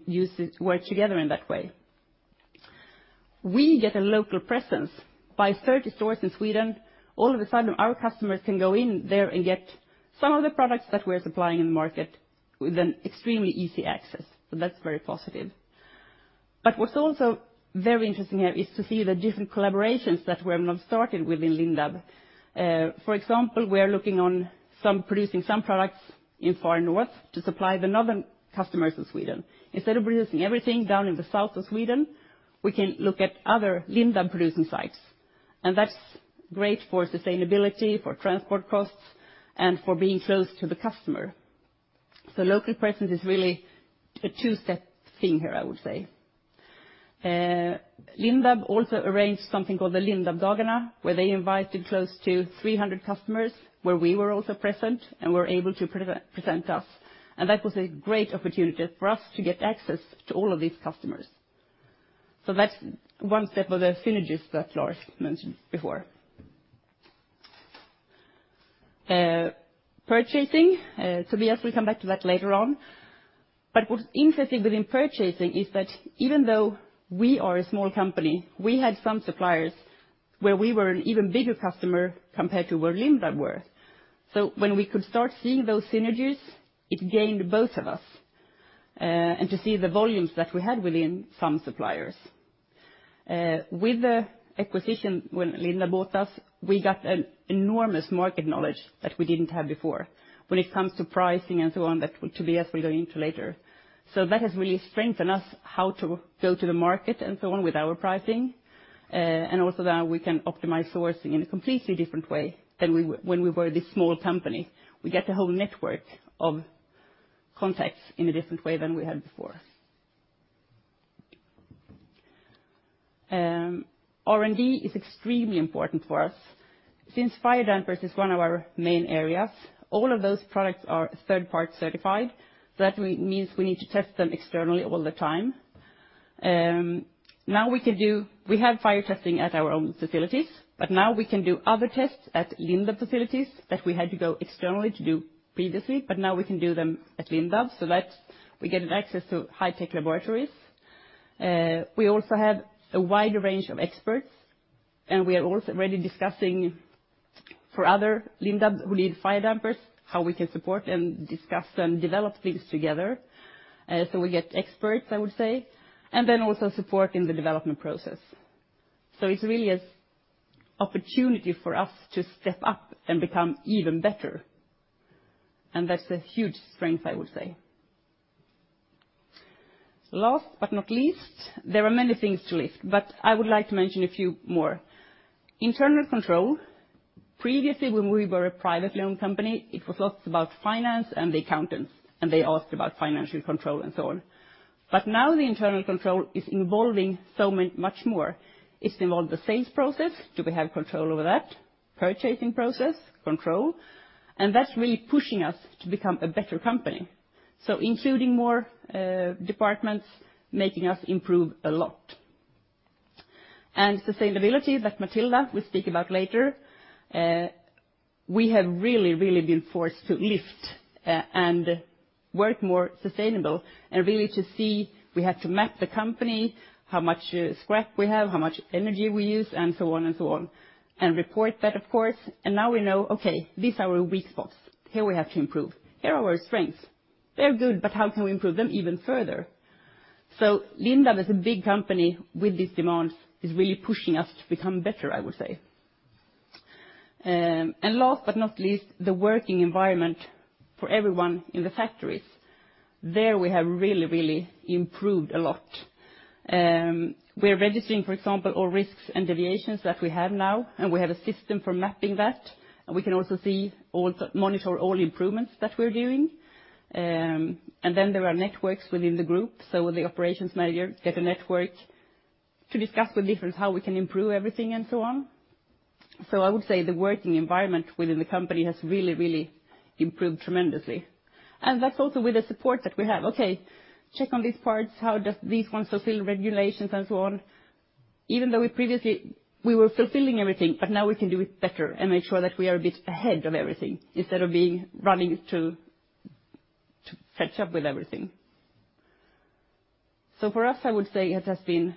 work together in that way. We get a local presence. By 30 stores in Sweden, all of a sudden, our customers can go in there and get some of the products that we are supplying in the market with an extremely easy access. That's very positive. What's also very interesting here is to see the different collaborations that we have now started within Lindab. For example, we are producing some products in far north to supply the northern customers of Sweden. Instead of producing everything down in the south of Sweden, we can look at other Lindab producing sites, and that's great for sustainability, for transport costs, and for being close to the customer. Local presence is really a two-step thing here, I would say. Lindab also arranged something called the Lindab Dagarna, where they invited close to 300 customers, where we were also present and were able to pre-present us. That was a great opportunity for us to get access to all of these customers. That's one step of the synergies that Lars mentioned before. Purchasing, Tobias will come back to that later on. What's interesting within purchasing is that even though we are a small company, we had some suppliers where we were an even bigger customer compared to where Lindab were. When we could start seeing those synergies, it gained both of us, and to see the volumes that we had within some suppliers. With the acquisition, when Lindab bought us, we got an enormous market knowledge that we didn't have before when it comes to pricing and so on that Tobias will go into later. That has really strengthened us how to go to the market and so on with our pricing, and also now we can optimize sourcing in a completely different way than when we were this small company. We get a whole network of contacts in a different way than we had before. R&D is extremely important for us. Since fire dampers is one of our main areas, all of those products are third-party certified. That means we need to test them externally all the time. We have fire testing at our own facilities, but now we can do other tests at Lindab facilities that we had to go externally to do previously, but now we can do them at Lindab, so that we get an access to high-tech laboratories. We also have a wide range of experts, and we are also already discussing for other Lindab who need fire dampers, how we can support and discuss and develop things together. We get experts, I would say, and then also support in the development process. It's really an opportunity for us to step up and become even better, and that's a huge strength, I would say. Last but not least, there are many things to list, but I would like to mention a few more. Internal control. Previously, when we were a privately owned company, it was lots about finance and the accountants, and they asked about financial control and so on. Now the internal control is involving so much more. It involve the sales process, do we have control over that? Purchasing process, control. That's really pushing us to become a better company. Including more departments, making us improve a lot. Sustainability that Matilda will speak about later, we have really, really been forced to lift and work more sustainable and really to see we have to map the company, how much scrap we have, how much energy we use, and so on and so on, and report that, of course. Now we know, okay, these are our weak spots. Here we have to improve. Here are our strengths. They're good, but how can we improve them even further? Lindab as a big company with these demands is really pushing us to become better, I would say. Last but not least, the working environment for everyone in the factories. There, we have really improved a lot. We're registering, for example, all risks and deviations that we have now, and we have a system for mapping that, and we can also monitor all improvements that we're doing. Then there are networks within the group, so the operations manager get a network to discuss with difference how we can improve everything and so on. I would say the working environment within the company has really improved tremendously. That's also with the support that we have. Okay, check on these parts, how does these ones fulfill regulations and so on. Even though we were fulfilling everything, but now we can do it better and make sure that we are a bit ahead of everything instead of being running to catch up with everything. For us, I would say it has been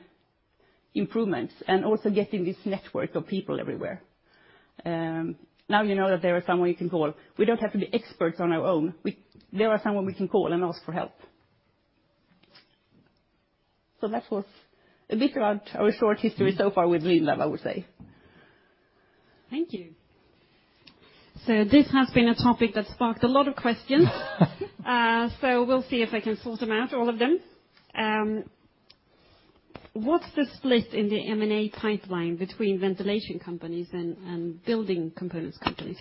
improvements and also getting this network of people everywhere. Now you know that there is someone you can call. We don't have to be experts on our own. There are someone we can call and ask for help. That was a bit about our short history so far with Lindab, I would say. Thank you. This has been a topic that sparked a lot of questions. We'll see if I can sort them out, all of them. What's the split in the M&A pipeline between ventilation companies and building components companies?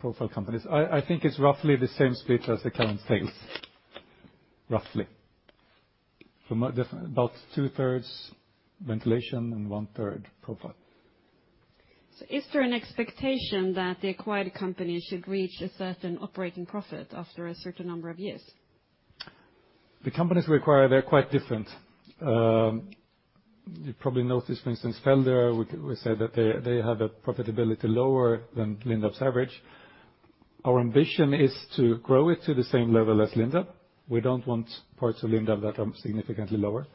Profile Systems. I think it's roughly the same split as the current sales, roughly. About 2/3 ventilation and 1/3 profile. Is there an expectation that the acquired company should reach a certain operating profit after a certain number of years? The companies we acquire, they're quite different. You probably noticed, for instance, Felderer, we said that they have a profitability lower than Lindab's average. Our ambition is to grow it to the same level as Lindab. We don't want parts of Lindab that are significantly lower.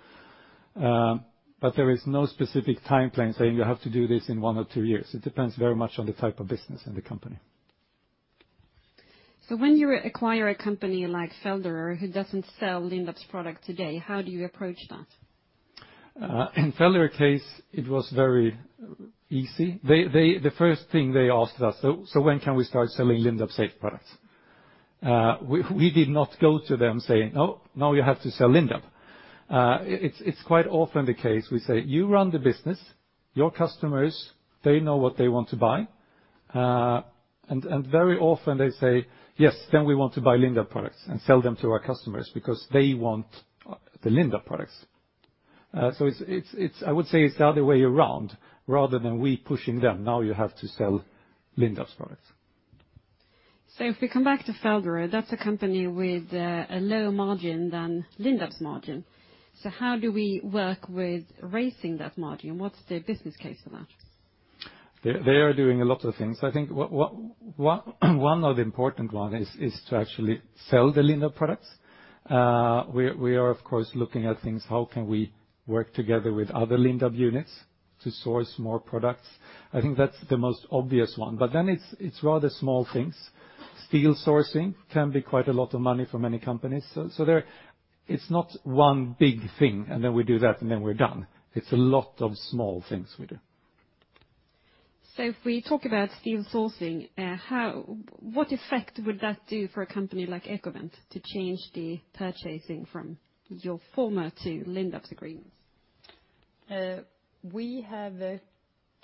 There is no specific timeline saying you have to do this in one or two years. It depends very much on the type of business in the company. When you acquire a company like Felderer who doesn't sell Lindab's product today, how do you approach that? In Felderer case, it was very easy. The first thing they asked us, "So when can we start selling Lindab Safe products?" We did not go to them saying, "No, now you have to sell Lindab." It's quite often the case, we say, "You run the business, your customers, they know what they want to buy." Very often they say, "Yes, then we want to buy Lindab products and sell them to our customers because they want the Lindab products." I would say it's the other way around, rather than we pushing them, "Now you have to sell Lindab's products. If we come back to Felderer, that's a company with a lower margin than Lindab's margin. How do we work with raising that margin? What's the business case for that? They are doing a lot of things. I think one of the important one is to actually sell the Lindab products. We are of course looking at things, how can we work together with other Lindab units to source more products? I think that's the most obvious one. Then it's rather small things. Steel sourcing can be quite a lot of money for many companies. It's not one big thing, and then we do that, and then we're done. It's a lot of small things we do. If we talk about steel sourcing, what effect would that do for a company like Ekovent to change the purchasing from your former to Lindab's agreements? We have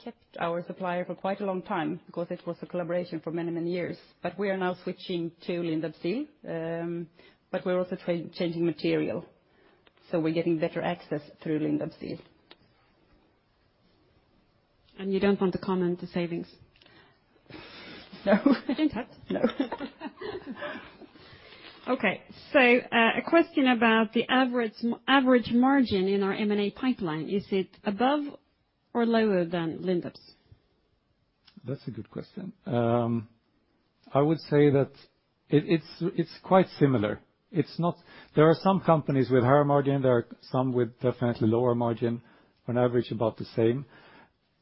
kept our supplier for quite a long time because it was a collaboration for many, many years, but we are now switching to Lindab Steel. We're also changing material, so we're getting better access through Lindab Steel. You don't want to comment on the savings? No. I think that's a no. Okay. A question about the average margin in our M&A pipeline. Is it above or lower than Lindab's? That's a good question. I would say that it's quite similar. It's not. There are some companies with higher margin, there are some with definitely lower margin. On average, about the same.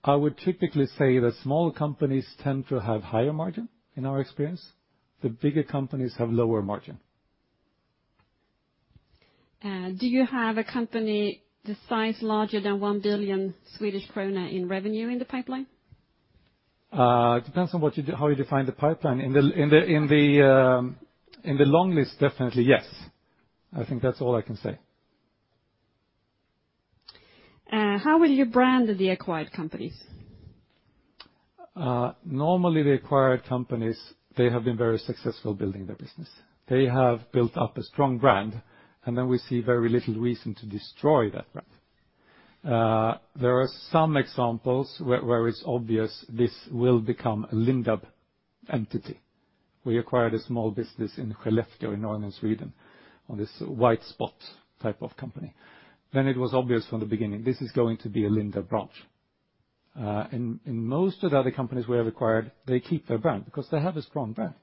I would typically say that small companies tend to have higher margin in our experience. The bigger companies have lower margin. Do you have a company the size larger than 1 billion Swedish kronor in revenue in the pipeline? It depends on how you define the pipeline. In the long list, definitely yes. I think that's all I can say. How will you brand the acquired companies? Normally the acquired companies, they have been very successful building their business. They have built up a strong brand, and then we see very little reason to destroy that brand. There are some examples where it's obvious this will become a Lindab entity. We acquired a small business in Skellefteå in northern Sweden on this white spot type of company. It was obvious from the beginning, this is going to be a Lindab branch. In most of the other companies we have acquired, they keep their brand because they have a strong brand.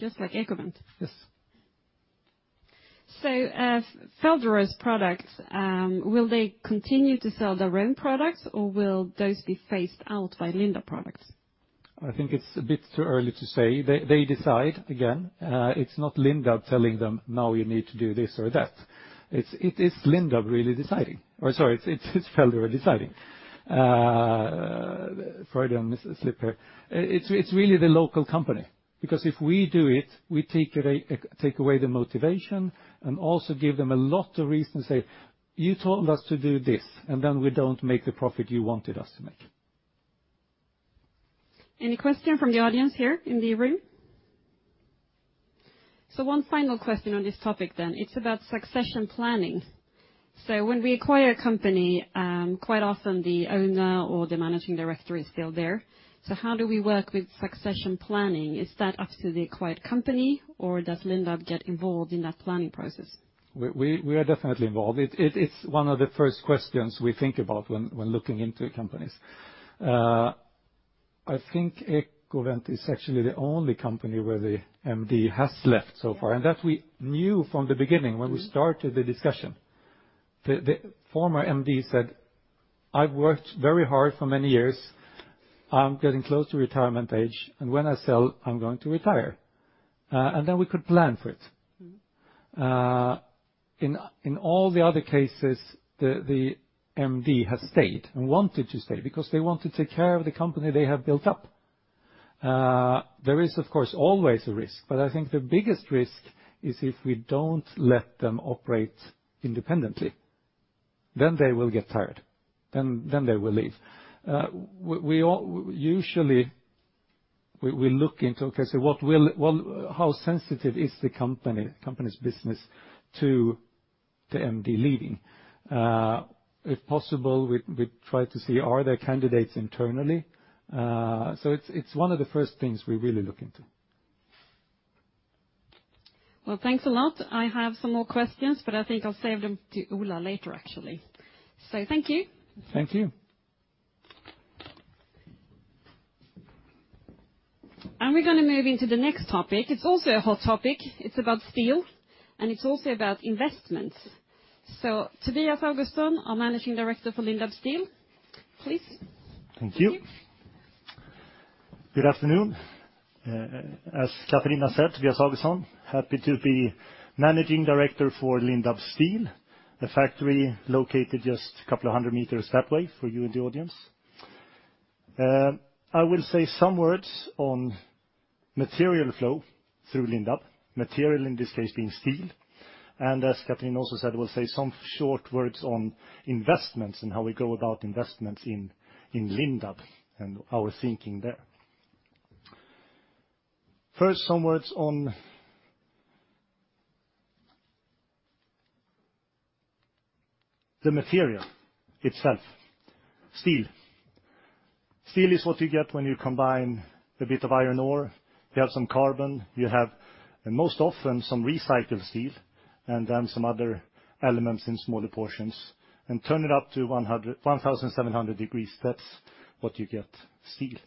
Just like Ekovent. Yes. Felderer's products, will they continue to sell their own products or will those be phased out by Lindab products? I think it's a bit too early to say. They decide, again, it's not Lindab telling them, "Now you need to do this or that." It's Lindab really deciding. Or sorry, it's Felderer deciding. Freudian slip here. It's really the local company because if we do it, we take away the motivation and also give them a lot of reason to say, "You told us to do this, and then we don't make the profit you wanted us to make. Any question from the audience here in the room? One final question on this topic then. It's about succession planning. When we acquire a company, quite often the owner or the managing director is still there. How do we work with succession planning? Is that up to the acquired company or does Lindab get involved in that planning process? We are definitely involved. It's one of the first questions we think about when looking into companies. I think Ekovent is actually the only company where the MD has left so far, and that we knew from the beginning when we started the discussion. The former MD said, "I've worked very hard for many years. I'm getting close to retirement age, and when I sell, I'm going to retire." And then we could plan for it. In all the other cases, the MD has stayed and wanted to stay because they want to take care of the company they have built up. There is of course always a risk, but I think the biggest risk is if we don't let them operate independently, then they will get tired, then they will leave. Usually we look into how sensitive is the company's business to MD leaving? If possible, we try to see are there candidates internally? It's one of the first things we really look into. Well, thanks a lot. I have some more questions, but I think I'll save them to Ola later actually. Thank you. Thank you. We're gonna move into the next topic. It's also a hot topic. It's about steel and it's also about investments. Tobias Augustsson, our Managing Director for Lindab Steel, please. Thank you. Good afternoon. As Catharina said, Tobias Augustsson, happy to be managing director for Lindab Steel, the factory located just a couple of hundred meters that way for you in the audience. I will say some words on material flow through Lindab, material in this case being steel. As Catharina also said, we'll say some short words on investments and how we go about investments in Lindab and our thinking there. First, some words on the material itself, steel. Steel is what you get when you combine a bit of iron ore, you have some carbon, you have most often some recycled steel and then some other elements in smaller portions and turn it up to 1,700 degrees, that's what you get, steel.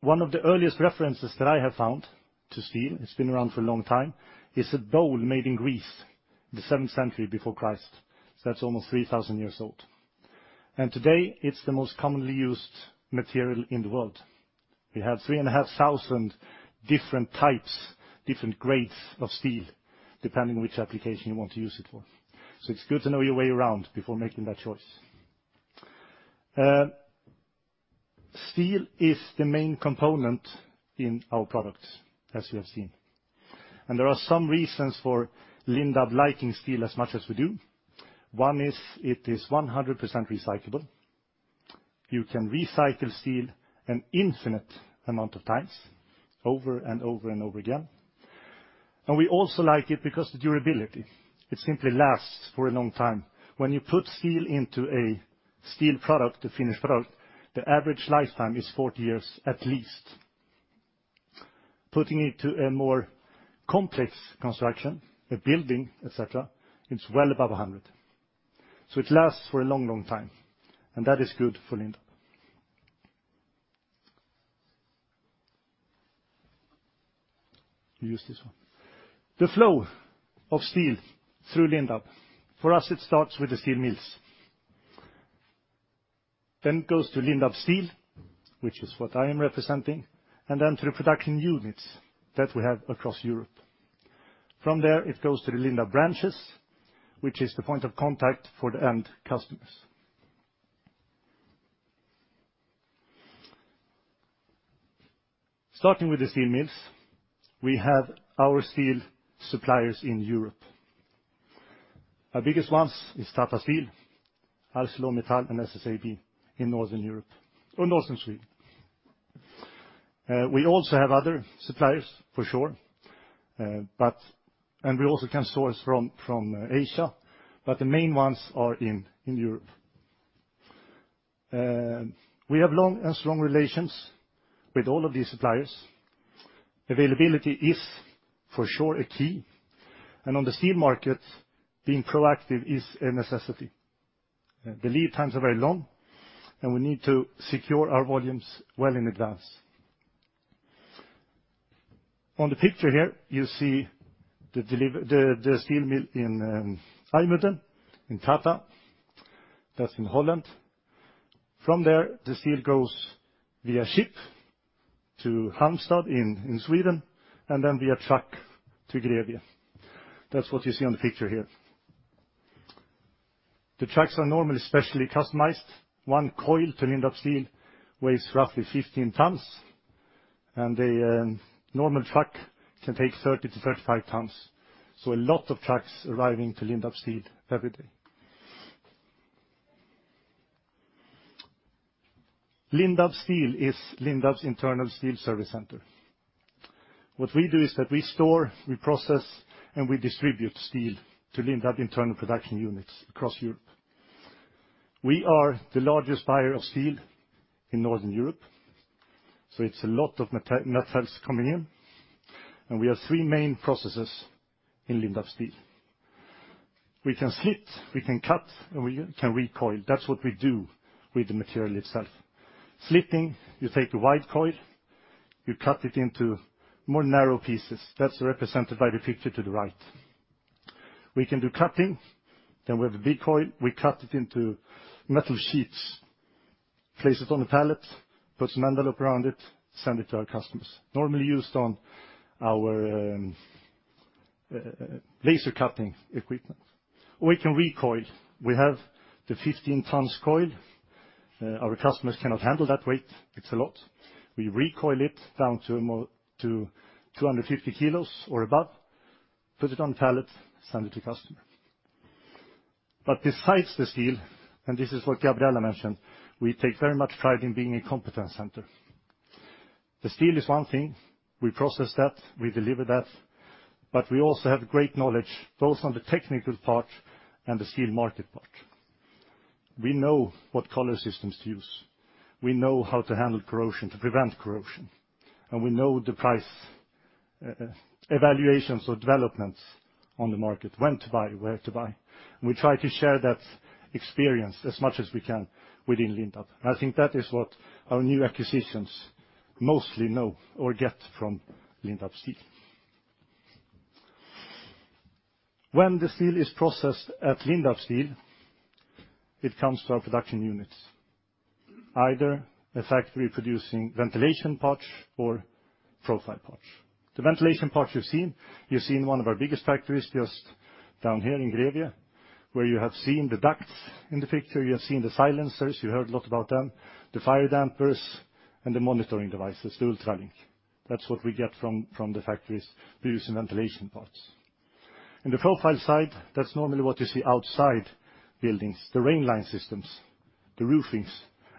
One of the earliest references that I have found to steel, it's been around for a long time, is a bowl made in Greece in the seventh century B.C., so that's almost 3,000 years old. Today it's the most commonly used material in the world. We have 3,500 different types, different grades of steel depending on which application you want to use it for. It's good to know your way around before making that choice. Steel is the main component in our product, as you have seen. There are some reasons for Lindab liking steel as much as we do. One is it is 100% recyclable. You can recycle steel an infinite amount of times over and over and over again. We also like it because the durability. It simply lasts for a long time. When you put steel into a steel product, a finished product, the average lifetime is 40 years at least. Putting it to a more complex construction, a building, et cetera, it's well above 100. It lasts for a long, long time, and that is good for Lindab. We use this one. The flow of steel through Lindab, for us, it starts with the steel mills. Then it goes to Lindab Steel, which is what I am representing, and then to the production units that we have across Europe. From there, it goes to the Lindab branches, which is the point of contact for the end customers. Starting with the steel mills, we have our steel suppliers in Europe. Our biggest ones is Tata Steel, ArcelorMittal, and SSAB in Northern Europe or northern Sweden. We also have other suppliers for sure, but, and we also can source from Asia, but the main ones are in Europe. We have long and strong relations with all of these suppliers. Availability is for sure a key, and on the steel market, being proactive is a necessity. The lead times are very long, and we need to secure our volumes well in advance. On the picture here, you see the steel mill in IJmuiden in Tata. That's in Holland. From there, the steel goes via ship to Halmstad in Sweden and then via truck to Grevie. That's what you see on the picture here. The trucks are normally specially customized. One coil to Lindab Steel weighs roughly 15 tons, and a normal truck can take 30-35 tons, so a lot of trucks arriving to Lindab Steel every day. Lindab Steel is Lindab's internal steel service center. What we do is that we store, we process, and we distribute steel to Lindab internal production units across Europe. We are the largest buyer of steel in Northern Europe, so it's a lot of metal coming in, and we have three main processes in Lindab Steel. We can slit, we can cut, and we can recoil. That's what we do with the material itself. Slitting, you take a wide coil, you cut it into more narrow pieces. That's represented by the picture to the right. We can do cutting. Then we have a big coil. We cut it into metal sheets, place it on a pallet, put some envelope around it, send it to our customers. Normally used on our laser cutting equipment. We can recoil. We have the 15 tons coil. Our customers cannot handle that weight. It's a lot. We recoil it down to 250 kilos or above, put it on pallet, send it to customer. Besides the steel, and this is what Gabriella mentioned, we take very much pride in being a competence center. The steel is one thing. We process that, we deliver that, but we also have great knowledge both on the technical part and the steel market part. We know what color systems to use. We know how to handle corrosion, to prevent corrosion, and we know the price, evaluations or developments on the market, when to buy, where to buy. We try to share that experience as much as we can within Lindab. I think that is what our new acquisitions mostly know or get from Lindab Steel. When the steel is processed at Lindab Steel, it comes to our production units, either a factory producing ventilation parts or profile parts. The ventilation parts you've seen. You've seen one of our biggest factories just down here in Grevie, where you have seen the ducts in the picture. You have seen the silencers. You heard a lot about them. The fire dampers and the monitoring devices, the UltraLink. That's what we get from the factories producing ventilation parts. In the profile side, that's normally what you see outside buildings, the rainwater systems, the roofing,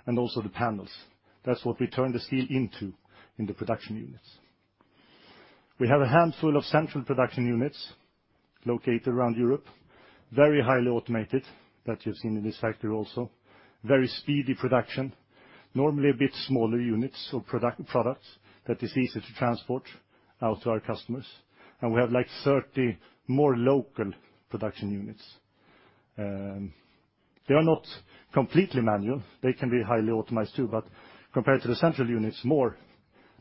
and also the panels. That's what we turn the steel into in the production units. We have a handful of central production units located around Europe, very highly automated. That you've seen in this factory also. Very speedy production, normally a bit smaller units or products that is easy to transport out to our customers. We have, like, 30 more local production units. They are not completely manual. They can be highly optimized too, but compared to the central units, more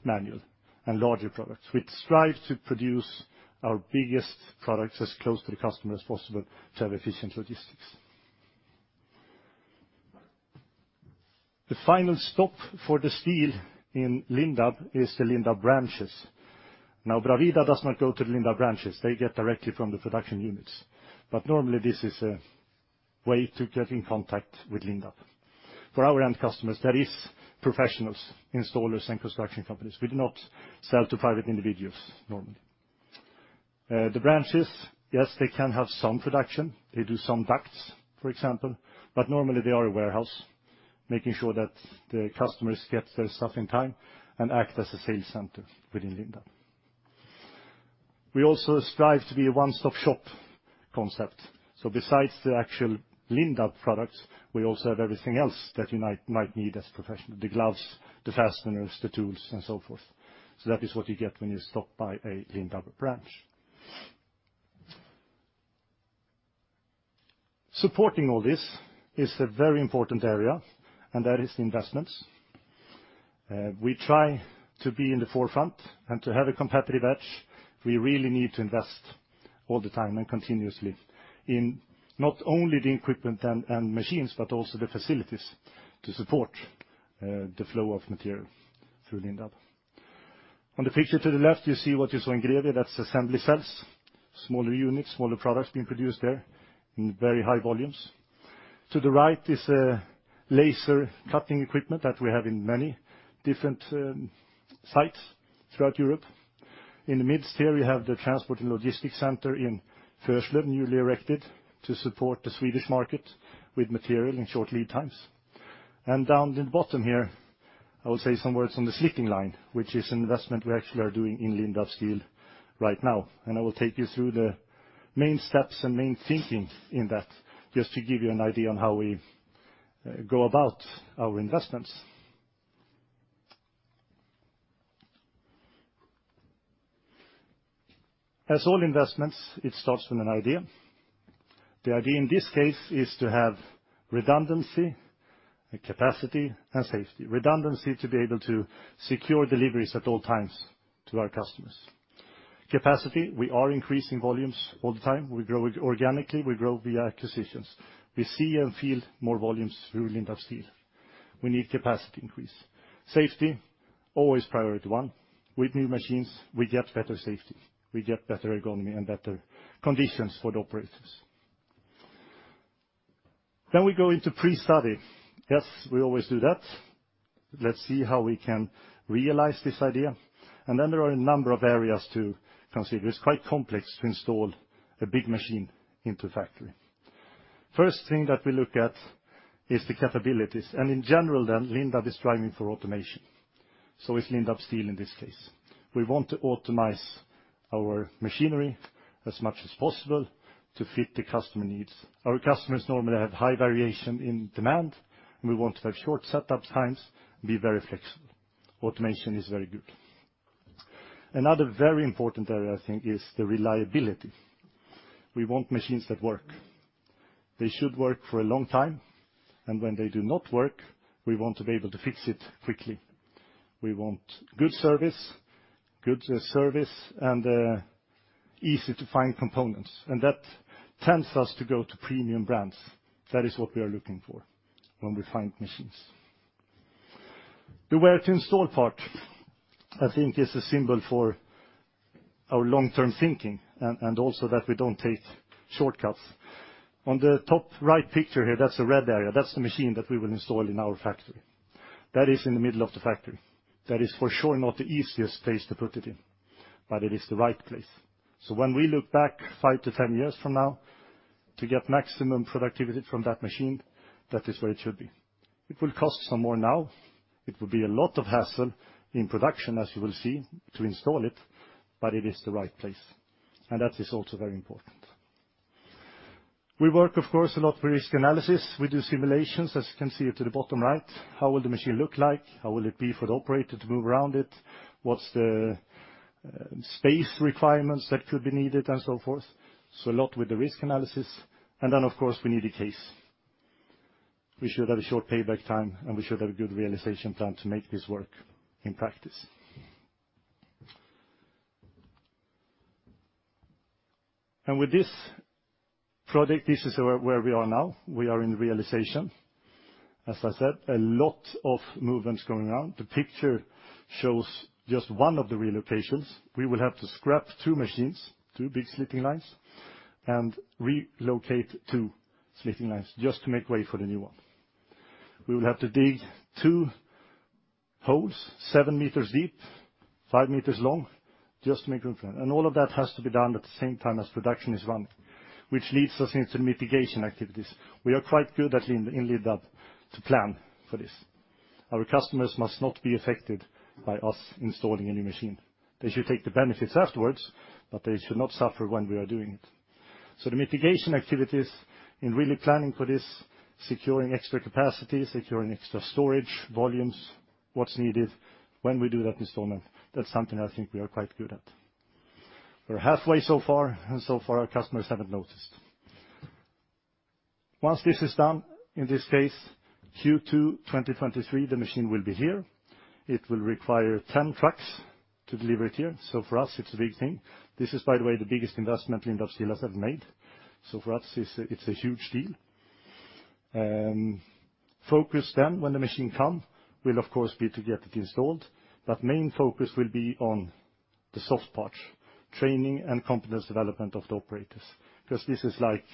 manual and larger products. We strive to produce our biggest products as close to the customer as possible to have efficient logistics. The final stop for the steel in Lindab is the Lindab branches. Now Bravida does not go to Lindab branches. They get directly from the production units. Normally, this is a way to get in contact with Lindab. For our end customers, that is professionals, installers, and construction companies, we do not sell to private individuals normally. The branches, yes, they can have some production. They do some ducts, for example, but normally they are a warehouse, making sure that the customers get their stuff in time and act as a sales center within Lindab. We also strive to be a one-stop-shop concept. Besides the actual Lindab products, we also have everything else that you might need as a professional, the gloves, the fasteners, the tools, and so forth. That is what you get when you stop by a Lindab branch. Supporting all this is a very important area, and that is the investments. We try to be in the forefront and to have a competitive edge. We really need to invest all the time and continuously in not only the equipment and machines, but also the facilities to support the flow of material through Lindab. On the picture to the left, you see what is so integrated, that's assembly cells, smaller units, smaller products being produced there in very high volumes. To the right is a laser cutting equipment that we have in many different sites throughout Europe. In the midst here, we have the transport and logistics center in Förslöv, newly erected to support the Swedish market with material in short lead times. Down at the bottom here, I will say some words on the slitting line, which is an investment we actually are doing in Lindab Steel right now. I will take you through the main steps and main thinking in that, just to give you an idea on how we go about our investments. As all investments, it starts from an idea. The idea in this case is to have redundancy, and capacity, and safety. Redundancy to be able to secure deliveries at all times to our customers. Capacity, we are increasing volumes all the time. We grow organically, we grow via acquisitions. We see and feel more volumes through Lindab Steel. We need capacity increase. Safety, always priority one. With new machines, we get better safety. We get better economy and better conditions for the operators. We go into pre-study. Yes, we always do that. Let's see how we can realize this idea. There are a number of areas to consider. It's quite complex to install a big machine into a factory. First thing that we look at is the capabilities, and in general, Lindab is striving for automation. Lindab Steel is in this case. We want to automate our machinery as much as possible to fit the customer needs. Our customers normally have high variation in demand, and we want to have short setup times, be very flexible. Automation is very good. Another very important area, I think, is the reliability. We want machines that work. They should work for a long time, and when they do not work, we want to be able to fix it quickly. We want good service and easy-to-find components, and that tends us to go to premium brands. That is what we are looking for when we find machines. The where to install part, I think, is a symbol for our long-term thinking and also that we don't take shortcuts. On the top right picture here, that's a red area. That's the machine that we will install in our factory. That is in the middle of the factory. That is for sure not the easiest place to put it in, but it is the right place. When we look back five-10 years from now, to get maximum productivity from that machine, that is where it should be. It will cost some more now. It will be a lot of hassle in production, as you will see, to install it, but it is the right place, and that is also very important. We work, of course, a lot with risk analysis. We do simulations, as you can see, to the bottom right. How will the machine look like? How will it be for the operator to move around it? What's the space requirements that could be needed, and so forth? A lot with the risk analysis. Of course, we need a case. We should have a short payback time, and we should have a good realization plan to make this work in practice. With this project, this is where we are now. We are in realization. As I said, a lot of movements going on. The picture shows just one of the relocations. We will have to scrap two machines, two big slitting lines, and relocate two slitting lines just to make way for the new one. We will have to dig two holes, 7 meters deep, 5 meters long, just to make room for them. All of that has to be done at the same time as production is running, which leads us into mitigation activities. We are quite good at Lindab to plan for this. Our customers must not be affected by us installing any machine. They should take the benefits afterwards, but they should not suffer when we are doing it. The mitigation activities is really planning for this, securing extra capacity, securing extra storage, volumes, what's needed when we do that installation, that's something I think we are quite good at. We're halfway so far, and so far our customers haven't noticed. Once this is done, in this case, Q2 2023, the machine will be here. It will require 10 trucks to deliver it here. For us, it's a big thing. This is, by the way, the biggest investment Lindab Steel has ever made. For us, it's a huge deal. Focus then when the machine come will of course be to get it installed, but main focus will be on the soft parts, training and competence development of the operators, 'cause this is like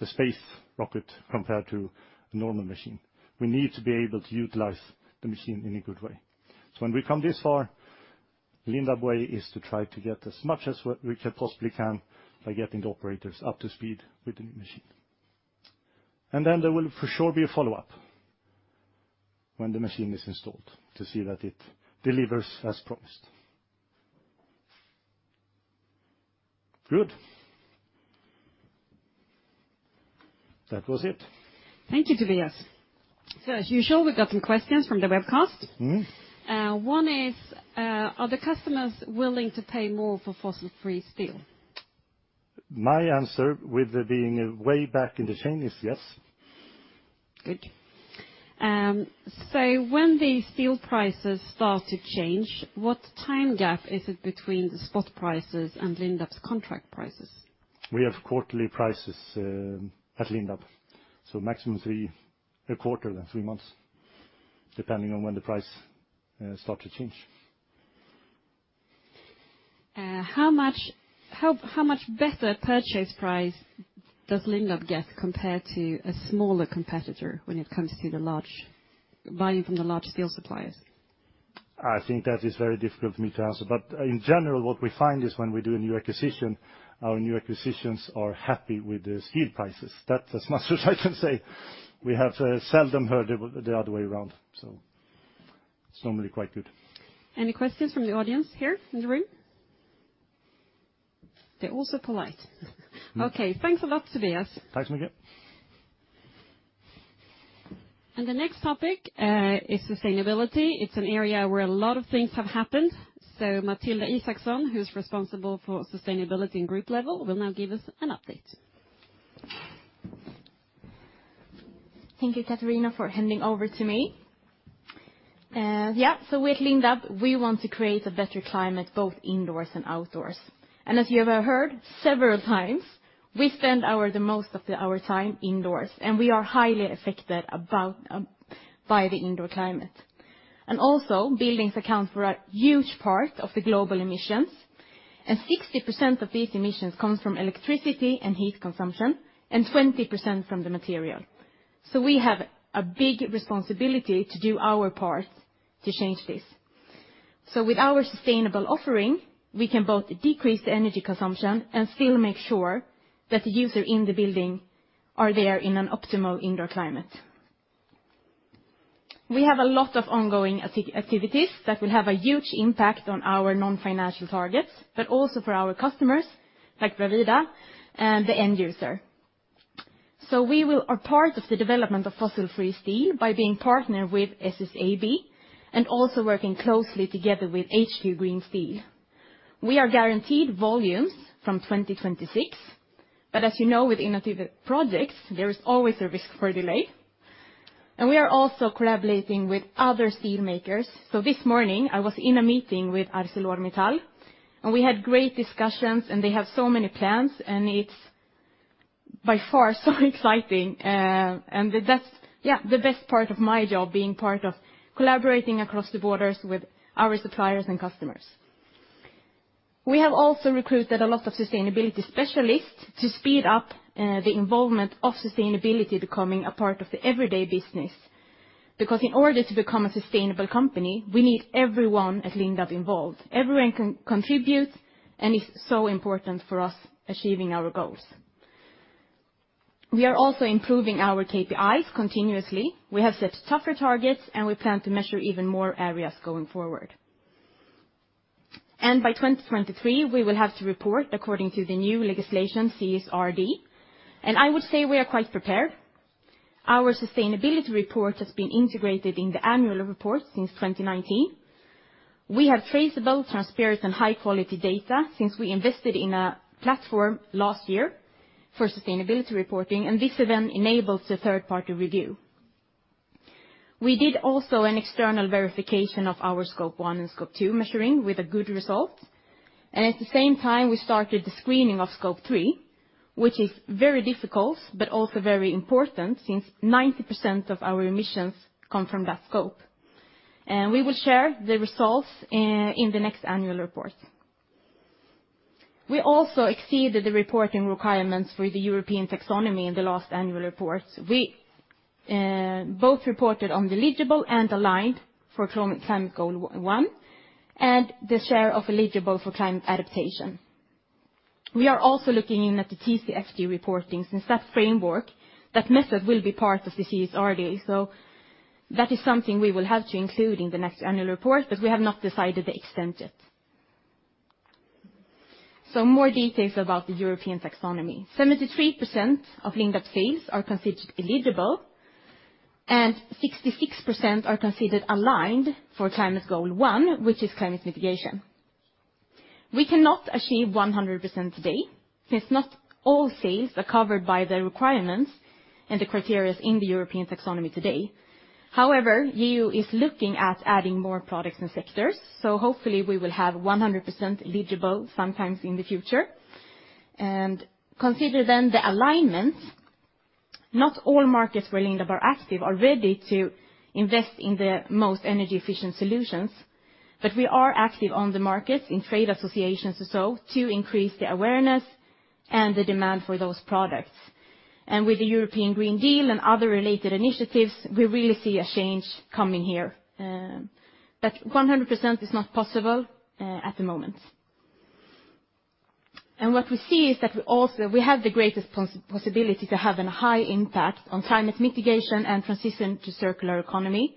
the space rocket compared to a normal machine. We need to be able to utilize the machine in a good way. When we come this far, Lindab way is to try to get as much as what we can possibly can by getting the operators up to speed with the new machine. Then there will for sure be a follow-up when the machine is installed to see that it delivers as promised. Good. That was it. Thank you, Tobias. As usual, we've got some questions from the webcast. Mm-hmm. One is, are the customers willing to pay more for fossil-free steel? My answer with it being way back in the chain is yes. Good. When the steel prices start to change, what time gap is it between the spot prices and Lindab's contract prices? We have quarterly prices at Lindab, so maximum three a quarter, three months, depending on when the price start to change. How much better purchase price does Lindab get compared to a smaller competitor when it comes to buying from the large steel suppliers? I think that is very difficult for me to answer, but in general, what we find is when we do a new acquisition, our new acquisitions are happy with the steel prices. That's as much as I can say. We have seldom heard it the other way around, so it's normally quite good. Any questions from the audience here in the room? They're all so polite. Okay, thanks a lot, Tobias. Thanks again. The next topic is sustainability. It's an area where a lot of things have happened. Matilda Isaksson, who's responsible for sustainability in group level, will now give us an update. Thank you, Catharina, for handing over to me. Yeah, with Lindab, we want to create a better climate both indoors and outdoors. As you have heard several times, we spend the most of our time indoors, and we are highly affected by the indoor climate. Buildings account for a huge part of the global emissions, and 60% of these emissions comes from electricity and heat consumption, and 20% from the material. We have a big responsibility to do our part to change this. With our sustainable offering, we can both decrease the energy consumption and still make sure that the user in the building are there in an optimal indoor climate. We have a lot of ongoing activities that will have a huge impact on our non-financial targets, but also for our customers, like Bravida, and the end user. We are part of the development of fossil-free steel by being partner with SSAB and also working closely together with H2 Green Steel. We are guaranteed volumes from 2026, but as you know, with innovative projects, there is always a risk for delay. We are also collaborating with other steel makers. This morning, I was in a meeting with ArcelorMittal, and we had great discussions, and they have so many plans, and it's by far so exciting. That's, yeah, the best part of my job, being part of collaborating across the borders with our suppliers and customers. We have also recruited a lot of sustainability specialists to speed up the involvement of sustainability becoming a part of the everyday business. Because in order to become a sustainable company, we need everyone at Lindab involved. Everyone can contribute and is so important for us achieving our goals. We are also improving our KPIs continuously. We have set tougher targets, and we plan to measure even more areas going forward. By 2023, we will have to report according to the new legislation, CSRD, and I would say we are quite prepared. Our sustainability report has been integrated in the annual report since 2019. We have traceable, transparent, and high-quality data since we invested in a platform last year for sustainability reporting, and this even enables the third-party review. We did also an external verification of our Scope 1 and Scope 2 measurements with a good result. At the same time, we started the screening of Scope 3, which is very difficult but also very important since 90% of our emissions come from that scope. We will share the results in the next annual report. We also exceeded the reporting requirements for the European Taxonomy in the last annual report. We both reported on the eligible and aligned for climate goal 1 and the share of eligible for climate adaptation. We are also looking into the TCFD reporting since that framework, that method will be part of the CSRD, so that is something we will have to include in the next annual report, but we have not decided the extent yet. Some more details about the European Taxonomy. 73% of Lindab sales are considered eligible, and 66% are considered aligned for climate goal one, which is climate mitigation. We cannot achieve 100% today since not all sales are covered by the requirements and the criteria in the EU Taxonomy today. However, EU is looking at adding more products and sectors, so hopefully we will have 100% eligible sometime in the future. Consider then the alignment, not all markets where Lindab are active are ready to invest in the most energy efficient solutions, but we are active on the markets in trade associations, so to increase the awareness and the demand for those products. With the European Green Deal and other related initiatives, we really see a change coming here. But 100% is not possible at the moment. What we see is that we have the greatest possibility to have a high impact on climate mitigation and transition to circular economy.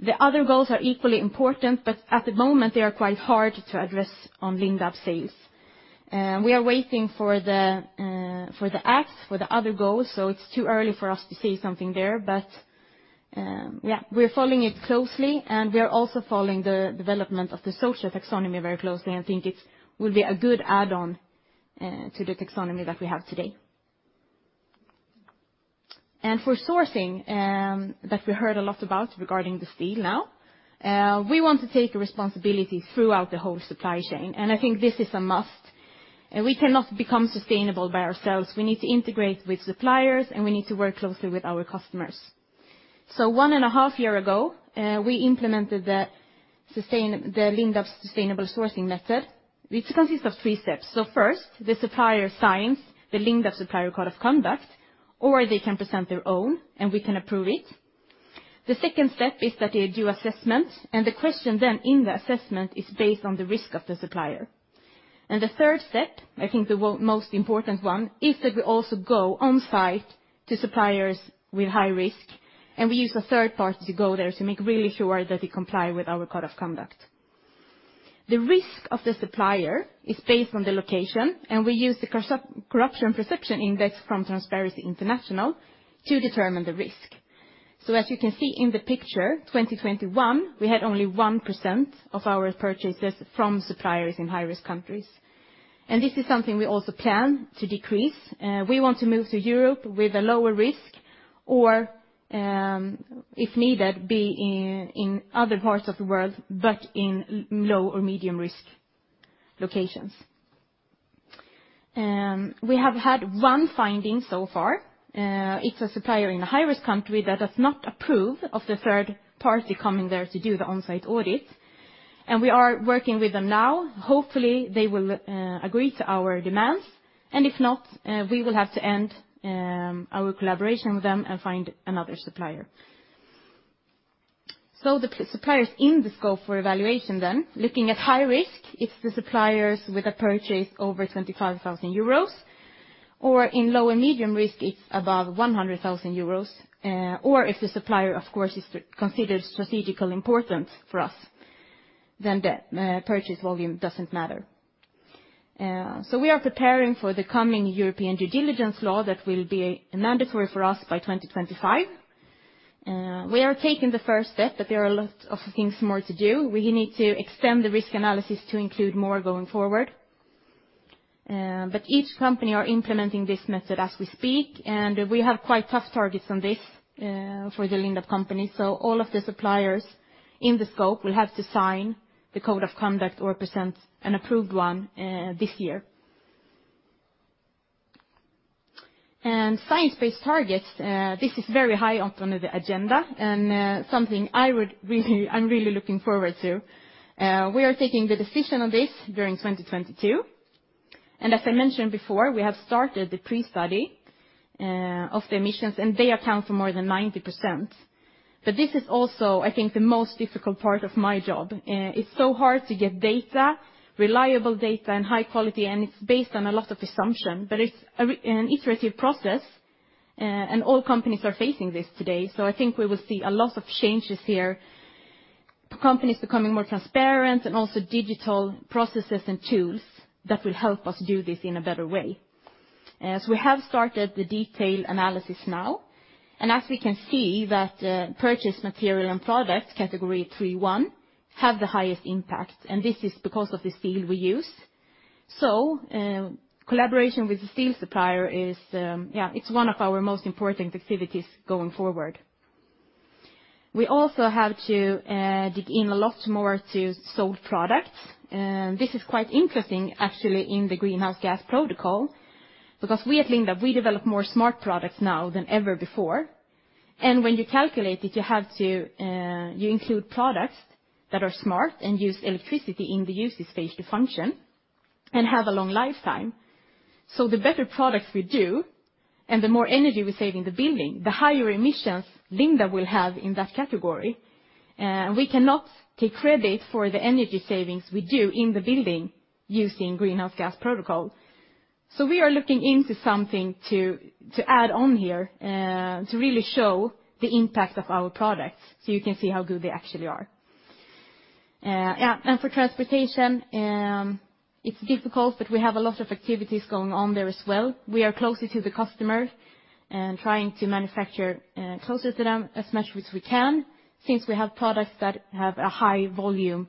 The other goals are equally important, but at the moment, they are quite hard to address on Lindab sales. We are waiting for the acts for the other goals, so it's too early for us to say something there. We're following it closely, and we are also following the development of the EU Social Taxonomy very closely. I think it will be a good add-on to the EU Taxonomy that we have today. For sourcing that we heard a lot about regarding the steel now, we want to take responsibility throughout the whole supply chain, and I think this is a must. We cannot become sustainable by ourselves. We need to integrate with suppliers, and we need to work closely with our customers. One and a half year ago, we implemented the Lindab sustainable sourcing method, which consists of three steps. First, the supplier signs the Lindab Supplier Code of Conduct, or they can present their own, and we can approve it. The second step is that they do assessment, and the question then in the assessment is based on the risk of the supplier. The third step, I think the most important one, is that we also go on-site to suppliers with high risk, and we use a third party to go there to make really sure that they comply with our code of conduct. The risk of the supplier is based on the location, and we use the corruption perception index from Transparency International to determine the risk. As you can see in the picture, 2021, we had only 1% of our purchases from suppliers in high-risk countries. This is something we also plan to decrease. We want to move to Europe with a lower risk or, if needed, be in other parts of the world, but in low or medium risk locations. We have had one finding so far. It's a supplier in a high-risk country that does not approve of the third party coming there to do the on-site audit, and we are working with them now. Hopefully, they will agree to our demands, and if not, we will have to end our collaboration with them and find another supplier. The suppliers in the scope for evaluation then, looking at high risk, it's the suppliers with a purchase over 25,000 euros. In low and medium risk, it's above 100,000 euros, or if the supplier, of course, is considered strategic importance for us, then the purchase volume doesn't matter. We are preparing for the coming European due diligence law that will be mandatory for us by 2025. We are taking the first step, but there are a lot of things more to do. We need to extend the risk analysis to include more going forward. Each company are implementing this method as we speak, and we have quite tough targets on this, for the Lindab company. All of the suppliers in the scope will have to sign the code of conduct or present an approved one, this year. Science Based Targets, this is very high up on the agenda and, something I'm really looking forward to. We are taking the decision on this during 2022. As I mentioned before, we have started the pre-study of the emissions, and they account for more than 90%. This is also, I think, the most difficult part of my job. It's so hard to get data, reliable data and high quality, and it's based on a lot of assumption. It's an iterative process, and all companies are facing this today. I think we will see a lot of changes here, companies becoming more transparent and also digital processes and tools that will help us do this in a better way. We have started the detailed analysis now, and as we can see that, purchased material and product category 3.1 have the highest impact, and this is because of the steel we use. Collaboration with the steel supplier is one of our most important activities going forward. We also have to dig in a lot more to sold products. This is quite interesting actually in the Greenhouse Gas Protocol because we at Lindab, we develop more smart products now than ever before. When you calculate it, you have to include products that are smart and use electricity in the usage phase to function and have a long lifetime. The better products we do and the more energy we save in the building, the higher emissions Lindab will have in that category. We cannot take credit for the energy savings we do in the building using Greenhouse Gas Protocol. We are looking into something to add on here to really show the impact of our products, so you can see how good they actually are. For transportation, it's difficult, but we have a lot of activities going on there as well. We are closer to the customer and trying to manufacture closer to them as much as we can since we have products that have a high volume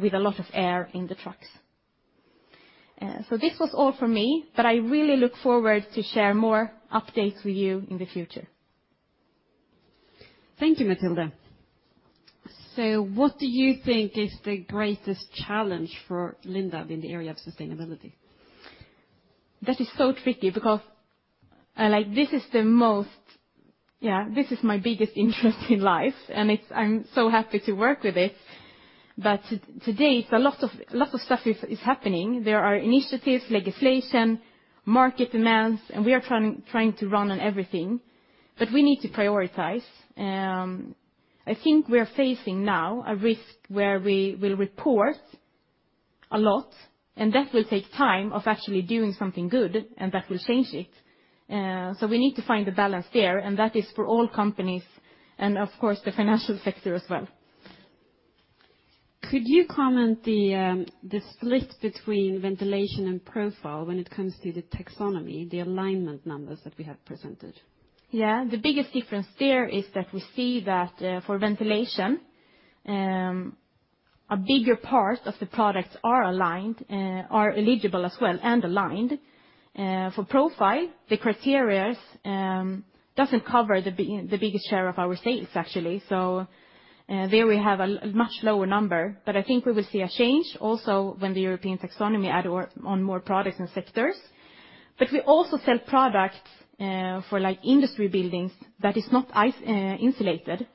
with a lot of air in the trucks. This was all for me, but I really look forward to share more updates with you in the future. Thank you, Matilda. What do you think is the greatest challenge for Lindab in the area of sustainability? That is so tricky because, like, this is my biggest interest in life, and I'm so happy to work with it. Today, it's a lot of stuff is happening. There are initiatives, legislation, market demands, and we are trying to run on everything, but we need to prioritize. I think we are facing now a risk where we will report a lot, and that will take time of actually doing something good, and that will change it. We need to find the balance there, and that is for all companies and of course the financial sector as well. Could you comment on the split between Ventilation and Profile when it comes to the Taxonomy, the alignment numbers that we have presented? Yeah. The biggest difference there is that we see that for ventilation a bigger part of the products are eligible as well and aligned. For profile the criteria doesn't cover the biggest share of our sales, actually. There we have a much lower number. I think we will see a change also when the EU Taxonomy expands on more products and sectors. We also sell products for like industry buildings that is not insulated.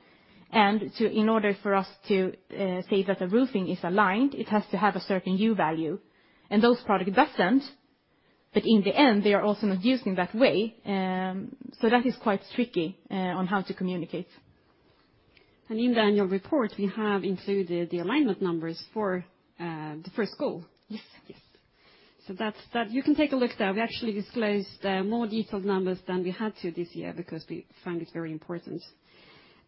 In order for us to say that a roofing is aligned it has to have a certain U-value and those product doesn't. In the end they are also not used in that way. That is quite tricky on how to communicate. In the annual report, we have included the alignment numbers for the first goal. Yes. Yes. That's that. You can take a look there. We actually disclosed more detailed numbers than we had to this year because we find it very important.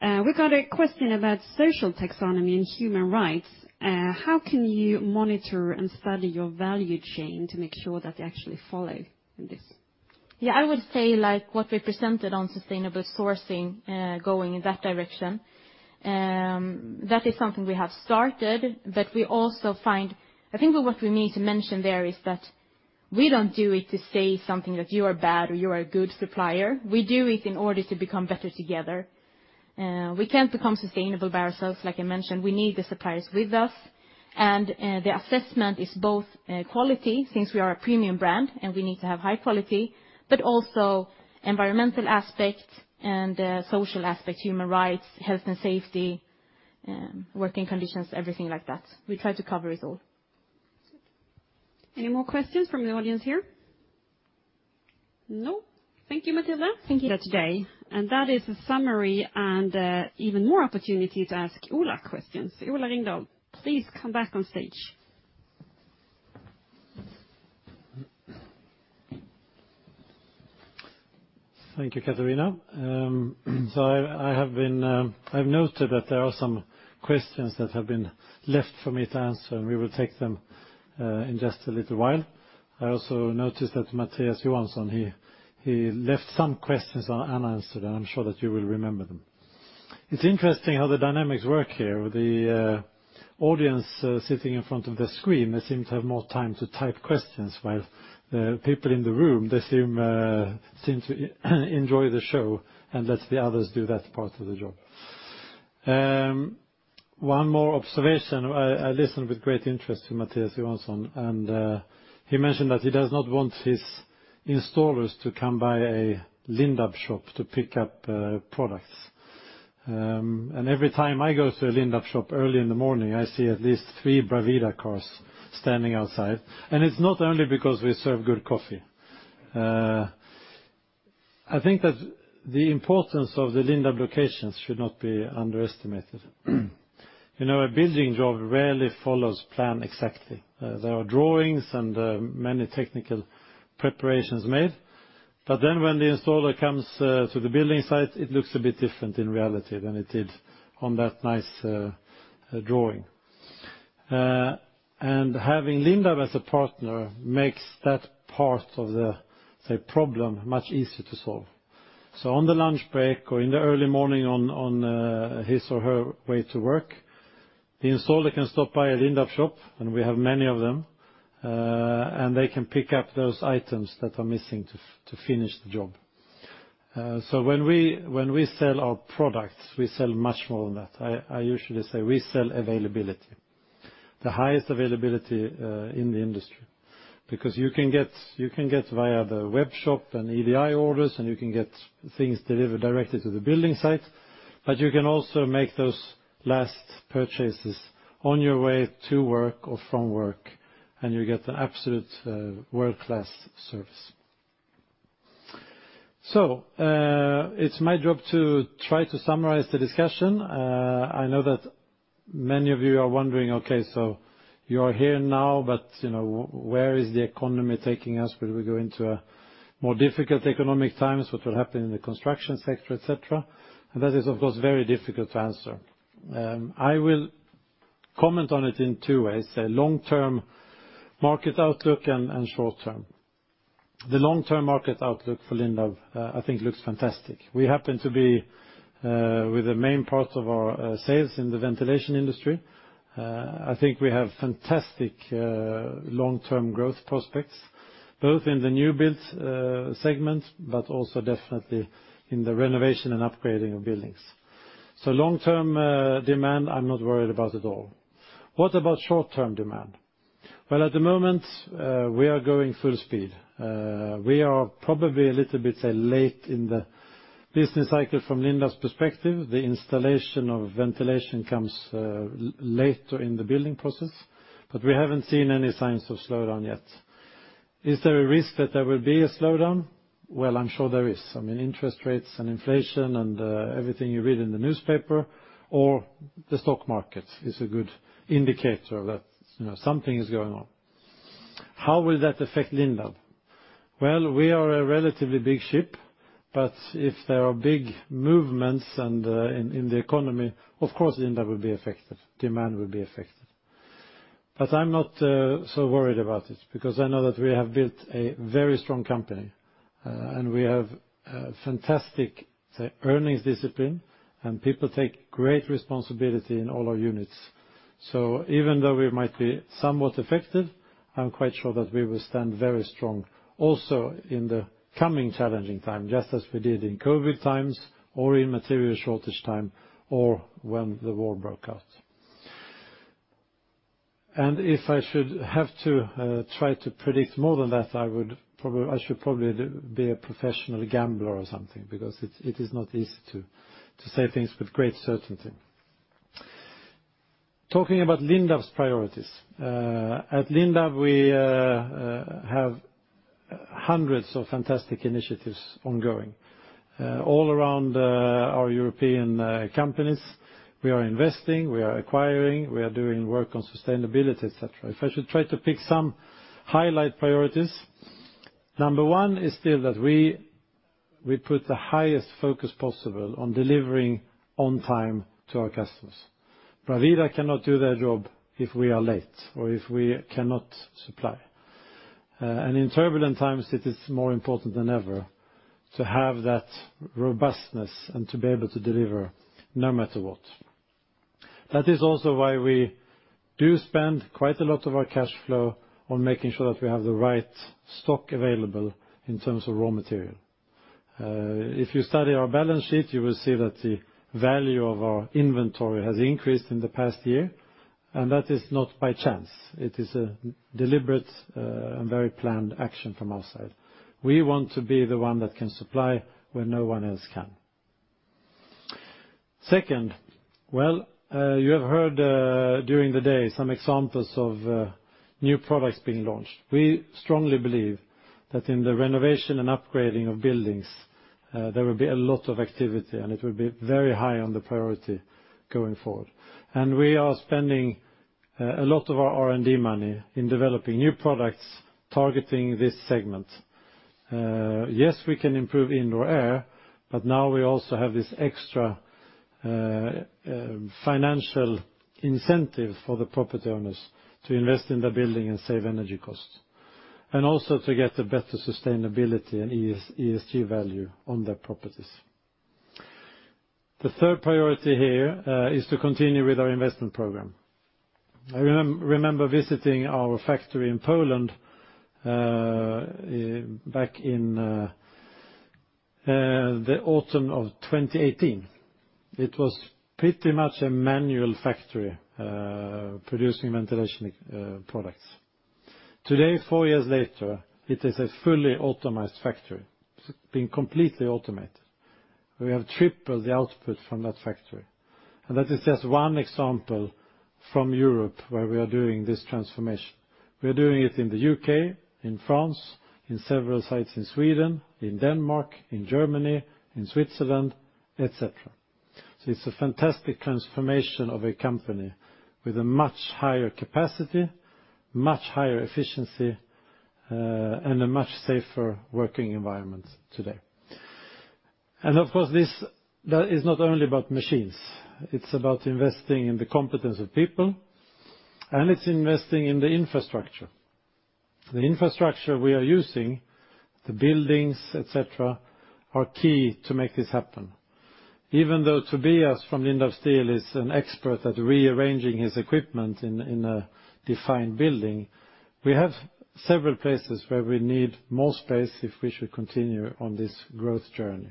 We got a question about social taxonomy and human rights. How can you monitor and study your value chain to make sure that they actually follow this? Yeah. I would say, like, what we presented on sustainable sourcing, going in that direction, that is something we have started, but we also find. I think what we need to mention there is that we don't do it to say something that you are bad or you are a good supplier. We do it in order to become better together. We can't become sustainable by ourselves, like I mentioned. We need the suppliers with us. The assessment is both, quality, since we are a premium brand and we need to have high quality, but also environmental aspects and, social aspects, human rights, health and safety, working conditions, everything like that. We try to cover it all. Any more questions from the audience here? No? Thank you, Matilda. Thank you. Today. That is the summary and even more opportunity to ask Ola questions. Ola Ringdahl, please come back on stage. Thank you, Catharina. I've noted that there are some questions that have been left for me to answer, and we will take them in just a little while. I also noticed that Mattias Johansson, he left some questions unanswered, and I'm sure that you will remember them. It's interesting how the dynamics work here. The audience sitting in front of the screen, they seem to have more time to type questions while the people in the room, they seem to enjoy the show and let the others do that part of the job. One more observation. I listened with great interest to Mattias Johansson, and he mentioned that he does not want his installers to come by a Lindab shop to pick up products. Every time I go to a Lindab shop early in the morning, I see at least three Bravida cars standing outside, and it's not only because we serve good coffee. I think that the importance of the Lindab locations should not be underestimated. You know, a building job rarely follows plan exactly. There are drawings and many technical preparations made, but then when the installer comes to the building site, it looks a bit different in reality than it did on that nice drawing. Having Lindab as a partner makes that part of the, say, problem much easier to solve. On the lunch break or in the early morning on his or her way to work, the installer can stop by a Lindab shop, and we have many of them, and they can pick up those items that are missing to finish the job. When we sell our products, we sell much more than that. I usually say we sell availability, the highest availability in the industry. Because you can get via the webshop and EDI orders, and you can get things delivered directly to the building site, but you can also make those last purchases on your way to work or from work, and you get an absolute world-class service. It's my job to try to summarize the discussion. I know that many of you are wondering, okay, so you are here now, but, you know, where is the economy taking us? Will we go into more difficult economic times? What will happen in the construction sector, et cetera? That is, of course, very difficult to answer. I will comment on it in two ways, long-term market outlook and short-term. The long-term market outlook for Lindab, I think looks fantastic. We happen to be with the main part of our sales in the ventilation industry. I think we have fantastic long-term growth prospects, both in the new build segment, but also definitely in the renovation and upgrading of buildings. Long-term demand, I'm not worried about at all. What about short-term demand? Well, at the moment, we are going full speed. We are probably a little bit, say, late in the business cycle from Lindab's perspective. The installation of ventilation comes later in the building process, but we haven't seen any signs of slowdown yet. Is there a risk that there will be a slowdown? Well, I'm sure there is. I mean, interest rates and inflation and everything you read in the newspaper or the stock market is a good indicator that, you know, something is going on. How will that affect Lindab? Well, we are a relatively big ship, but if there are big movements and in the economy, of course, Lindab will be affected, demand will be affected. I'm not so worried about it because I know that we have built a very strong company, and we have a fantastic, say, earnings discipline, and people take great responsibility in all our units. Even though we might be somewhat affected, I'm quite sure that we will stand very strong also in the coming challenging time, just as we did in COVID times or in material shortage time or when the war broke out. If I should have to try to predict more than that, I should probably be a professional gambler or something because it is not easy to say things with great certainty. Talking about Lindab's priorities. At Lindab we have hundreds of fantastic initiatives ongoing. All around our European companies, we are investing, we are acquiring, we are doing work on sustainability, et cetera. If I should try to pick some highlight priorities, number one is still that we put the highest focus possible on delivering on time to our customers. Bravida cannot do their job if we are late or if we cannot supply. In turbulent times, it is more important than ever to have that robustness and to be able to deliver no matter what. That is also why we do spend quite a lot of our cash flow on making sure that we have the right stock available in terms of raw material. If you study our balance sheet, you will see that the value of our inventory has increased in the past year, and that is not by chance. It is a deliberate and very planned action from our side. We want to be the one that can supply when no one else can. Second, well, you have heard during the day some examples of new products being launched. We strongly believe that in the renovation and upgrading of buildings there will be a lot of activity, and it will be very high on the priority going forward. We are spending a lot of our R&D money in developing new products targeting this segment. Yes, we can improve indoor air, but now we also have this extra financial incentive for the property owners to invest in the building and save energy costs, and also to get a better sustainability and ESG value on their properties. The third priority here is to continue with our investment program. I remember visiting our factory in Poland back in the autumn of 2018. It was pretty much a manual factory producing ventilation products. Today, four years later, it is a fully automated factory. It's been completely automated. We have tripled the output from that factory. That is just one example from Europe where we are doing this transformation. We are doing it in the U.K., in France, in several sites in Sweden, in Denmark, in Germany, in Switzerland, et cetera. It's a fantastic transformation of a company with a much higher capacity, much higher efficiency, and a much safer working environment today. Of course, that is not only about machines. It's about investing in the competence of people, and it's investing in the infrastructure. The infrastructure we are using, the buildings, et cetera, are key to make this happen. Even though Tobias from Lindab Steel is an expert at rearranging his equipment in a defined building, we have several places where we need more space if we should continue on this growth journey.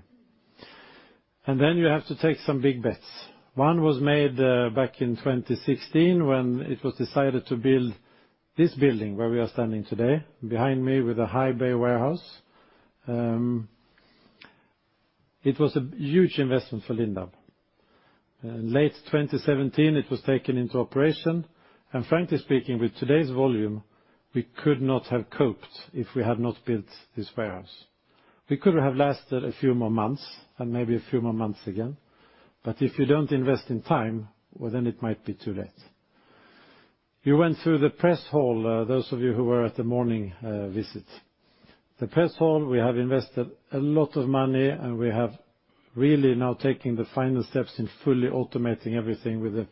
Then you have to take some big bets. One was made back in 2016 when it was decided to build this building where we are standing today behind me with a high bay warehouse. It was a huge investment for Lindab. Late 2017, it was taken into operation. Frankly speaking, with today's volume, we could not have coped if we had not built this warehouse. We could have lasted a few more months and maybe a few more months again. If you don't invest in time, well, then it might be too late. You went through the press hall, those of you who were at the morning visit. The press hall, we have invested a lot of money, and we have really now taking the final steps in fully automating everything with a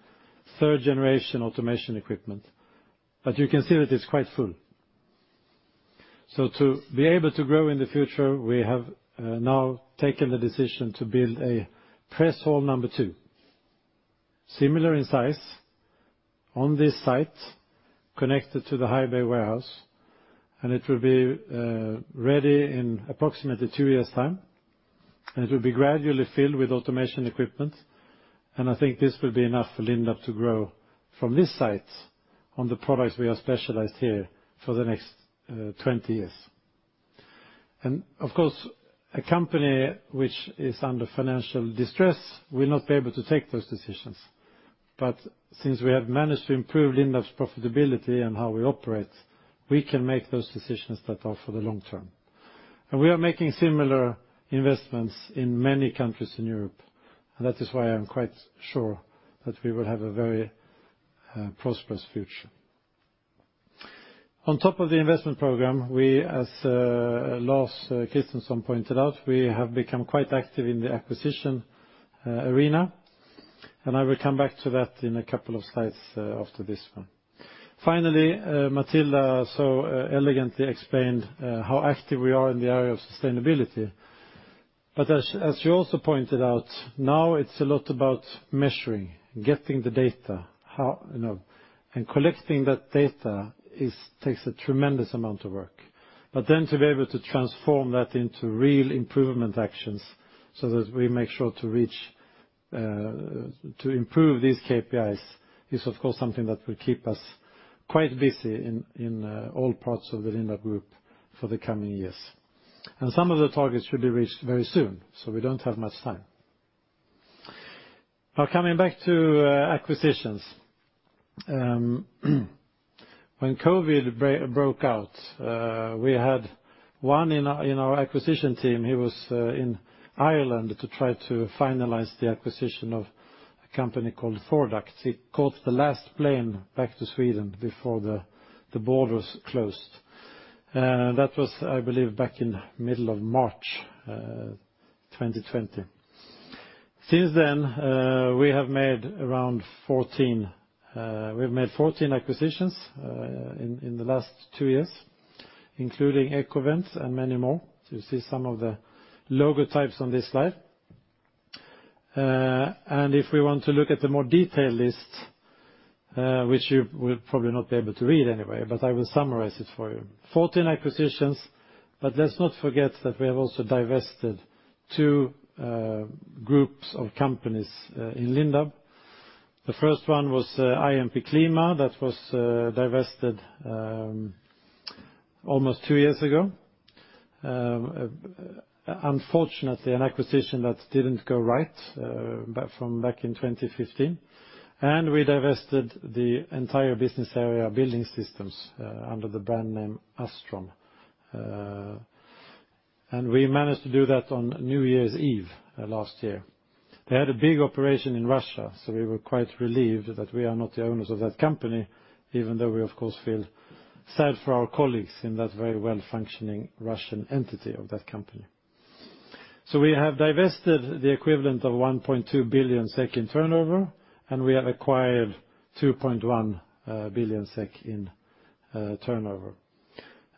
third generation automation equipment. But you can see that it's quite full. To be able to grow in the future, we have now taken the decision to build a press hall number two, similar in size on this site, connected to the high bay warehouse, and it will be ready in approximately two years time, and it will be gradually filled with automation equipment. I think this will be enough for Lindab to grow from this site on the products we are specialized here for the next 20 years. Of course, a company which is under financial distress will not be able to take those decisions. Since we have managed to improve Lindab's profitability and how we operate, we can make those decisions that are for the long term. We are making similar investments in many countries in Europe, and that is why I'm quite sure that we will have a very prosperous future. On top of the investment program, we, as Lars Christensson pointed out, we have become quite active in the acquisition arena, and I will come back to that in a couple of slides after this one. Finally, Matilda so elegantly explained how active we are in the area of sustainability. As she also pointed out, now it's a lot about measuring, getting the data, how you know. Collecting that data takes a tremendous amount of work. Then to be able to transform that into real improvement actions so that we make sure to reach, to improve these KPIs is of course something that will keep us quite busy in all parts of the Lindab Group for the coming years. Some of the targets will be reached very soon, so we don't have much time. Now, coming back to acquisitions. When COVID broke out, we had one in our acquisition team. He was in Ireland to try to finalize the acquisition of a company called Thor Duct. He caught the last plane back to Sweden before the borders closed. That was, I believe, back in middle of March 2020. Since then, we have made 14 acquisitions in the last two years, including Ekovent and many more. You see some of the logotypes on this slide. If we want to look at the more detailed list, which you will probably not be able to read anyway, but I will summarize it for you. 14 acquisitions, but let's not forget that we have also divested two groups of companies in Lindab. The first one was IMP Klima, that was divested almost two years ago. Unfortunately, an acquisition that didn't go right back in 2015. We divested the entire business area Building Systems under the brand name Astron. We managed to do that on New Year's Eve last year. They had a big operation in Russia, so we were quite relieved that we are not the owners of that company, even though we of course feel sad for our colleagues in that very well-functioning Russian entity of that company. We have divested the equivalent of 1.2 billion SEK in turnover, and we have acquired 2.1 billion SEK in turnover.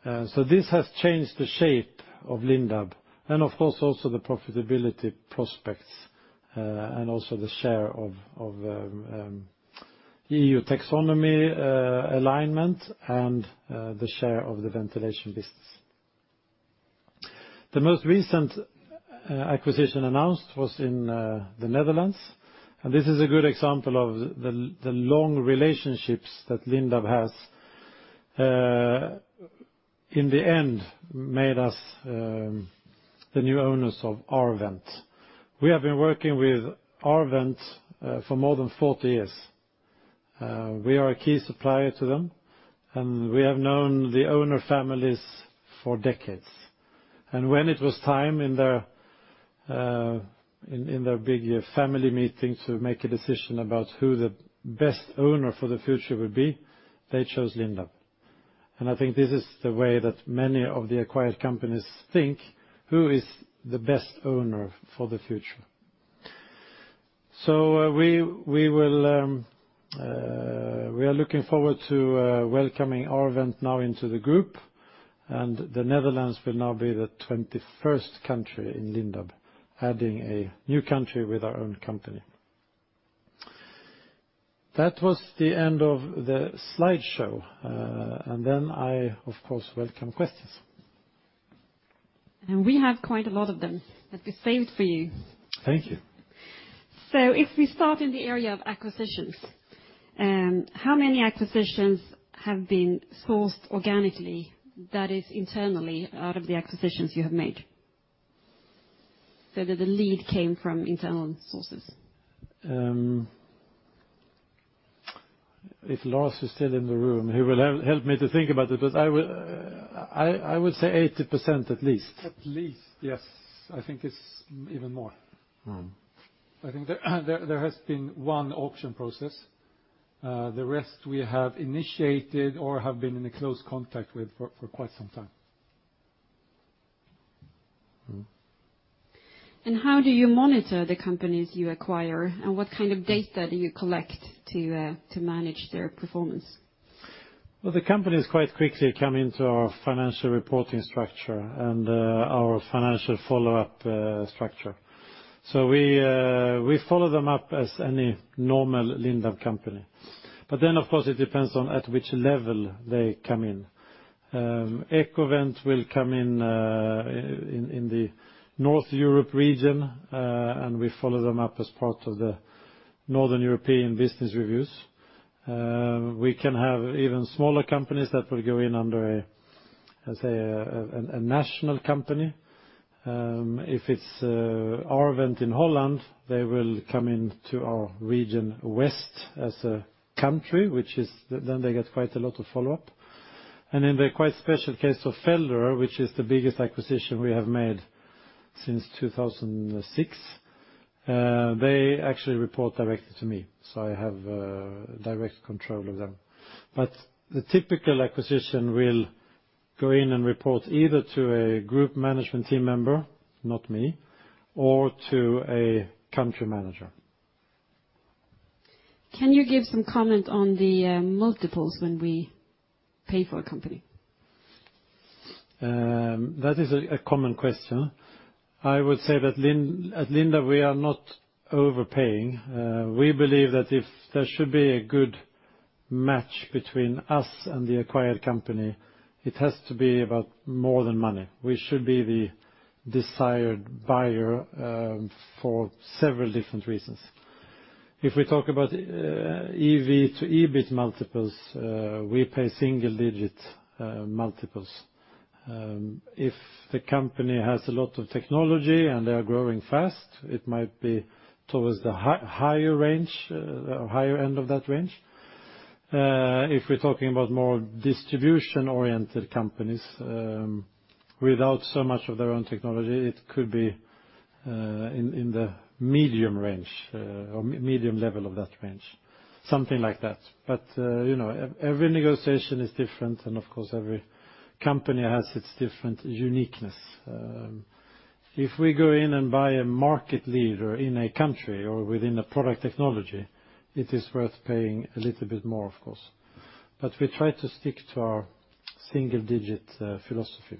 This has changed the shape of Lindab, and of course also the profitability prospects, and also the share of EU Taxonomy alignment, and the share of the ventilation business. The most recent acquisition announced was in the Netherlands, and this is a good example of the long relationships that Lindab has, in the end, made us the new owners of R-Vent. We have been working with R-Vent for more than 40 years. We are a key supplier to them, and we have known the owner families for decades. When it was time in their big family meeting to make a decision about who the best owner for the future would be, they chose Lindab. I think this is the way that many of the acquired companies think, who is the best owner for the future. We are looking forward to welcoming R-Vent now into the group, and the Netherlands will now be the 21st country in Lindab, adding a new country with our own company. That was the end of the slideshow. I, of course, welcome questions. We have quite a lot of them that we saved for you. Thank you. If we start in the area of acquisitions, how many acquisitions have been sourced organically, that is internally out of the acquisitions you have made? That the lead came from internal sources. If Lars is still in the room, he will help me to think about it, but I would say 80% at least. At least, yes. I think it's even more. I think there has been one auction process. The rest we have initiated or have been in close contact with for quite some time. How do you monitor the companies you acquire, and what kind of data do you collect to manage their performance? Well, the companies quite quickly come into our financial reporting structure and, our financial follow-up, structure. We follow them up as any normal Lindab company. Of course, it depends on at which level they come in. Ekovent will come in in the North Europe region, and we follow them up as part of the Northern European business reviews. We can have even smaller companies that will go in under a, let's say, national company. If it's R-Vent in Holland, they will come into our Region West as a country, which is then they get quite a lot of follow-up. In the quite special case of Felderer, which is the biggest acquisition we have made since 2006, they actually report directly to me. I have direct control of them. The typical acquisition will go in and report either to a group management team member, not me, or to a country manager. Can you give some comment on the multiples when we pay for a company? That is a common question. I would say that at Lindab, we are not overpaying. We believe that if there should be a good match between us and the acquired company, it has to be about more than money. We should be the desired buyer for several different reasons. If we talk about EV/EBIT multiples, we pay single-digit multiples. If the company has a lot of technology and they are growing fast, it might be towards the higher range or higher end of that range. If we're talking about more distribution-oriented companies without so much of their own technology, it could be in the medium range or medium level of that range. Something like that. You know, every negotiation is different, and of course, every company has its different uniqueness. If we go in and buy a market leader in a country or within a product technology, it is worth paying a little bit more, of course. We try to stick to our single-digit philosophy.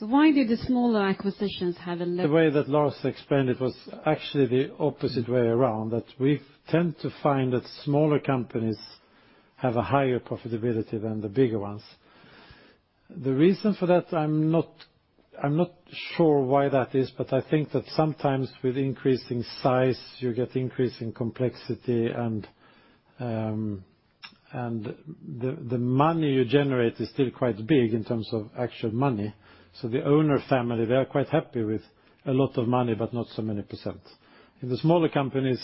Why do the smaller acquisitions have a uncertain The way that Lars explained it was actually the opposite way around, that we tend to find that smaller companies have a higher profitability than the bigger ones. The reason for that, I'm not sure why that is, but I think that sometimes with increasing size, you get increasing complexity and the money you generate is still quite big in terms of actual money. The owner family, they are quite happy with a lot of money but not so many percent. In the smaller companies,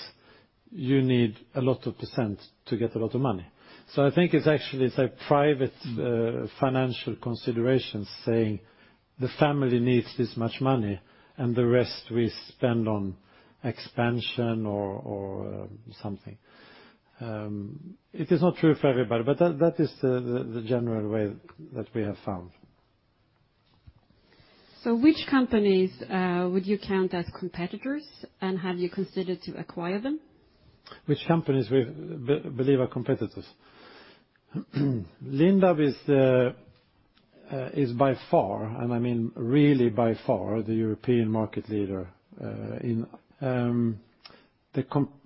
you need a lot of percent to get a lot of money. I think it's actually a private financial consideration saying the family needs this much money and the rest we spend on expansion or something. It is not true for everybody, but that is the general way that we have found. Which companies would you count as competitors, and have you considered to acquire them? Which companies we believe are competitors? Lindab is by far, and I mean really by far, the European market leader.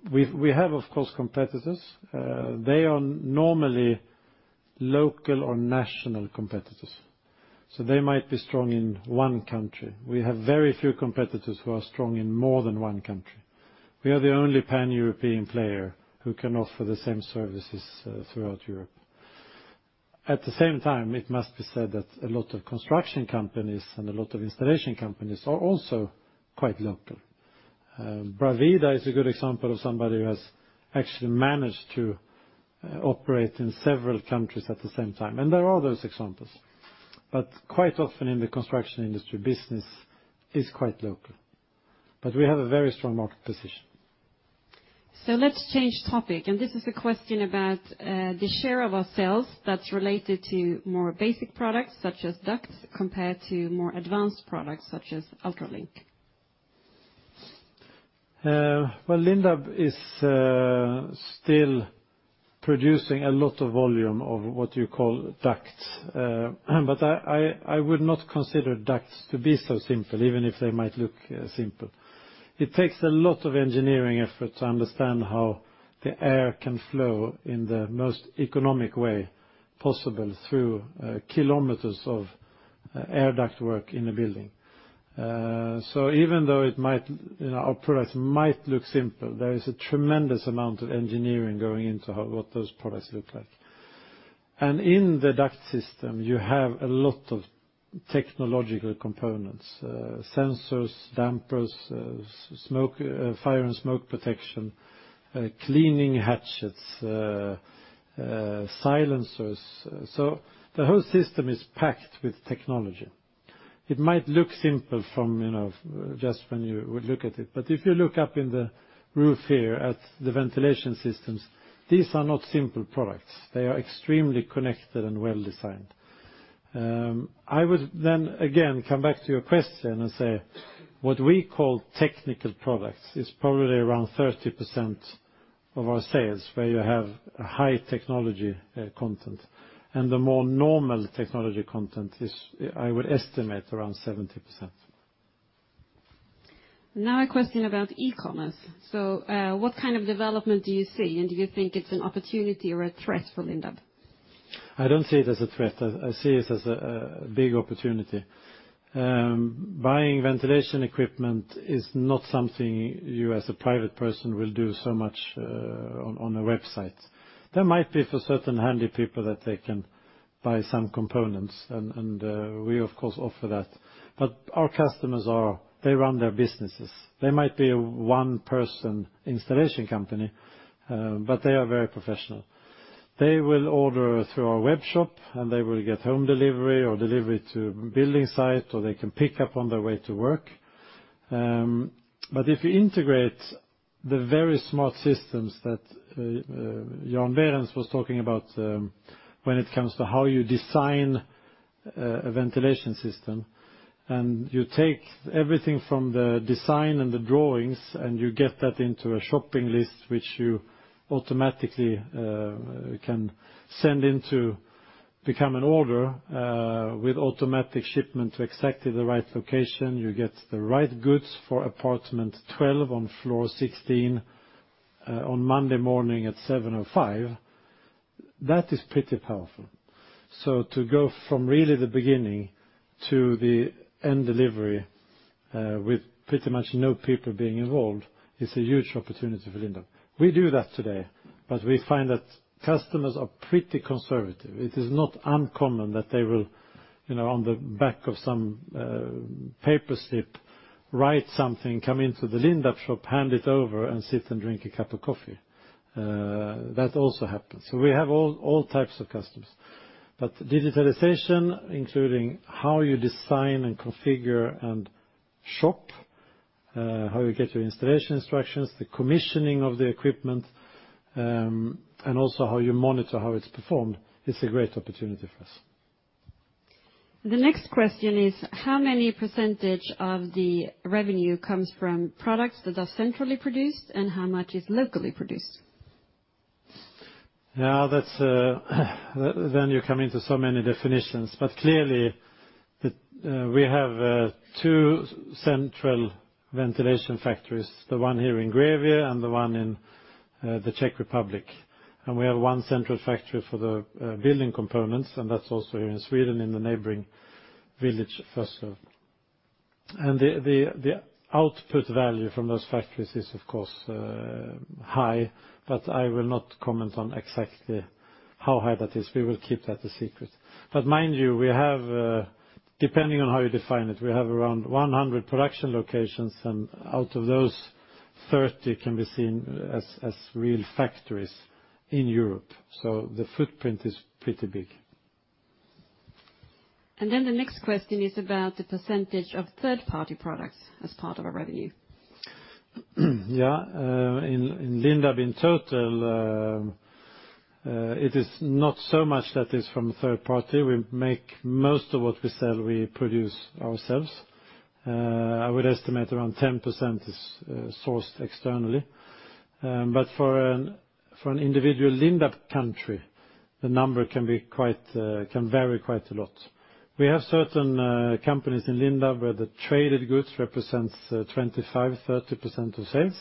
We have, of course, competitors. They are normally local or national competitors. They might be strong in one country. We have very few competitors who are strong in more than one country. We are the only Pan-European player who can offer the same services throughout Europe. At the same time, it must be said that a lot of construction companies and a lot of installation companies are also quite local. Bravida is a good example of somebody who has actually managed to operate in several countries at the same time, and there are those examples. Quite often in the construction industry, business is quite local. We have a very strong market position. Let's change topic, and this is a question about the share of our sales that's related to more basic products such as ducts compared to more advanced products such as UltraLink. Well, Lindab is still producing a lot of volume of what you call ducts. But I would not consider ducts to be so simple, even if they might look simple. It takes a lot of engineering effort to understand how the air can flow in the most economic way possible through kilometers of air duct work in a building. So even though it might, you know, our products might look simple, there is a tremendous amount of engineering going into what those products look like. In the duct system, you have a lot of technological components, sensors, dampers, smoke, fire and smoke protection, cleaning hatches, silencers. The whole system is packed with technology. It might look simple from, you know, just when you would look at it, but if you look up in the roof here at the ventilation systems, these are not simple products. They are extremely connected and well-designed. I would then again come back to your question and say, what we call technical products is probably around 30% of our sales, where you have a high technology content, and the more normal technology content is, I would estimate around 70%. Now a question about e-commerce. What kind of development do you see, and do you think it's an opportunity or a threat for Lindab? I don't see it as a threat. I see it as a big opportunity. Buying ventilation equipment is not something you as a private person will do so much on a website. There might be for certain handy people that they can buy some components, and we of course offer that, but our customers are. They run their businesses. They might be a one-person installation company, but they are very professional. They will order through our web shop, and they will get home delivery or delivery to building site, or they can pick up on their way to work. If you integrate the very smart systems that Jan Behrens was talking about, when it comes to how you design a ventilation system, and you take everything from the design and the drawings, and you get that into a shopping list, which you automatically can send in to become an order, with automatic shipment to exactly the right location. You get the right goods for apartment 12 on floor 16, on Monday morning at 7:05 A.M. That is pretty powerful. To go from really the beginning to the end delivery, with pretty much no people being involved is a huge opportunity for Lindab. We do that today, but we find that customers are pretty conservative. It is not uncommon that they will, you know, on the back of some paper slip, write something, come into the Lindab shop, hand it over and sit and drink a cup of coffee. That also happens. We have all types of customers. Digitalization, including how you design and configure and shop, how you get your installation instructions, the commissioning of the equipment, and also how you monitor how it's performed is a great opportunity for us. The next question is, how many percentage of the revenue comes from products that are centrally produced and how much is locally produced? Yeah. That's then you come into so many definitions, but clearly, we have two central ventilation factories, the one here in Grevie and the one in the Czech Republic. We have one central factory for the building components, and that's also here in Sweden in the neighboring village, Förslöv. The output value from those factories is of course high, but I will not comment on exactly how high that is. We will keep that a secret. Mind you, we have, depending on how you define it, we have around 100 production locations, and out of those 30 can be seen as real factories in Europe. The footprint is pretty big. The next question is about the percentage of third-party products as part of our revenue. Yeah. In Lindab in total, it is not so much that is from a third party. We make most of what we sell, we produce ourselves. I would estimate around 10% is sourced externally. For an individual Lindab country, the number can vary quite a lot. We have certain companies in Lindab where the traded goods represents 25, 30% of sales,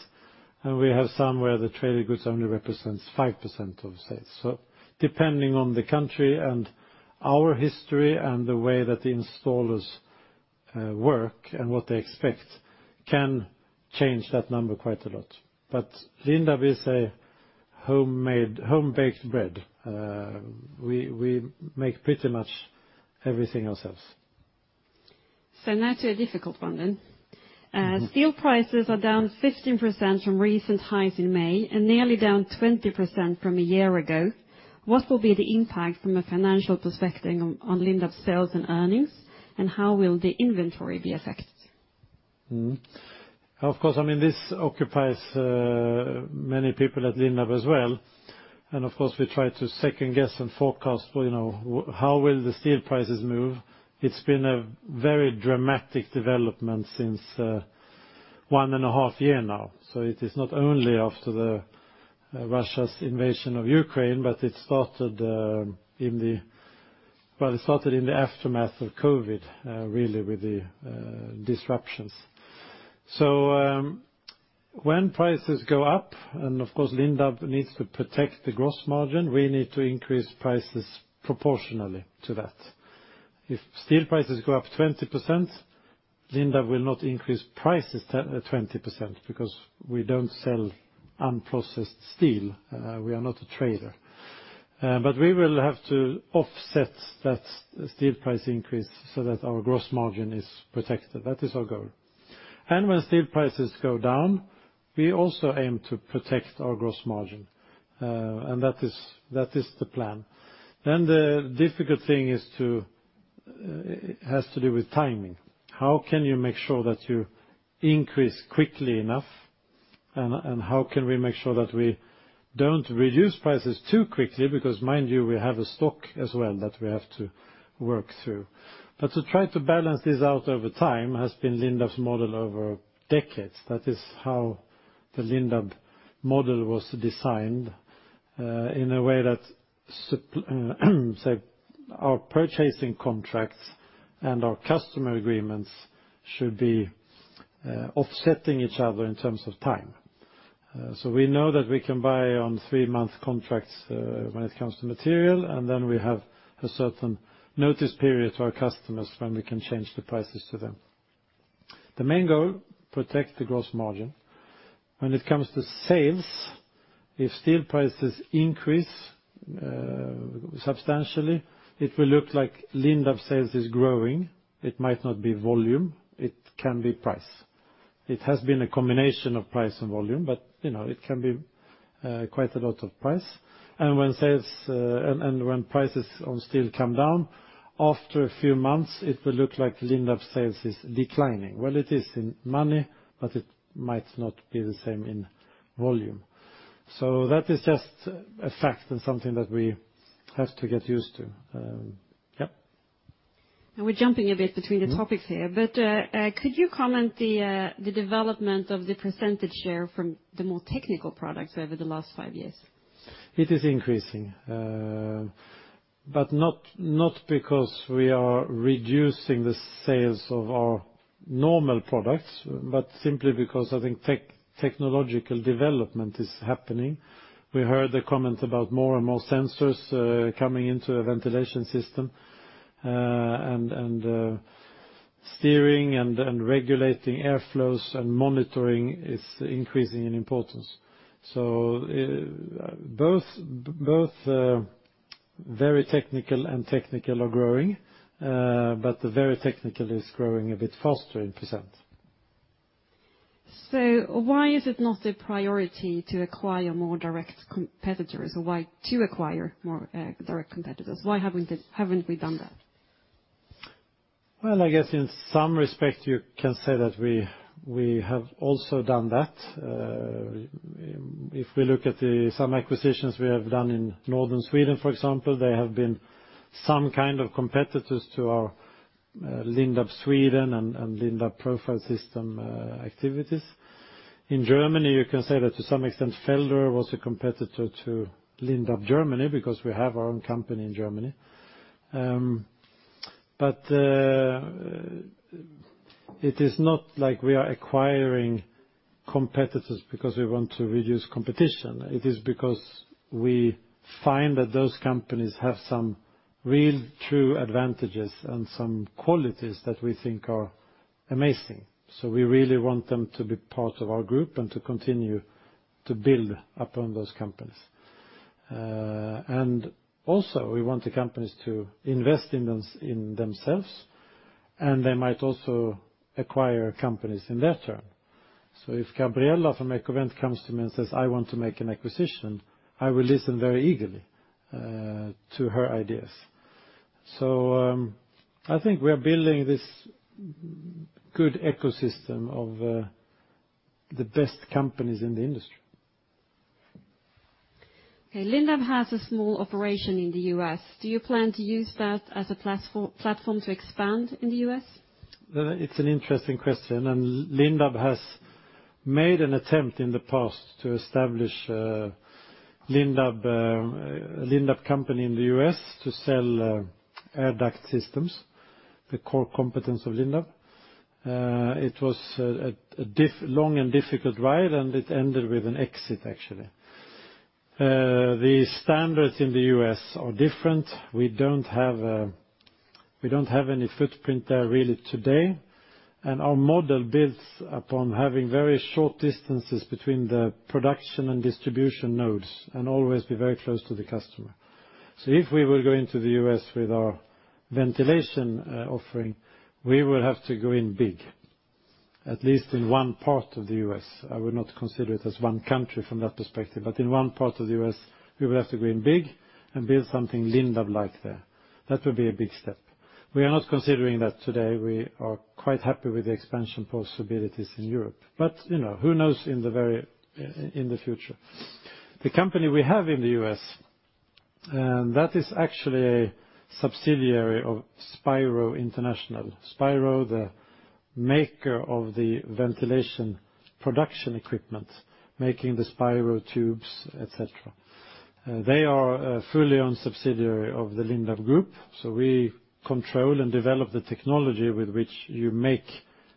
and we have some where the traded goods only represents 5% of sales. Depending on the country and our history and the way that the installers work and what they expect can change that number quite a lot. Lindab is a homemade, home-baked bread. We make pretty much everything ourselves. Now to a difficult one then. Mm-hmm. Steel prices are down 15% from recent highs in May and nearly down 20% from a year ago. What will be the impact from a financial perspective on Lindab sales and earnings, and how will the inventory be affected? Of course, I mean, this occupies many people at Lindab as well. Of course, we try to second guess and forecast, you know, how will the steel prices move? It's been a very dramatic development since 1.5 years now. It is not only after Russia's invasion of Ukraine, but it started in the aftermath of COVID, really with the disruptions. When prices go up, and of course Lindab needs to protect the gross margin, we need to increase prices proportionally to that. If steel prices go up 20%, Lindab will not increase prices 20% because we don't sell unprocessed steel. We are not a trader. But we will have to offset that steel price increase so that our gross margin is protected. That is our goal. When steel prices go down, we also aim to protect our gross margin. That is the plan. The difficult thing has to do with timing. How can you make sure that you increase quickly enough? How can we make sure that we don't reduce prices too quickly? Because mind you, we have a stock as well that we have to work through. To try to balance this out over time has been Lindab's model over decades. That is how the Lindab model was designed, in a way that such that our purchasing contracts and our customer agreements should be offsetting each other in terms of time. We know that we can buy on three-month contracts, when it comes to material, and then we have a certain notice period to our customers when we can change the prices to them. The main goal, protect the gross margin. When it comes to sales, if steel prices increase substantially, it will look like Lindab sales is growing. It might not be volume, it can be price. It has been a combination of price and volume, but, you know, it can be quite a lot of price. And when prices on steel come down, after a few months, it will look like Lindab sales is declining. Well, it is in money, but it might not be the same in volume. That is just a fact and something that we have to get used to. We're jumping a bit between the topics here. Yeah. Could you comment on the development of the percentage share from the more technical products over the last five years? It is increasing. Not because we are reducing the sales of our normal products, but simply because I think technological development is happening. We heard the comment about more and more sensors coming into a ventilation system. Steering and regulating air flows and monitoring is increasing in importance. Both very technical and technical are growing. The very technical is growing a bit faster in percent. Why is it not a priority to acquire more direct competitors? Or why to acquire more direct competitors? Why haven't we done that? Well, I guess in some respect you can say that we have also done that. If we look at some acquisitions we have done in Northern Sweden, for example, they have been some kind of competitors to our Lindab Sweden and Lindab Profile Systems activities. In Germany, you can say that to some extent Felderer was a competitor to Lindab Germany because we have our own company in Germany. It is not like we are acquiring competitors because we want to reduce competition. It is because we find that those companies have some real true advantages and some qualities that we think are amazing. We really want them to be part of our group and to continue to build upon those companies. we want the companies to invest in themselves, and they might also acquire companies in their turn. If Gabriella from Ekovent comes to me and says, "I want to make an acquisition," I will listen very eagerly to her ideas. I think we are building this good ecosystem of the best companies in the industry. Okay. Lindab has a small operation in the U.S. Do you plan to use that as a platform to expand in the U.S.? It's an interesting question, and Lindab has made an attempt in the past to establish a Lindab company in the U.S. to sell air duct systems, the core competence of Lindab. It was a long and difficult ride, and it ended with an exit actually. The standards in the U.S. are different. We don't have any footprint there really today. Our model builds upon having very short distances between the production and distribution nodes, and always be very close to the customer. If we will go into the U.S. with our ventilation offering, we will have to go in big, at least in one part of the U.S. I would not consider it as one country from that perspective. In one part of the U.S., we will have to go in big and build something Lindab like there. That would be a big step. We are not considering that today. We are quite happy with the expansion possibilities in Europe. You know, who knows in the future. The company we have in the U.S., that is actually a subsidiary of Spiro International. Spiro, the maker of the ventilation production equipment, making the Spiro tubes, et cetera. They are a fully owned subsidiary of the Lindab Group, so we control and develop the technology with which you make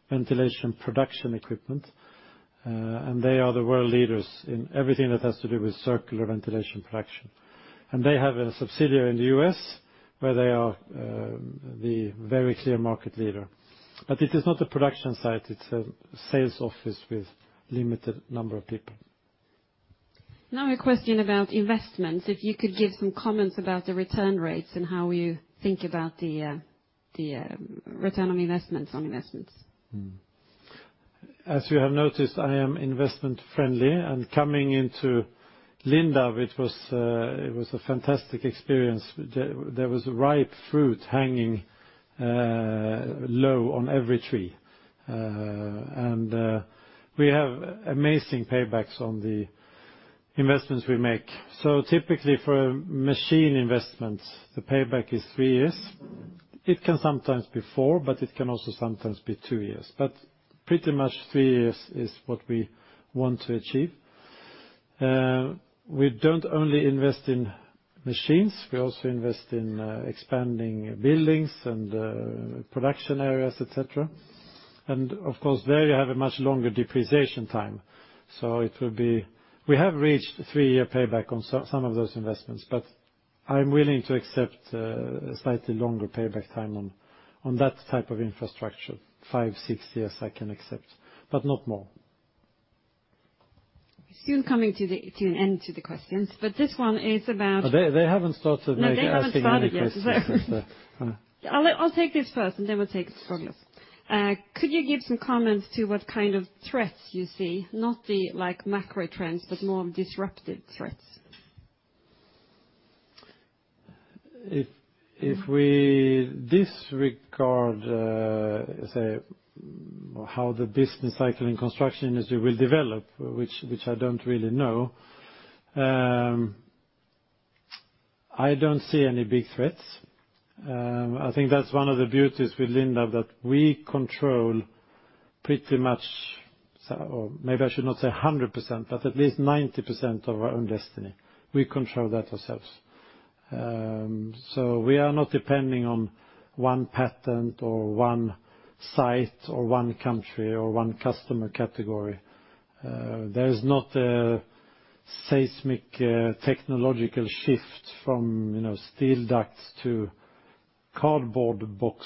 ventilation production equipment. They are the world leaders in everything that has to do with circular ventilation production. They have a subsidiary in the U.S. where they are the very clear market leader. It is not a production site, it's a sales office with limited number of people. Now a question about investments. If you could give some comments about the return rates and how you think about the return on investments. As you have noticed, I am investment friendly, and coming into Lindab, it was a fantastic experience. There was ripe fruit hanging low on every tree. We have amazing paybacks on the investments we make. Typically for machine investments, the payback is three years. It can sometimes be four, but it can also sometimes be two years. Pretty much three years is what we want to achieve. We don't only invest in machines, we also invest in expanding buildings and production areas, et cetera. Of course, there you have a much longer depreciation time. We have reached a three-year payback on some of those investments, but I'm willing to accept a slightly longer payback time on that type of infrastructure. Five, six years I can accept, but not more. Soon coming to an end to the questions, but this one is about. They haven't started maybe asking any questions. No, they haven't started yet. I'll take this first, and then we'll take Tobias. Could you give some comments to what kind of threats you see, not the like macro trends, but more of disruptive threats? If we disregard say how the business cycle and construction industry will develop, which I don't really know, I don't see any big threats. I think that's one of the beauties with Lindab that we control pretty much, or maybe I should not say 100%, but at least 90% of our own destiny. We control that ourselves. We are not depending on one patent or one site or one country or one customer category. There is not a seismic technological shift from, you know, steel ducts to cardboard box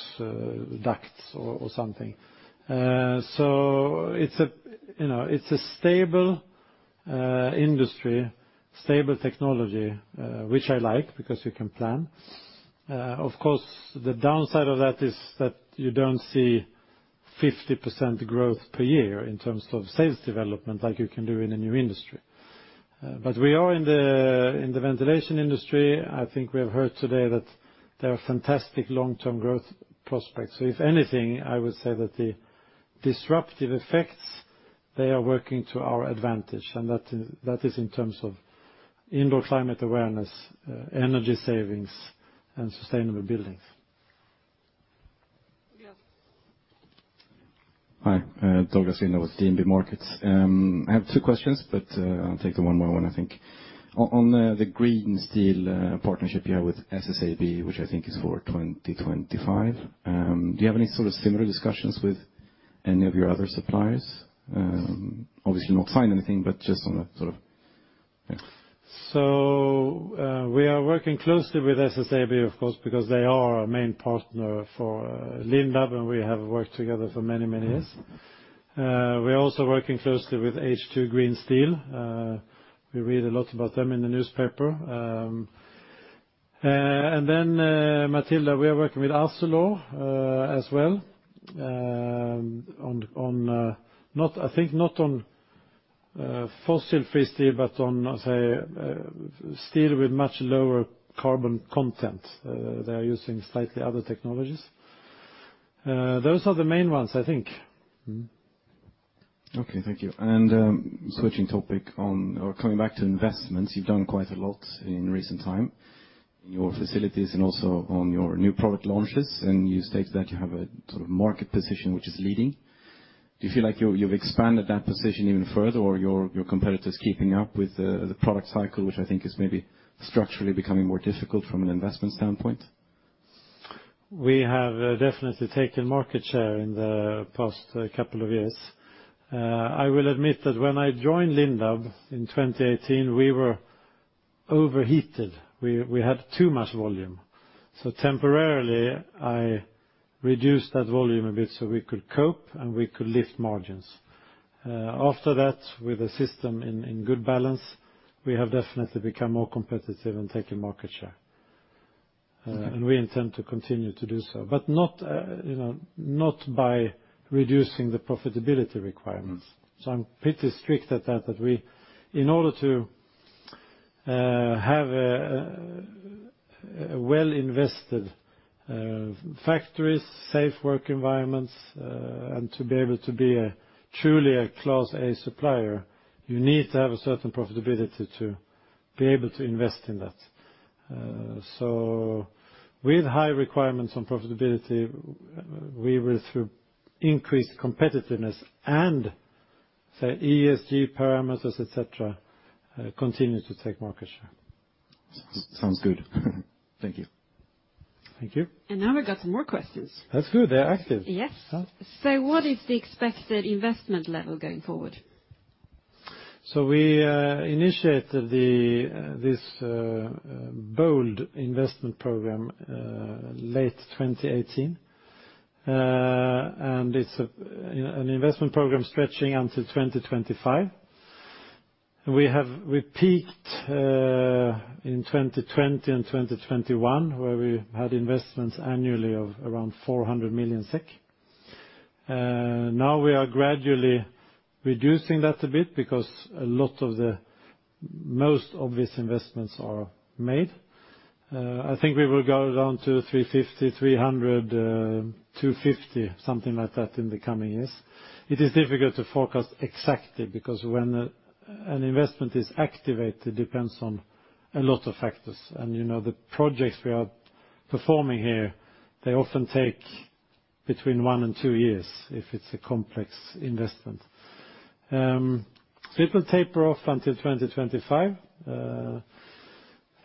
ducts or something. It's a, you know, stable industry, stable technology, which I like because you can plan. Of course, the downside of that is that you don't see 50% growth per year in terms of sales development like you can do in a new industry. We are in the ventilation industry. I think we have heard today that there are fantastic long-term growth prospects. If anything, I would say that the disruptive effects, they are working to our advantage, and that is in terms of indoor climate awareness, energy savings and sustainable buildings. Yes. Hi. Douglas Lindholm with DNB Markets. I have two questions, but I'll take them one by one, I think. On the green steel partnership you have with SSAB, which I think is for 2025, do you have any sort of similar discussions with any of your other suppliers? Obviously, you won't sign anything, but just on a sort of, yeah. We are working closely with SSAB, of course, because they are our main partner for Lindab, and we have worked together for many years. We're also working closely with H2 Green Steel. We read a lot about them in the newspaper. Matilda, we are working with ArcelorMittal as well, on I think not on fossil-free steel, but on, say, steel with much lower carbon content. They're using slightly different technologies. Those are the main ones, I think. Okay, thank you. Switching topic on or coming back to investments, you've done quite a lot in recent time in your facilities and also on your new product launches, and you state that you have a sort of market position which is leading. Do you feel like you've expanded that position even further, or your competitor is keeping up with the product cycle, which I think is maybe structurally becoming more difficult from an investment standpoint? We have definitely taken market share in the past couple of years. I will admit that when I joined Lindab in 2018, we were overheated. We had too much volume. Temporarily, I reduced that volume a bit so we could cope and we could lift margins. After that, with the system in good balance, we have definitely become more competitive and taken market share. Okay. We intend to continue to do so, but not, you know, not by reducing the profitability requirements. Mm-hmm. I'm pretty strict at that we, in order to, have, well-invested factories, safe work environments, and to be able to be a truly class A supplier, you need to have a certain profitability to be able to invest in that. With high requirements on profitability, we will through increased competitiveness and, say, ESG parameters, et cetera, continue to take market share. Sounds good. Thank you. Thank you. Now we got some more questions. That's good. They're active. Yes. Oh. What is the expected investment level going forward? We initiated this bold investment program late 2018. It's you know, an investment program stretching until 2025. We peaked in 2020 and 2021, where we had investments annually of around 400 million SEK. Now we are gradually reducing that a bit because most of these investments are made. I think we will go down to 350, 300, 250, something like that in the coming years. It is difficult to forecast exactly because when an investment is activated, it depends on a lot of factors. You know, the projects we are performing here, they often take between one and two years if it's a complex investment. It will taper off until 2025.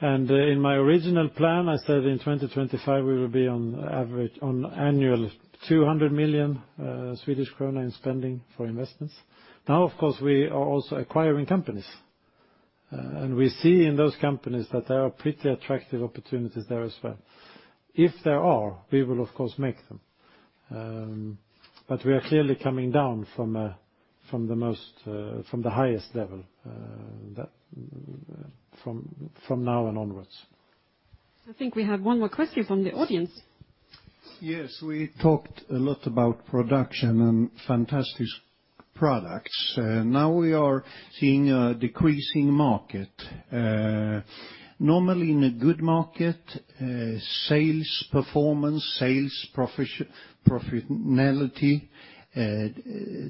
In my original plan, I said in 2025 we will be on average on annual 200 million Swedish krona in spending for investments. Now, of course, we are also acquiring companies. We see in those companies that there are pretty attractive opportunities there as well. If there are, we will of course make them. We are clearly coming down from the highest level from now and onwards. I think we have one more question from the audience. Yes. We talked a lot about production and fantastic products. Now we are seeing a decreasing market. Normally in a good market, sales performance, sales profitability,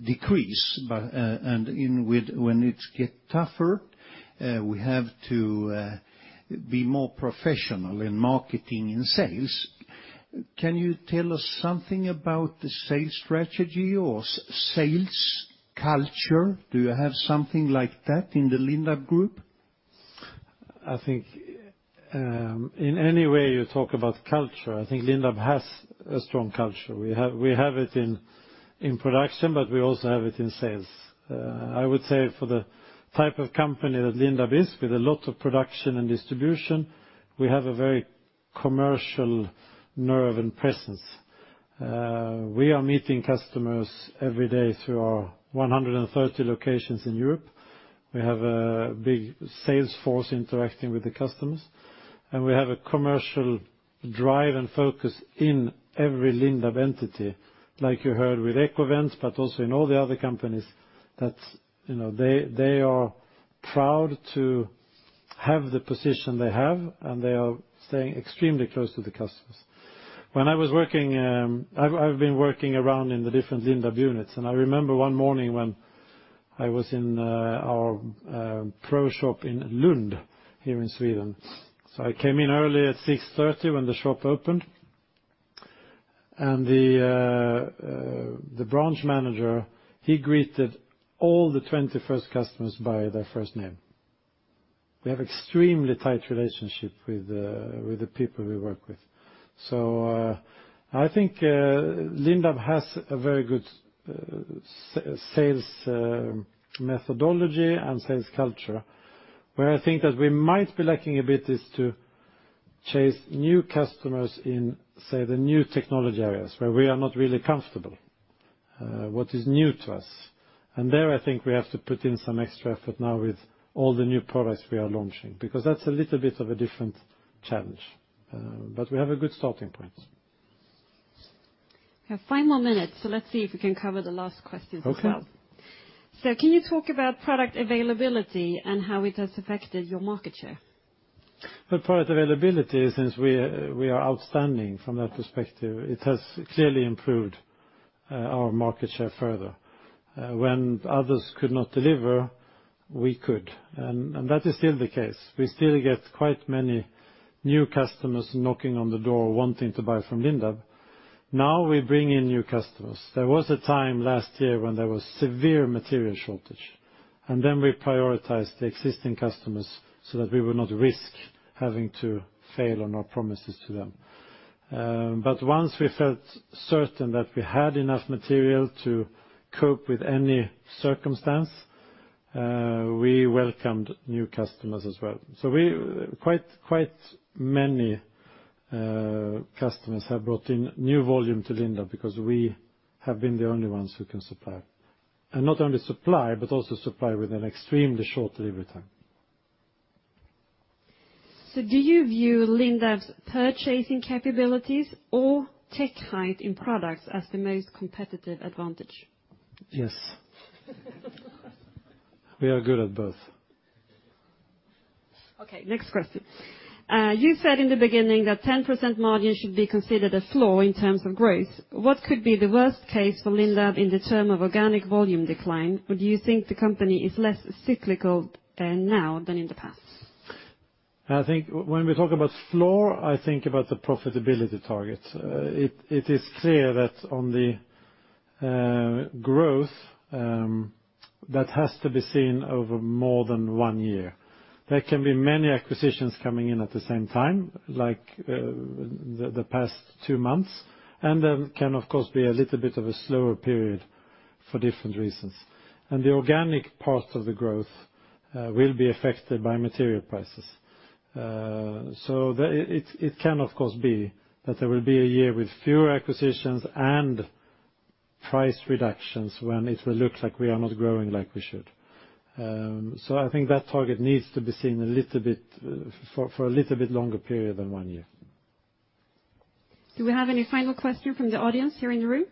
decrease. When it's get tougher, we have to be more professional in marketing and sales. Can you tell us something about the sales strategy or sales culture? Do you have something like that in the Lindab Group? I think in any way you talk about culture, I think Lindab has a strong culture. We have it in production, but we also have it in sales. I would say for the type of company that Lindab is, with a lot of production and distribution, we have a very commercial nerve and presence. We are meeting customers every day through our 130 locations in Europe. We have a big sales force interacting with the customers, and we have a commercial drive and focus in every Lindab entity. Like you heard with Ekovent, but also in all the other companies that you know they are proud to have the position they have, and they are staying extremely close to the customers. When I was working, I've been working around in the different Lindab units, and I remember one morning when I was in our pro shop in Lund here in Sweden. I came in early at 6:30 A.M. when the shop opened, and the branch manager, he greeted all the first 20 customers by their first name. We have extremely tight relationship with the people we work with. I think Lindab has a very good sales methodology and sales culture. Where I think that we might be lacking a bit is to chase new customers in, say, the new technology areas where we are not really comfortable, what is new to us. There, I think we have to put in some extra effort now with all the new products we are launching, because that's a little bit of a different challenge. We have a good starting point. We have five more minutes, so let's see if we can cover the last questions as well. Okay. Can you talk about product availability and how it has affected your market share? The product availability, since we are outstanding from that perspective, it has clearly improved our market share further. When others could not deliver, we could, and that is still the case. We still get quite many new customers knocking on the door wanting to buy from Lindab. Now we bring in new customers. There was a time last year when there was severe material shortage, and then we prioritized the existing customers so that we would not risk having to fail on our promises to them. But once we felt certain that we had enough material to cope with any circumstance, we welcomed new customers as well. Quite many customers have brought in new volume to Lindab because we have been the only ones who can supply. Not only supply, but also supply with an extremely short delivery time. Do you view Lindab's purchasing capabilities or tech height in products as the most competitive advantage? Yes. We are good at both. Okay, next question. You said in the beginning that 10% margin should be considered a floor in terms of growth. What could be the worst case for Lindab in terms of organic volume decline? Or do you think the company is less cyclical, now than in the past? I think when we talk about floor, I think about the profitability target. It is clear that on the growth, that has to be seen over more than one year. There can be many acquisitions coming in at the same time, like the past two months, and there can of course be a little bit of a slower period for different reasons. The organic part of the growth will be affected by material prices. It can of course be that there will be a year with fewer acquisitions and price reductions when it will look like we are not growing like we should. I think that target needs to be seen a little bit for a little bit longer period than one year. Do we have any final question from the audience here in the room?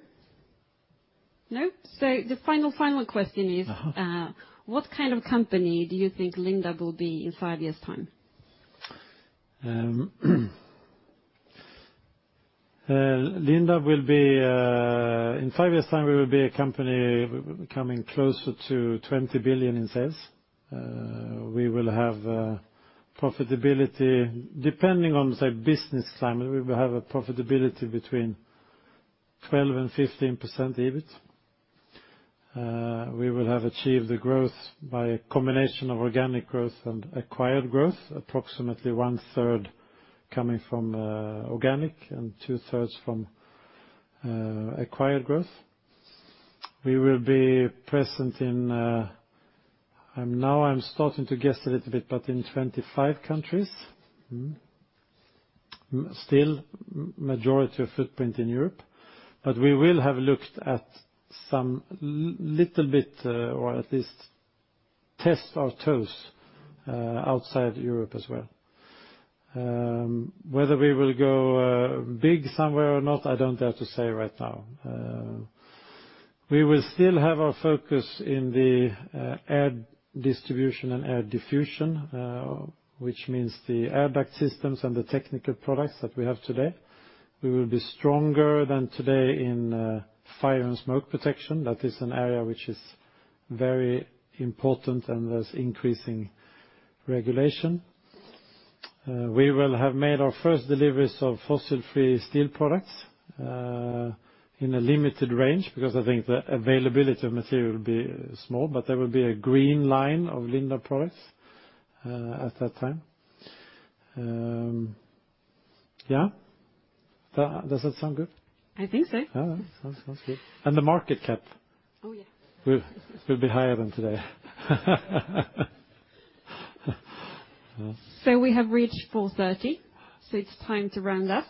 No. The final question is. Uh-huh. What kind of company do you think Lindab will be in five years' time? In five years' time we will be a company coming closer to 20 billion in sales. We will have profitability. Depending on, say, business timing, we will have a profitability between 12%-15% EBIT. We will have achieved the growth by a combination of organic growth and acquired growth, approximately 1/3 coming from organic and 2/3 from acquired growth. We will be present in, I'm now starting to guess a little bit, but in 25 countries. Still majority of footprint in Europe, but we will have looked at some little bit, or at least test our toes outside Europe as well. Whether we will go big somewhere or not, I don't dare to say right now. We will still have our focus in the air distribution and air diffusion, which means the air duct systems and the technical products that we have today. We will be stronger than today in fire and smoke protection. That is an area which is very important and there's increasing regulation. We will have made our first deliveries of fossil-free steel products in a limited range because I think the availability of material will be small, but there will be a green line of Lindab products at that time. Does that sound good? I think so. All right. Sounds good. The market cap- Oh, yeah. Will be higher than today. Yeah. We have reached 4:30 P.M., it's time to round up.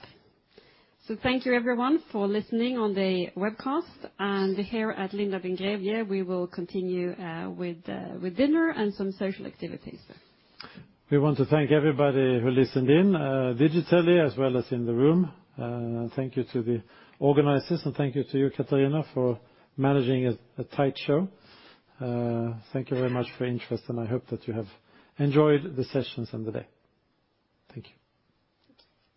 Thank you everyone for listening on the webcast and here at Lindab in Grevie we will continue with dinner and some social activities. We want to thank everybody who listened in digitally as well as in the room. Thank you to the organizers, and thank you to you, Catharina, for managing a tight show. Thank you very much for your interest, and I hope that you have enjoyed the sessions and the day. Thank you.